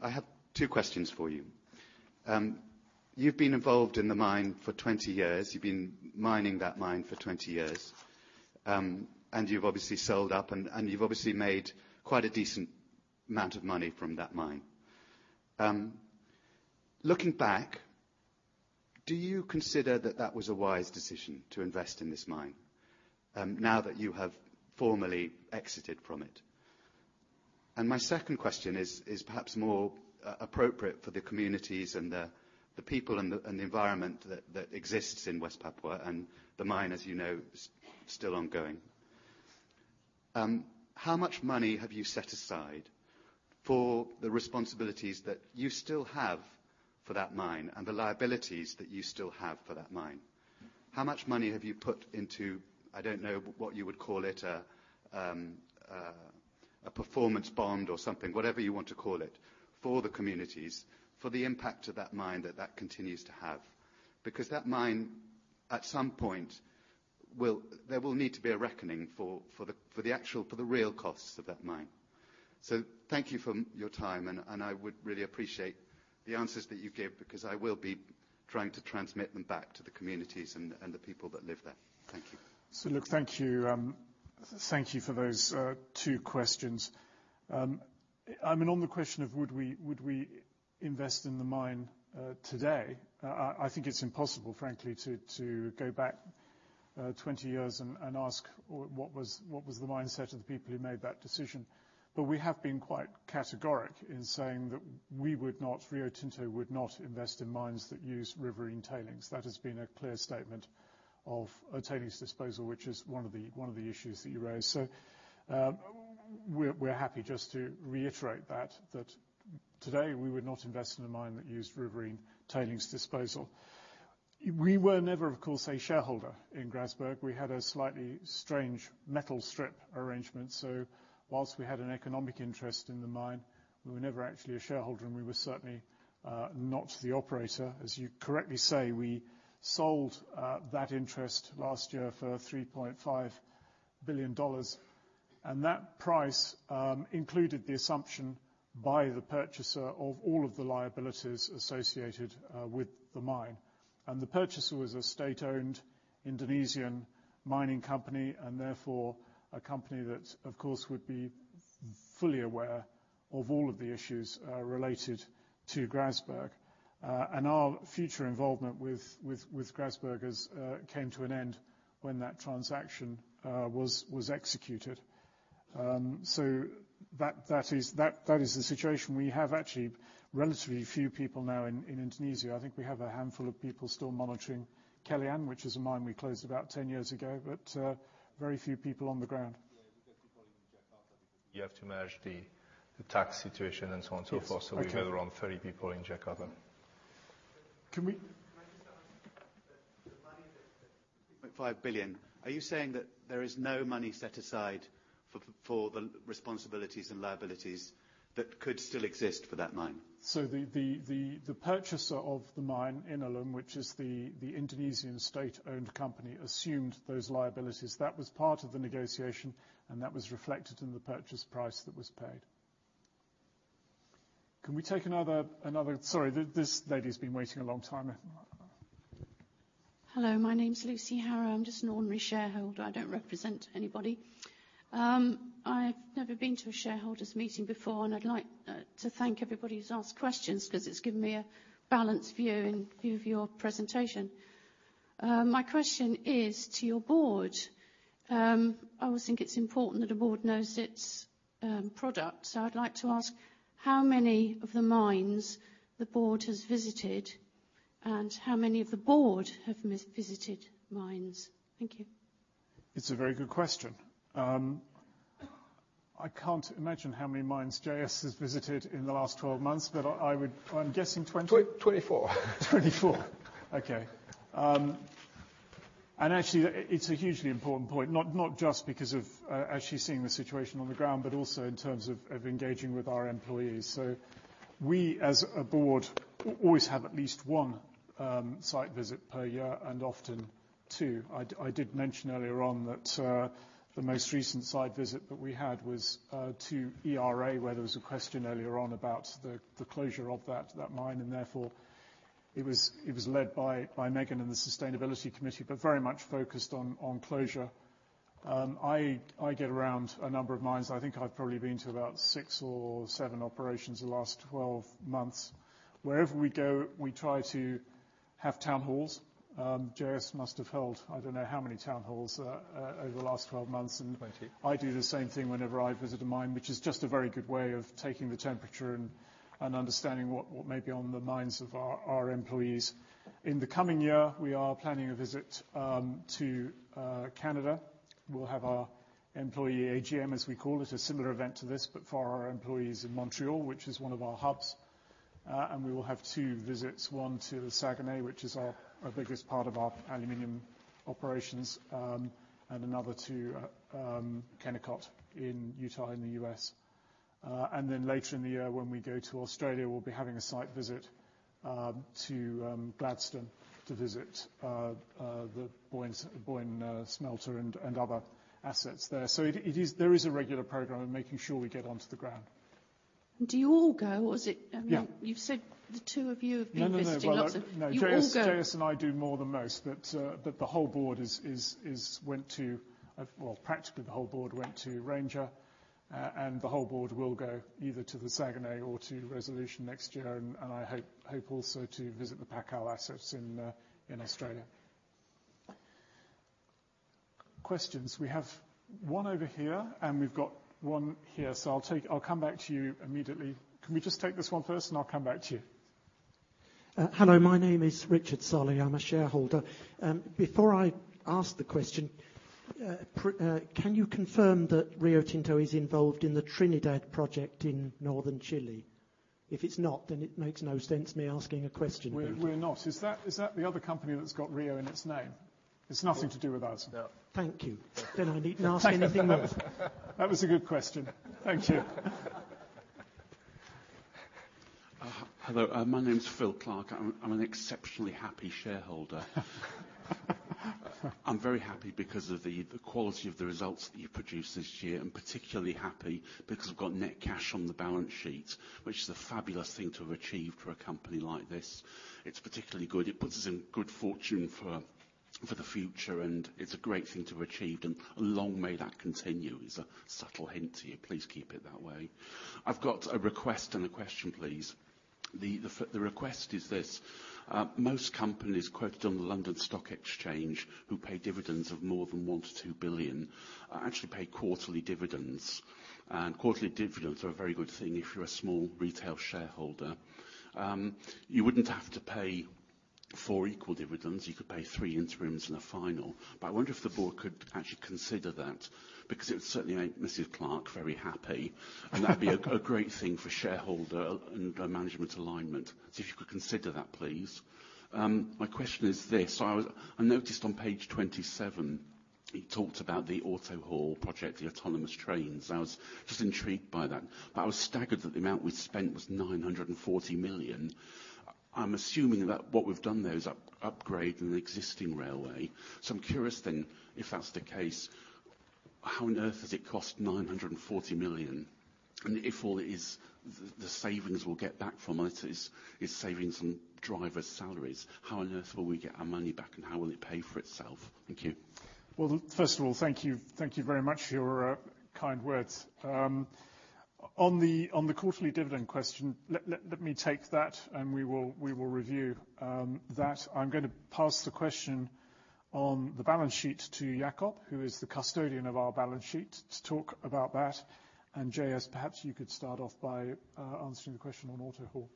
I have two questions for you. You've been involved in the mine for 20 years. You've been mining that mine for 20 years. You've obviously sold up, and you've obviously made quite a decent amount of money from that mine. Looking back, do you consider that that was a wise decision to invest in this mine, now that you have formally exited from it? My second question is perhaps more appropriate for the communities and the people and the environment that exists in West Papua, and the mine, as you know, is still ongoing. How much money have you set aside for the responsibilities that you still have for that mine and the liabilities that you still have for that mine? How much money have you put into, I don't know what you would call it, a performance bond or something, whatever you want to call it, for the communities for the impact of that mine that continues to have. Because that mine, at some point, there will need to be a reckoning for the real costs of that mine. Thank you for your time and I would really appreciate the answers that you give because I will be trying to transmit them back to the communities and the people that live there. Thank you. Look, thank you for those two questions. I mean, on the question of would we invest in the mine today, I think it is impossible, frankly, to go back 20 years and ask what was the mindset of the people who made that decision. We have been quite categoric in saying that we would not, Rio Tinto would not invest in mines that use riverine tailings. That has been a clear statement of tailings disposal, which is one of the issues that you raised. We are happy just to reiterate that today we would not invest in a mine that used riverine tailings disposal. We were never, of course, a shareholder in Grasberg. We had a slightly strange metal strip arrangement. Whilst we had an economic interest in the mine, we were never actually a shareholder and we were certainly not the operator. As you correctly say, we sold that interest last year for $3.5 billion. That price included the assumption by the purchaser of all of the liabilities associated with the mine. The purchaser was a state-owned Indonesian mining company and therefore a company that, of course, would be fully aware of all of the issues related to Grasberg. Our future involvement with Grasberg came to an end when that transaction was executed. That is the situation. We have actually relatively few people now in Indonesia. I think we have a handful of people still monitoring Kelian, which is a mine we closed about 10 years ago. But very few people on the ground. Yeah, we have people in Jakarta because you have to manage the tax situation and so on, so forth. Yes. Okay. We have around 30 people in Jakarta. Can we- Can I just ask, the money, the $3.5 billion, are you saying that there is no money set aside for the responsibilities and liabilities that could still exist for that mine? The purchaser of the mine, Inalum, which is the Indonesian state-owned company, assumed those liabilities. That was part of the negotiation and that was reflected in the purchase price that was paid. Sorry, this lady has been waiting a long time. Hello, my name is Lucy Harrow. I'm just an ordinary shareholder. I don't represent anybody. I've never been to a shareholders meeting before and I'd like to thank everybody who's asked questions because it's given me a balanced view in view of your presentation. My question is to your board. I always think it's important that a board knows its product. I'd like to ask how many of the mines the board has visited and how many of the board have visited mines. Thank you. It's a very good question. I can't imagine how many mines JS has visited in the last 12 months, but I'm guessing 20? 24. 24. Okay. Actually, it's a hugely important point, not just because of actually seeing the situation on the ground, but also in terms of engaging with our employees. We, as a board, always have at least one site visit per year and often two. I did mention earlier on that the most recent site visit that we had was to ERA, where there was a question earlier on about the closure of that mine and therefore it was led by Megan and the Sustainability Committee, but very much focused on closure. I get around a number of mines. I think I've probably been to about six or seven operations in the last 12 months. Wherever we go, we try to have town halls. JS must have held I don't know how many town halls over the last 12 months. 20 I do the same thing whenever I visit a mine, which is just a very good way of taking the temperature and understanding what may be on the minds of our employees. In the coming year, we are planning a visit to Canada. We'll have our employee AGM, as we call it, a similar event to this, but for our employees in Montreal, which is one of our hubs. We will have two visits, one to Saguenay, which is our biggest part of our aluminum operations, and another to Kennecott in Utah in the U.S. Later in the year when we go to Australia, we'll be having a site visit to Gladstone to visit the Boyne Smelter and other assets there. There is a regular program of making sure we get onto the ground. Do you all go? Yeah you've said the two of you have been visiting. No. You all go. JS and I do more than most, but the whole board went to, well, practically the whole board went to Ranger. The whole board will go either to the Saguenay or to Resolution next year and I hope also to visit the Pilbara assets in Australia. Questions. We have one over here and we've got one here. I'll come back to you immediately. Can we just take this one first and I'll come back to you. Hello, my name is Richard Solly. I'm a shareholder. Before I ask the question, can you confirm that Rio Tinto is involved in the Trinidad project in northern Chile? If it's not, it makes no sense me asking a question. We're not. Is that the other company that's got Rio in its name? It's nothing to do with us. No. Thank you. I needn't ask anything else. That was a good question. Thank you. Hello. My name is Phil Clark. I'm an exceptionally happy shareholder. I'm very happy because of the quality of the results that you produced this year, and particularly happy because we've got net cash on the balance sheet, which is a fabulous thing to have achieved for a company like this. It's particularly good. It puts us in good fortune for the future, and it's a great thing to have achieved, and long may that continue is a subtle hint to you. Please keep it that way. I've got a request and a question, please. The request is this. Most companies quoted on the London Stock Exchange who pay dividends of more than $1 billion-$2 billion, actually pay quarterly dividends. Quarterly dividends are a very good thing if you're a small retail shareholder. You wouldn't have to pay 4 equal dividends. You could pay three interims and a final. I wonder if the board could actually consider that, because it would certainly make Mrs. Clark very happy- and that'd be a great thing for shareholder and management alignment. If you could consider that, please. My question is this. I noticed on page 27, it talked about the AutoHaul project, the autonomous trains. I was just intrigued by that, but I was staggered that the amount we'd spent was $940 million. I'm assuming that what we've done there is upgrade an existing railway. I'm curious, if that's the case, how on earth does it cost $940 million? If all it is, the savings we'll get back from it is savings on drivers' salaries. How on earth will we get our money back and how will it pay for itself? Thank you. Well, first of all, thank you very much for your kind words. On the quarterly dividend question, let me take that and we will review that. I'm going to pass the question on the balance sheet to Jakob, who is the custodian of our balance sheet, to talk about that. JS, perhaps you could start off by answering the question on AutoHaul.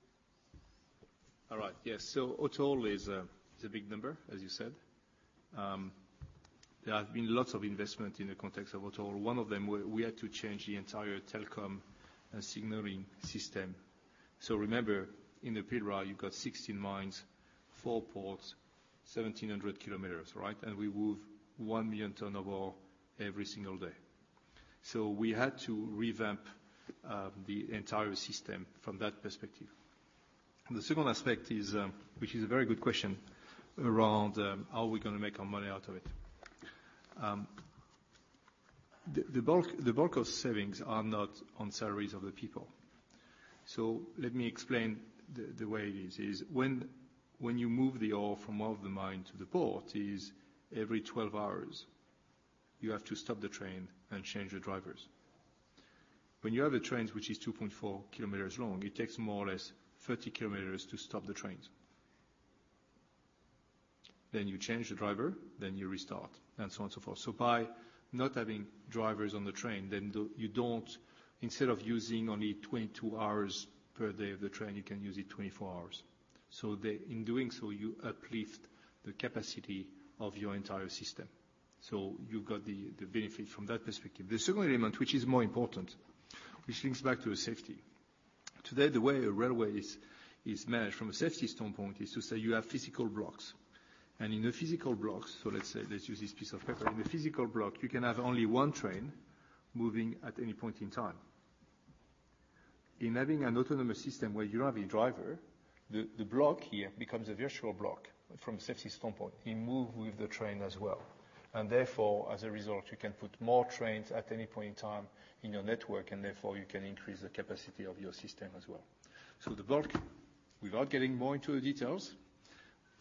All right. Yes. AutoHaul is a big number, as you said. There have been lots of investment in the context of AutoHaul. One of them, we had to change the entire telecom and signaling system. Remember, in the Pilbara, you've got 16 mines, 4 ports, 1,700 kilometers. We move 1 million ton of ore every single day. We had to revamp the entire system from that perspective. The second aspect is, which is a very good question, around how are we going to make our money out of it. The bulk of savings are not on salaries of the people. Let me explain the way it is. When you move the ore from out of the mine to the port is every 12 hours. You have to stop the train and change the drivers. When you have a train which is 2.4 kilometers long, it takes more or less 30 kilometers to stop the trains. You change the driver, then you restart, and so on and so forth. By not having drivers on the train, then instead of using only 22 hours per day of the train, you can use it 24 hours. In doing so, you uplift the capacity of your entire system. You've got the benefit from that perspective. The second element, which is more important, which links back to safety. Today, the way a railway is managed from a safety standpoint is to say you have physical blocks. In a physical block, let's use this piece of paper. In a physical block, you can have only one train moving at any point in time. In having an autonomous system where you don't have a driver, the block here becomes a virtual block from a safety standpoint. It moves with the train as well. Therefore, as a result, you can put more trains at any point in time in your network, and therefore, you can increase the capacity of your system as well. Without getting more into the details,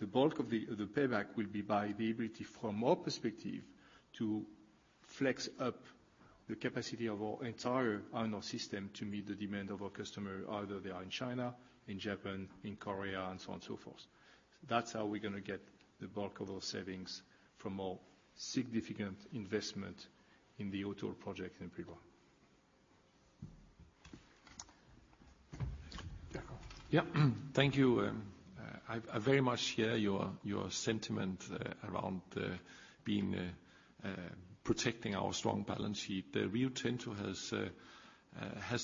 the bulk of the payback will be by the ability from our perspective, to flex up the capacity of our entire iron ore system to meet the demand of our customer, either they are in China, in Japan, in Korea, and so on and so forth. That's how we're going to get the bulk of those savings from our significant investment in the AutoHaul project in Pilbara. Jakob. Yeah. Thank you. I very much hear your sentiment around protecting our strong balance sheet. Rio Tinto has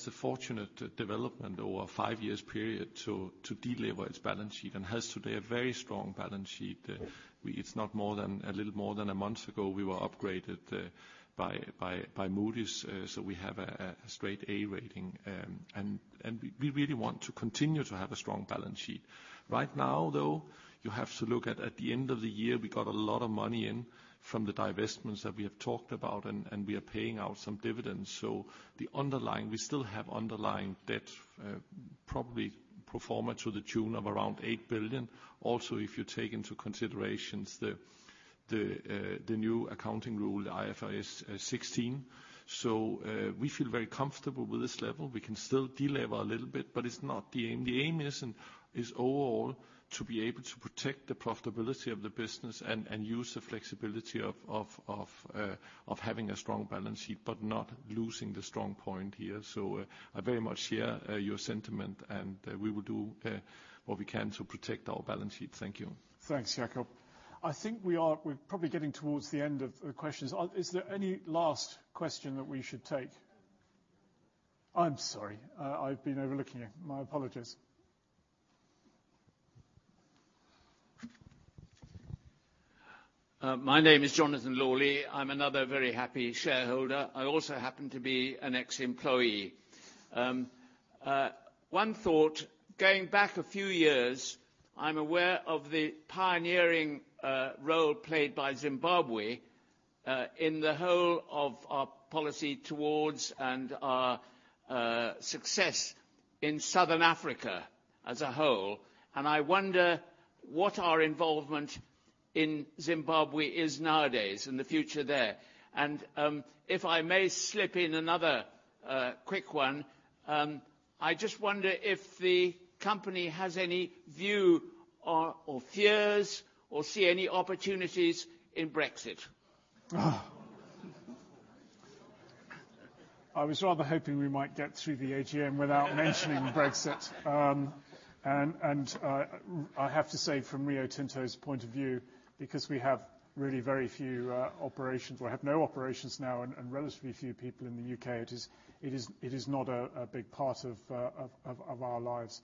the fortunate development over a five years period to delever its balance sheet and has today a very strong balance sheet. It's not a little more than a month ago, we were upgraded by Moody's. We have a straight A rating. We really want to continue to have a strong balance sheet. Right now, though, you have to look at the end of the year. We got a lot of money in from the divestments that we have talked about, and we are paying out some dividends. We still have underlying debt, probably pro forma to the tune of around $8 billion. Also, if you take into considerations the new accounting rule, the IFRS 16. We feel very comfortable with this level. We can still delever a little bit, but it's not the aim. The aim is overall to be able to protect the profitability of the business and use the flexibility of having a strong balance sheet, but not losing the strong point here. I very much hear your sentiment, and we will do what we can to protect our balance sheet. Thank you. Thanks, Jakob. I think we're probably getting towards the end of the questions. Is there any last question that we should take? I'm sorry. I've been overlooking you. My apologies. My name is Jonathan Lawley. I'm another very happy shareholder. I also happen to be an ex-employee. One thought, going back a few years, I'm aware of the pioneering role played by Zimbabwe in the whole of our policy towards and our success in southern Africa as a whole, I wonder what our involvement in Zimbabwe is nowadays and the future there. If I may slip in another quick one, I just wonder if the company has any view or fears or see any opportunities in Brexit. I was rather hoping we might get through the AGM without mentioning Brexit. I have to say from Rio Tinto's point of view, because we have really very few operations, or have no operations now and relatively few people in the U.K., it is not a big part of our lives.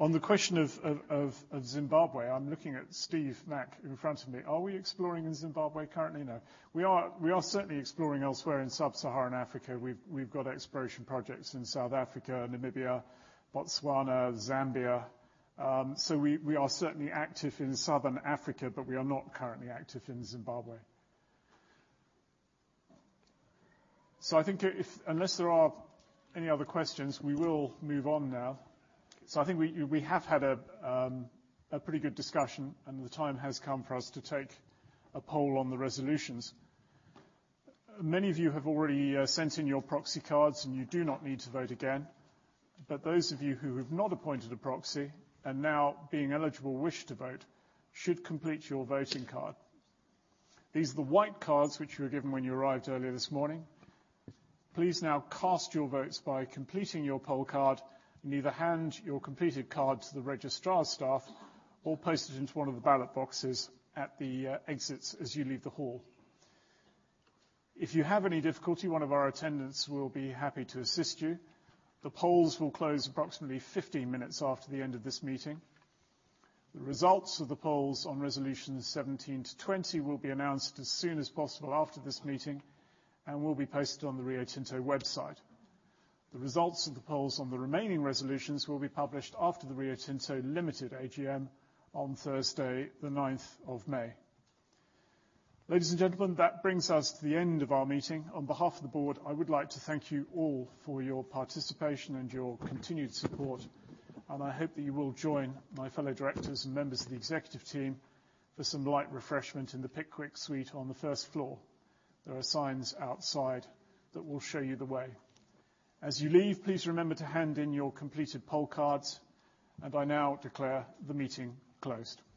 On the question of Zimbabwe, I am looking at Steve McIntosh in front of me. Are we exploring in Zimbabwe currently? No. We are certainly exploring elsewhere in sub-Saharan Africa. We have got exploration projects in South Africa, Namibia, Botswana, Zambia. We are certainly active in southern Africa, but we are not currently active in Zimbabwe. I think unless there are any other questions, we will move on now. I think we have had a pretty good discussion, and the time has come for us to take a poll on the resolutions. Many of you have already sent in your proxy cards, and you do not need to vote again. Those of you who have not appointed a proxy and now being eligible wish to vote, should complete your voting card. These are the white cards which you were given when you arrived earlier this morning. Please now cast your votes by completing your poll card and either hand your completed card to the registrar's staff or post it into one of the ballot boxes at the exits as you leave the hall. If you have any difficulty, one of our attendants will be happy to assist you. The polls will close approximately 15 minutes after the end of this meeting. The results of the polls on resolutions 17 to 20 will be announced as soon as possible after this meeting and will be posted on the Rio Tinto website. The results of the polls on the remaining resolutions will be published after the Rio Tinto Limited AGM on Thursday the 9th of May. Ladies and gentlemen, that brings us to the end of our meeting. On behalf of the board, I would like to thank you all for your participation and your continued support. I hope that you will join my fellow directors and members of the executive team for some light refreshment in the Pickwick Suite on the first floor. There are signs outside that will show you the way. As you leave, please remember to hand in your completed poll cards. I now declare the meeting closed.